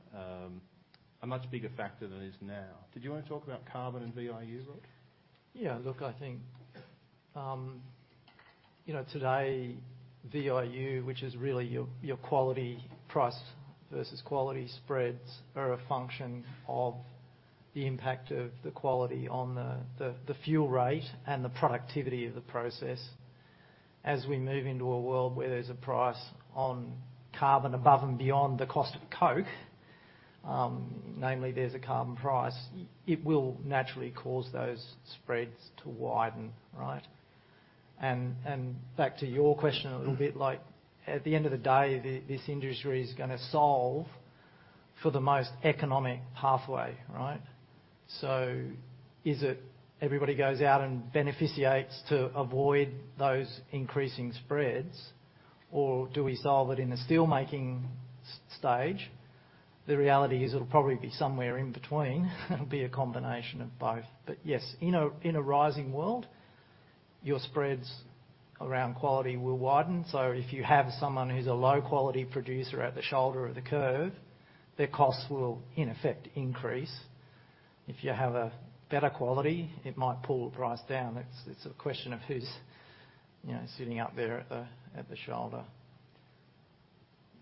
a much bigger factor than it is now. Did you wanna talk about carbon and VIU, Rod? Look, I think, you know, today, VIU, which is really your quality price versus quality spreads, are a function of the impact of the quality on the fuel rate and the productivity of the process. As we move into a world where there's a price on carbon above and beyond the cost of coke, namely there's a carbon price, it will naturally cause those spreads to widen, right? Back to your question a little bit, like, at the end of the day, this industry is gonna solve for the most economic pathway, right? Is it everybody goes out and beneficiates to avoid those increasing spreads, or do we solve it in the steel making stage? The reality is it'll probably be somewhere in between. It'll be a combination of both. Yes, in a rising world, your spreads around quality will widen. So if you have someone who's a low-quality producer at the shoulder of the curve, their costs will in effect increase. If you have a better quality, it might pull the price down. It's a question of who's, you know, sitting up there at the shoulder.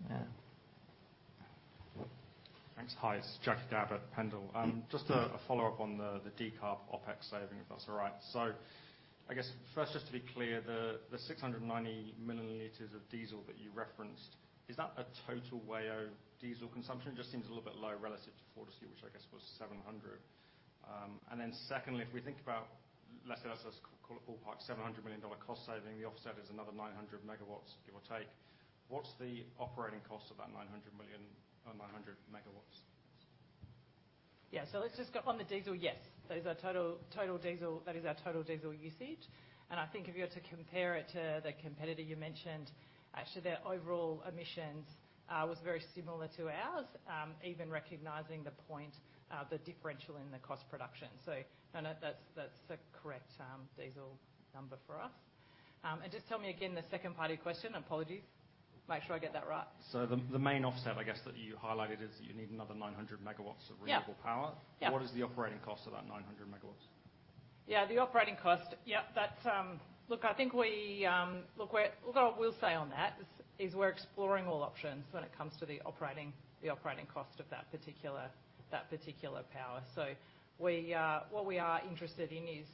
Yeah. Thanks. Hi, it's Jack Gabb at Pendal. Just a follow-up on the decarb OpEx saving, if that's all right. I guess, first, just to be clear, the 690 million liters of diesel that you referenced, is that a total WAIO diesel consumption? Just seems a little bit low relative to Fortescue, which I guess was 700. Then secondly, if we think about, let's just call it ballpark $700 million cost saving, the offset is another 900 MW, give or take. What's the operating cost of that 900 MW? Let's just go on the diesel. Yes. Those are total diesel. That is our total diesel usage. I think if you were to compare it to the competitor you mentioned, actually their overall emissions was very similar to ours, even recognizing the point, the differential in the cost of production. No, that's the correct diesel number for us. Just tell me again the second part of your question. Apologies. Make sure I get that right. The main offset, I guess, that you highlighted is that you need another 900 megawatts of- renewable power. What is the operating cost of that 900 MW? The operating cost. That's it. Look, what we'll say on that is we're exploring all options when it comes to the operating cost of that particular power. What we are interested in is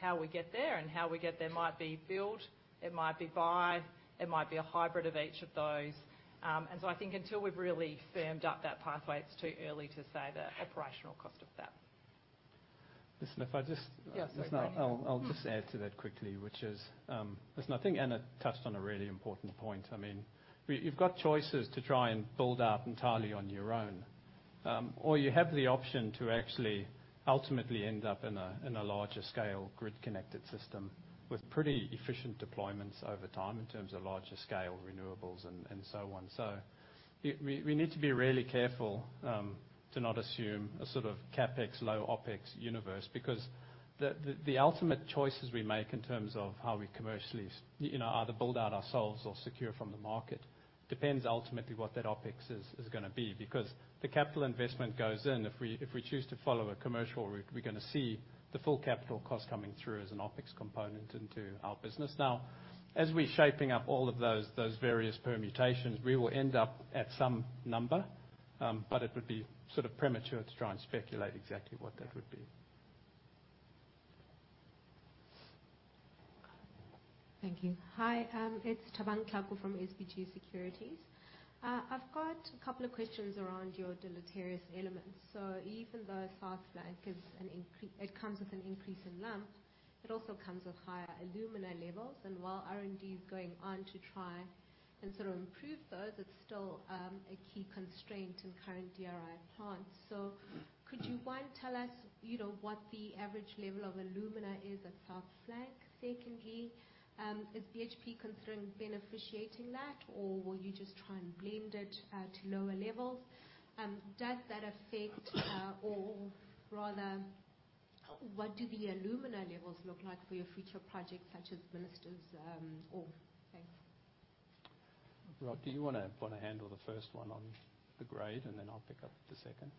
how we get there, and how we get there might be build, it might be buy, it might be a hybrid of each of those. I think until we've really firmed up that pathway, it's too early to say the operational cost of that. Listen. I'll just add to that quickly, which is, listen, I think Anna touched on a really important point. I mean, we've got choices to try and build out entirely on your own. Or you have the option to actually ultimately end up in a larger scale grid connected system with pretty efficient deployments over time in terms of larger scale renewables and so on. We need to be really careful to not assume a sort of CapEx, low OpEx universe because the ultimate choices we make in terms of how we commercially, you know, either build out ourselves or secure from the market depends ultimately what that OpEx is gonna be. Because the capital investment goes in. If we choose to follow a commercial route, we're gonna see the full capital cost coming through as an OPEX component into our business. Now, as we're shaping up all of those various permutations, we will end up at some number, but it would be sort of premature to try and speculate exactly what that would be. Thank you. Hi, it's Tabank Hlako from SBG Securities. I've got a couple of questions around your deleterious elements. Even though South Flank comes with an increase in lump, it also comes with higher alumina levels. While R&D is going on to try and sort of improve those, it's still a key constraint in current DRI plants. Could you, one, tell us, you know, what the average level of alumina is at South Flank? Secondly, is BHP considering beneficiating that, or will you just try and blend it to lower levels? Or rather what do the alumina levels look like for your future projects such as Ministers North? Thanks. Rod, do you wanna handle the first one on the grade, and then I'll pick up the second?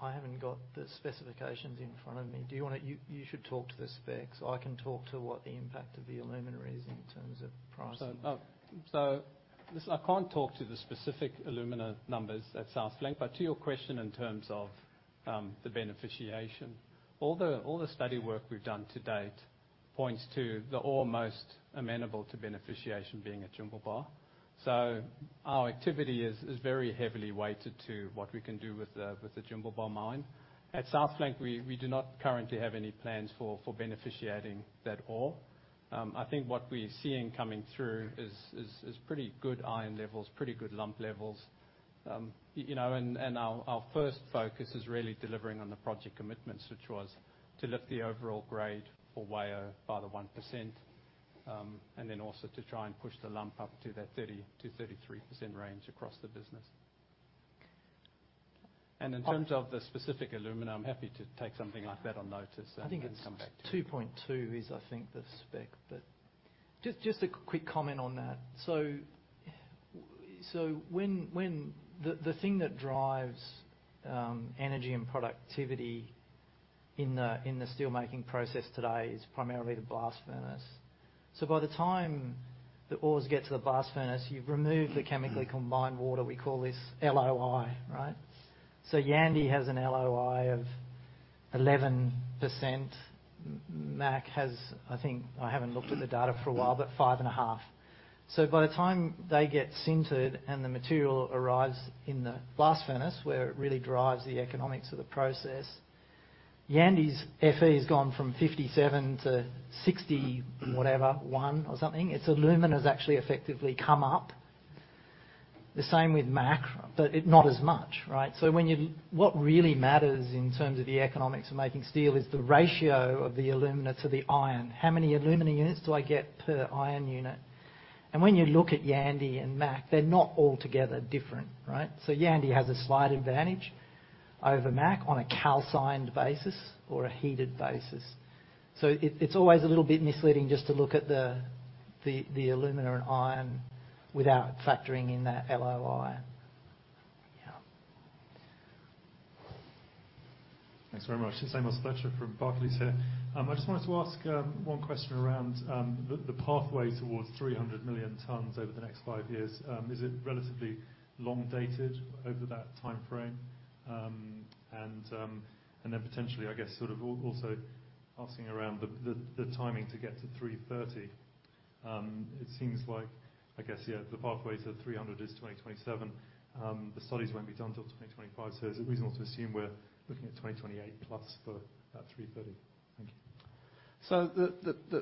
I haven't got the specifications in front of me. You should talk to the specs. I can talk to what the impact of the alumina is in terms of pricing. Listen, I can't talk to the specific alumina numbers at South Flank, but to your question in terms of The beneficiation. All the study work we've done to date points to the ore most amenable to beneficiation being at Jimblebar. Our activity is very heavily weighted to what we can do with the Jimblebar mine. At South Flank, we do not currently have any plans for beneficiating that ore. I think what we're seeing coming through is pretty good iron levels, pretty good lump levels. You know, and our first focus is really delivering on the project commitments, which was to lift the overall grade for Whyalla by the 1%, and then also to try and push the lump up to that 30% to 33% range across the business. In terms of the specific alumina, I'm happy to take something like that on notice and come back to you. I think it's 2.2, I think, the spec, but just a quick comment on that. The thing that drives energy and productivity in the steelmaking process today is primarily the blast furnace. By the time the ores get to the blast furnace, you've removed the chemically combined water. We call this LOI, right? Yandi has an LOI of 11%. MAC has, I think, I haven't looked at the data for a while, but 5.5. By the time they get sintered and the material arrives in the blast furnace, where it really drives the economics of the process, Yandi's Fe has gone from 57 to 60 whatever, one or something. Its alumina has actually effectively come up. The same with MAC, but it not as much, right? What really matters in terms of the economics of making steel is the ratio of the alumina to the iron. How many alumina units do I get per iron unit? When you look at Yandi and MAC, they're not altogether different, right? Yandi has a slight advantage over MAC on a calcined basis or a heated basis. It's always a little bit misleading just to look at the alumina and iron without factoring in that LOI. Thanks very much. Amos Fletcher from Barclays here. I just wanted to ask one question around the pathway towards 300 million tons over the next five years. Is it relatively long-dated over that timeframe? And then potentially, I guess, also asking around the timing to get to 330. It seems like, I guess, the pathway to 300 is 2027. The studies won't be done till 2025. Is it reasonable to assume we're looking at 2028 plus for that 330? Thank you.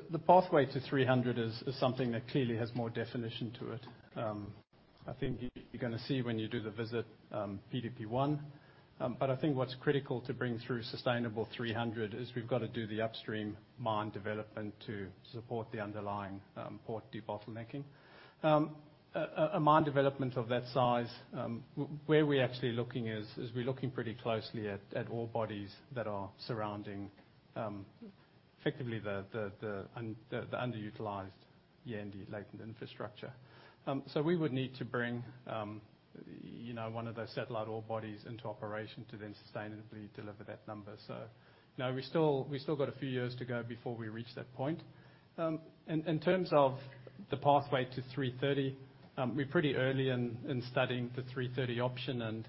The pathway to 300 is something that clearly has more definition to it. I think you're gonna see when you do the visit, PDP-1. I think what's critical to bring through sustainable 300 is we've got to do the upstream mine development to support the underlying port debottlenecking. A mine development of that size, where we're actually looking is we're looking pretty closely at ore bodies that are surrounding effectively the underutilized Yandi latent infrastructure. We would need to bring you know one of those satellite ore bodies into operation to then sustainably deliver that number. You know, we still got a few years to go before we reach that point. In terms of the pathway to 330, we're pretty early in studying the 330 option and,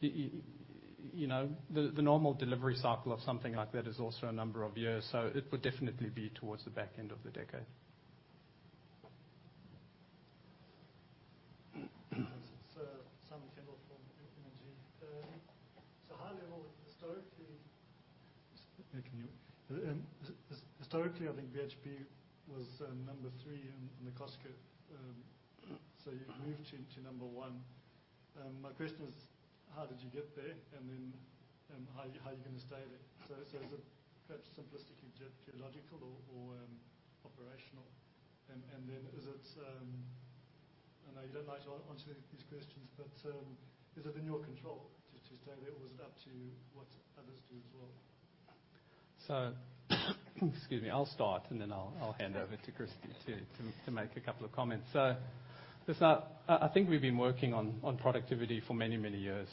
you know, the normal delivery cycle of something like that is also a number of years, so it would definitely be towards the back end of the decade. This is Sam Kendall from ING. High level, historically, I think BHP was number 3 in the cost curve. You've moved to number 1. My question is, how did you get there? Then, how are you gonna stay there? Is it perhaps simplistically geological or operational? Is it in your control to stay there, or is it up to what others do as well? I know you don't like to answer these questions, but. Excuse me. I'll start, and then I'll hand over to Kristy to make a couple of comments. Listen up. I think we've been working on productivity for many years,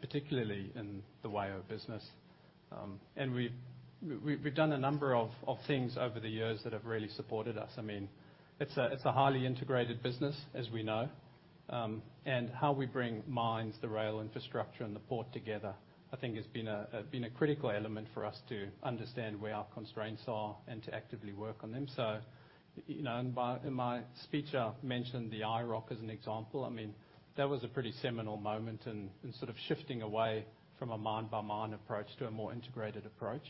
particularly in the Whyalla business. We've done a number of things over the years that have really supported us. I mean, it's a highly integrated business, as we know. How we bring mines, the rail infrastructure, and the port together, I think has been a critical element for us to understand where our constraints are and to actively work on them. You know, in my speech, I mentioned the IROC as an example. I mean, that was a pretty seminal moment in sort of shifting away from a mine-by-mine approach to a more integrated approach.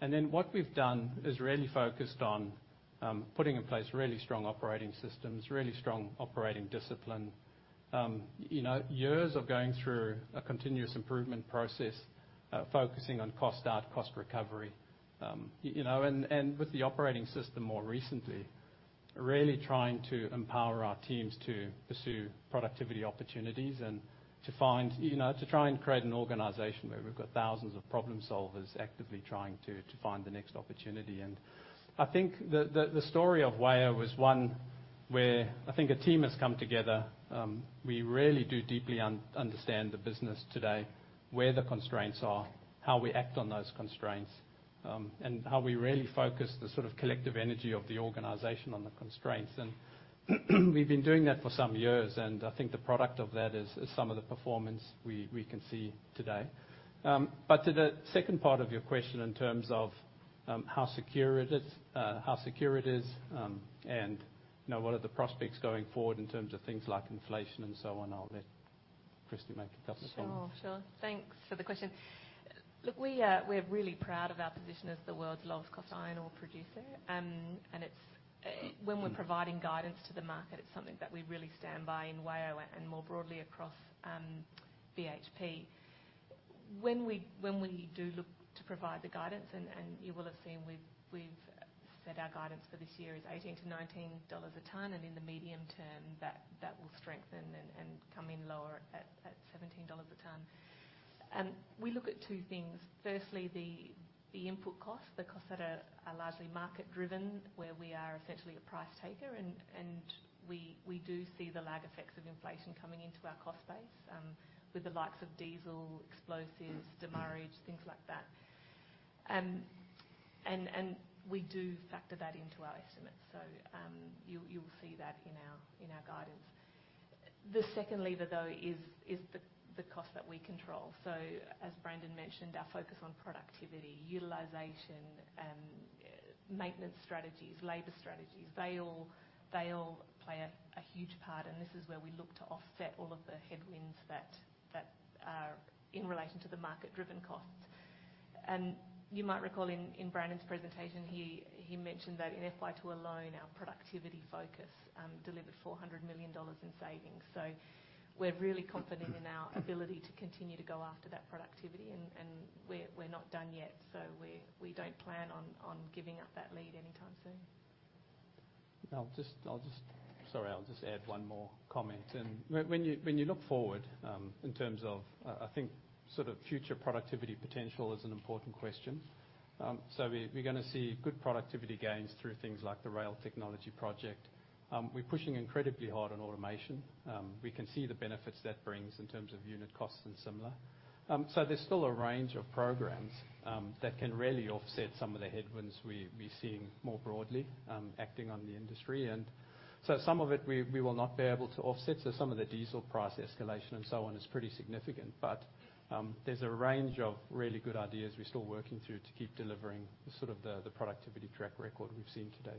What we've done is really focused on putting in place really strong operating systems, really strong operating discipline. You know, years of going through a continuous improvement process, focusing on cost out, cost recovery. You know, and with the operating system more recently, really trying to empower our teams to pursue productivity opportunities and to find, you know, to try and create an organization where we've got thousands of problem solvers actively trying to find the next opportunity. I think the story of Whyalla was one where I think a team has come together. We really do deeply understand the business today, where the constraints are, how we act on those constraints. And how we really focus the sort of collective energy of the organization on the constraints. We've been doing that for some years, and I think the product of that is some of the performance we can see today. To the second part of your question in terms of how secure it is, and you know, what are the prospects going forward in terms of things like inflation and so on, I'll let Kristy make a couple comments. Sure. Thanks for the question. Look, we're really proud of our position as the world's lowest cost iron ore producer. It's when we're providing guidance to the market, it's something that we really stand by in WA and more broadly across BHP. When we do look to provide the guidance, and you will have seen, we've set our guidance for this year at $18-$19 a ton, and in the medium term, that will strengthen and come in lower at $17 a ton. We look at two things. Firstly, the input costs, the costs that are largely market-driven, where we are essentially a price taker and we do see the lag effects of inflation coming into our cost base, with the likes of diesel, explosives, demurrage, things like that. And we do factor that into our estimates. You will see that in our guidance. The second lever, though, is the cost that we control. As Brandon mentioned, our focus on productivity, utilization, maintenance strategies, labor strategies, they all play a huge part, and this is where we look to offset all of the headwinds that are in relation to the market-driven costs. You might recall in Brandon's presentation, he mentioned that in FY2 alone, our productivity focus delivered $400 million in savings. We're really confident in our ability to continue to go after that productivity, and we're not done yet, so we don't plan on giving up that lead anytime soon. I'll just add one more comment. When you look forward, in terms of, I think sort of future productivity potential is an important question. We're gonna see good productivity gains through things like the rail technology project. We're pushing incredibly hard on automation. We can see the benefits that brings in terms of unit costs and similar. There's still a range of programs that can really offset some of the headwinds we're seeing more broadly acting on the industry. Some of it we will not be able to offset. Some of the diesel price escalation and so on is pretty significant. There's a range of really good ideas we're still working through to keep delivering the sort of productivity track record we've seen today.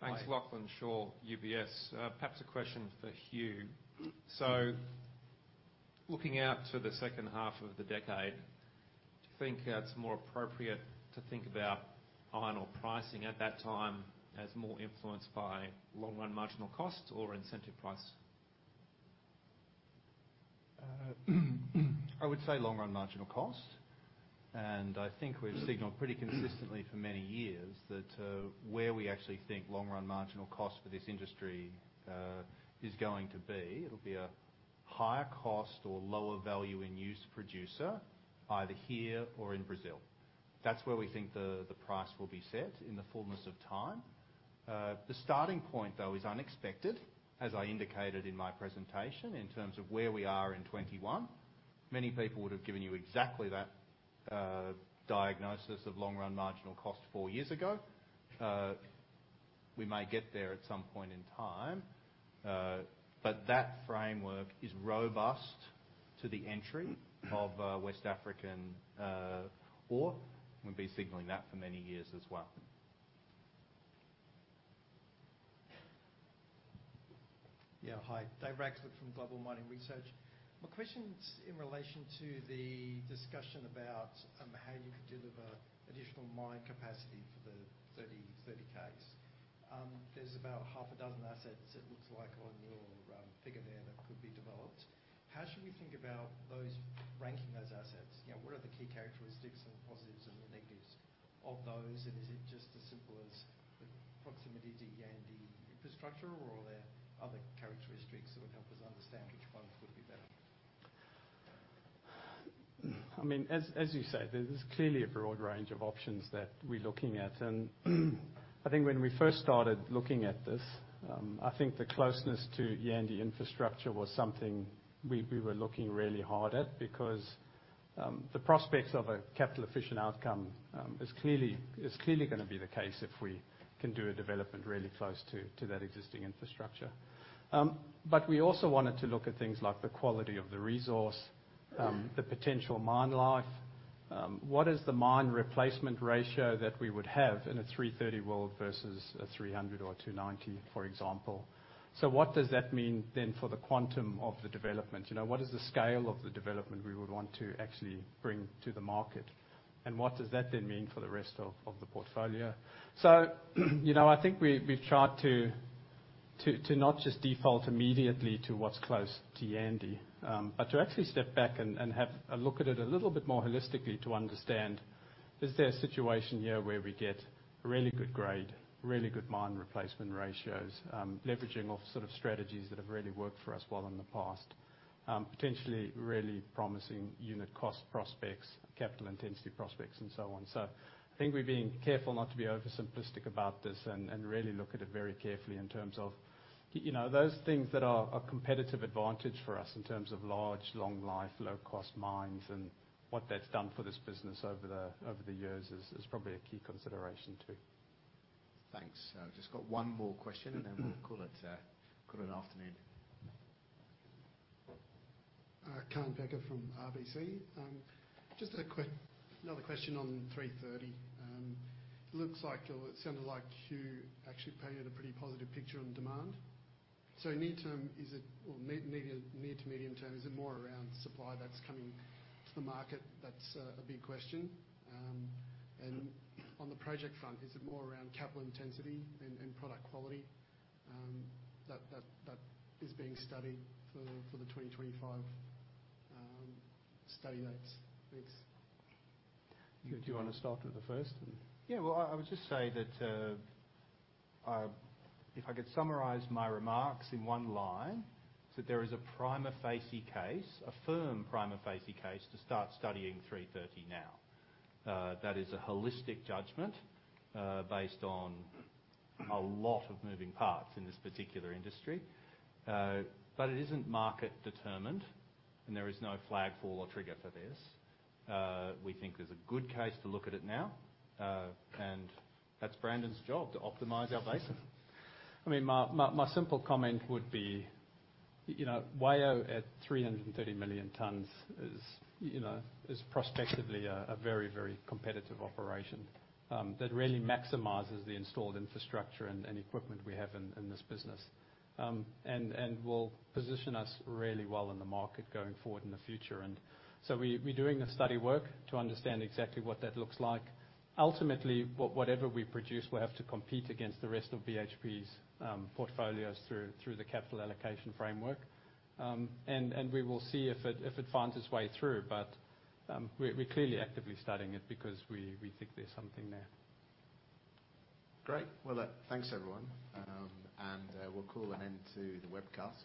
Thanks, Lachlan Shaw, UBS. Perhaps a question for Huw McKay. Looking out to the second half of the decade, do you think it's more appropriate to think about iron ore pricing at that time as more influenced by long run marginal costs or incentive price? I would say long run marginal cost. I think we've signaled pretty consistently for many years that where we actually think long run marginal cost for this industry is going to be. It'll be a higher cost or lower value in use producer, either here or in Brazil. That's where we think the price will be set in the fullness of time. The starting point, though, is unexpected, as I indicated in my presentation, in terms of where we are in 2021. Many people would have given you exactly that diagnosis of long run marginal cost four years ago. We may get there at some point in time, but that framework is robust to the entry of West African ore. We've been signaling that for many years as well. Hi. David Radclyffe from Global Mining Research. My question's in relation to the discussion about how you could deliver additional mine capacity for the 30-30 case. There's about half a dozen assets, it looks like, on your figure there that could be developed. How should we think about those, ranking those assets? You know, what are the key characteristics and the positives and the negatives of those? Is it just as simple as the proximity to Yandi infrastructure, or are there other characteristics that would help us understand which ones would be better? I mean, as you say, there's clearly a broad range of options that we're looking at. I think when we first started looking at this, I think the closeness to Yandi infrastructure was something we were looking really hard at because the prospects of a capital-efficient outcome is clearly gonna be the case if we can do a development really close to that existing infrastructure. But we also wanted to look at things like the quality of the resource, the potential mine life. What is the mine replacement ratio that we would have in a 330 world versus a 300 or 290, for example? What does that mean then for the quantum of the development? What is the scale of the development we would want to actually bring to the market, and what does that then mean for the rest of the portfolio? You know, I think we've tried to not just default immediately to what's close to Yandi, but to actually step back and have a look at it a little bit more holistically to understand, is there a situation here where we get really good grade, really good mine replacement ratios, leveraging off sort of strategies that have really worked for us well in the past. Potentially really promising unit cost prospects, capital intensity prospects, and so on. I think we're being careful not to be oversimplistic about this and really look at it very carefully in terms of, you know, those things that are a competitive advantage for us in terms of large, long life, low cost mines and what that's done for this business over the years is probably a key consideration too. Thanks. Just got one more question, and then we'll call it an afternoon. Kaan Peker from RBC. Another question on 330. It looks like or it sounded like you actually painted a pretty positive picture on demand. Near to medium term, is it more around supply that's coming to the market that's a big question? On the project front, is it more around capital intensity and product quality that is being studied for the 2025 study dates? Thanks. Do you wanna start with the first? Well, I would just say that if I could summarize my remarks in one line, is that there is a prima facie case, a firm prima facie case to start studying 330 now. That is a holistic judgment based on a lot of moving parts in this particular industry. It isn't market determined, and there is no flag fall or trigger for this. We think there's a good case to look at it now, and that's Brandon's job to optimize our basin. I mean, my simple comment would be, you know, WAIO at 330 million tons is, you know, prospectively a very competitive operation that really maximizes the installed infrastructure and equipment we have in this business. It will position us really well in the market going forward in the future. We're doing the study work to understand exactly what that looks like. Ultimately, whatever we produce will have to compete against the rest of BHP's portfolios through the capital allocation framework. We will see if it finds its way through. We're clearly actively studying it because we think there's something there. Great. Well, thanks, everyone. We'll call an end to the webcast.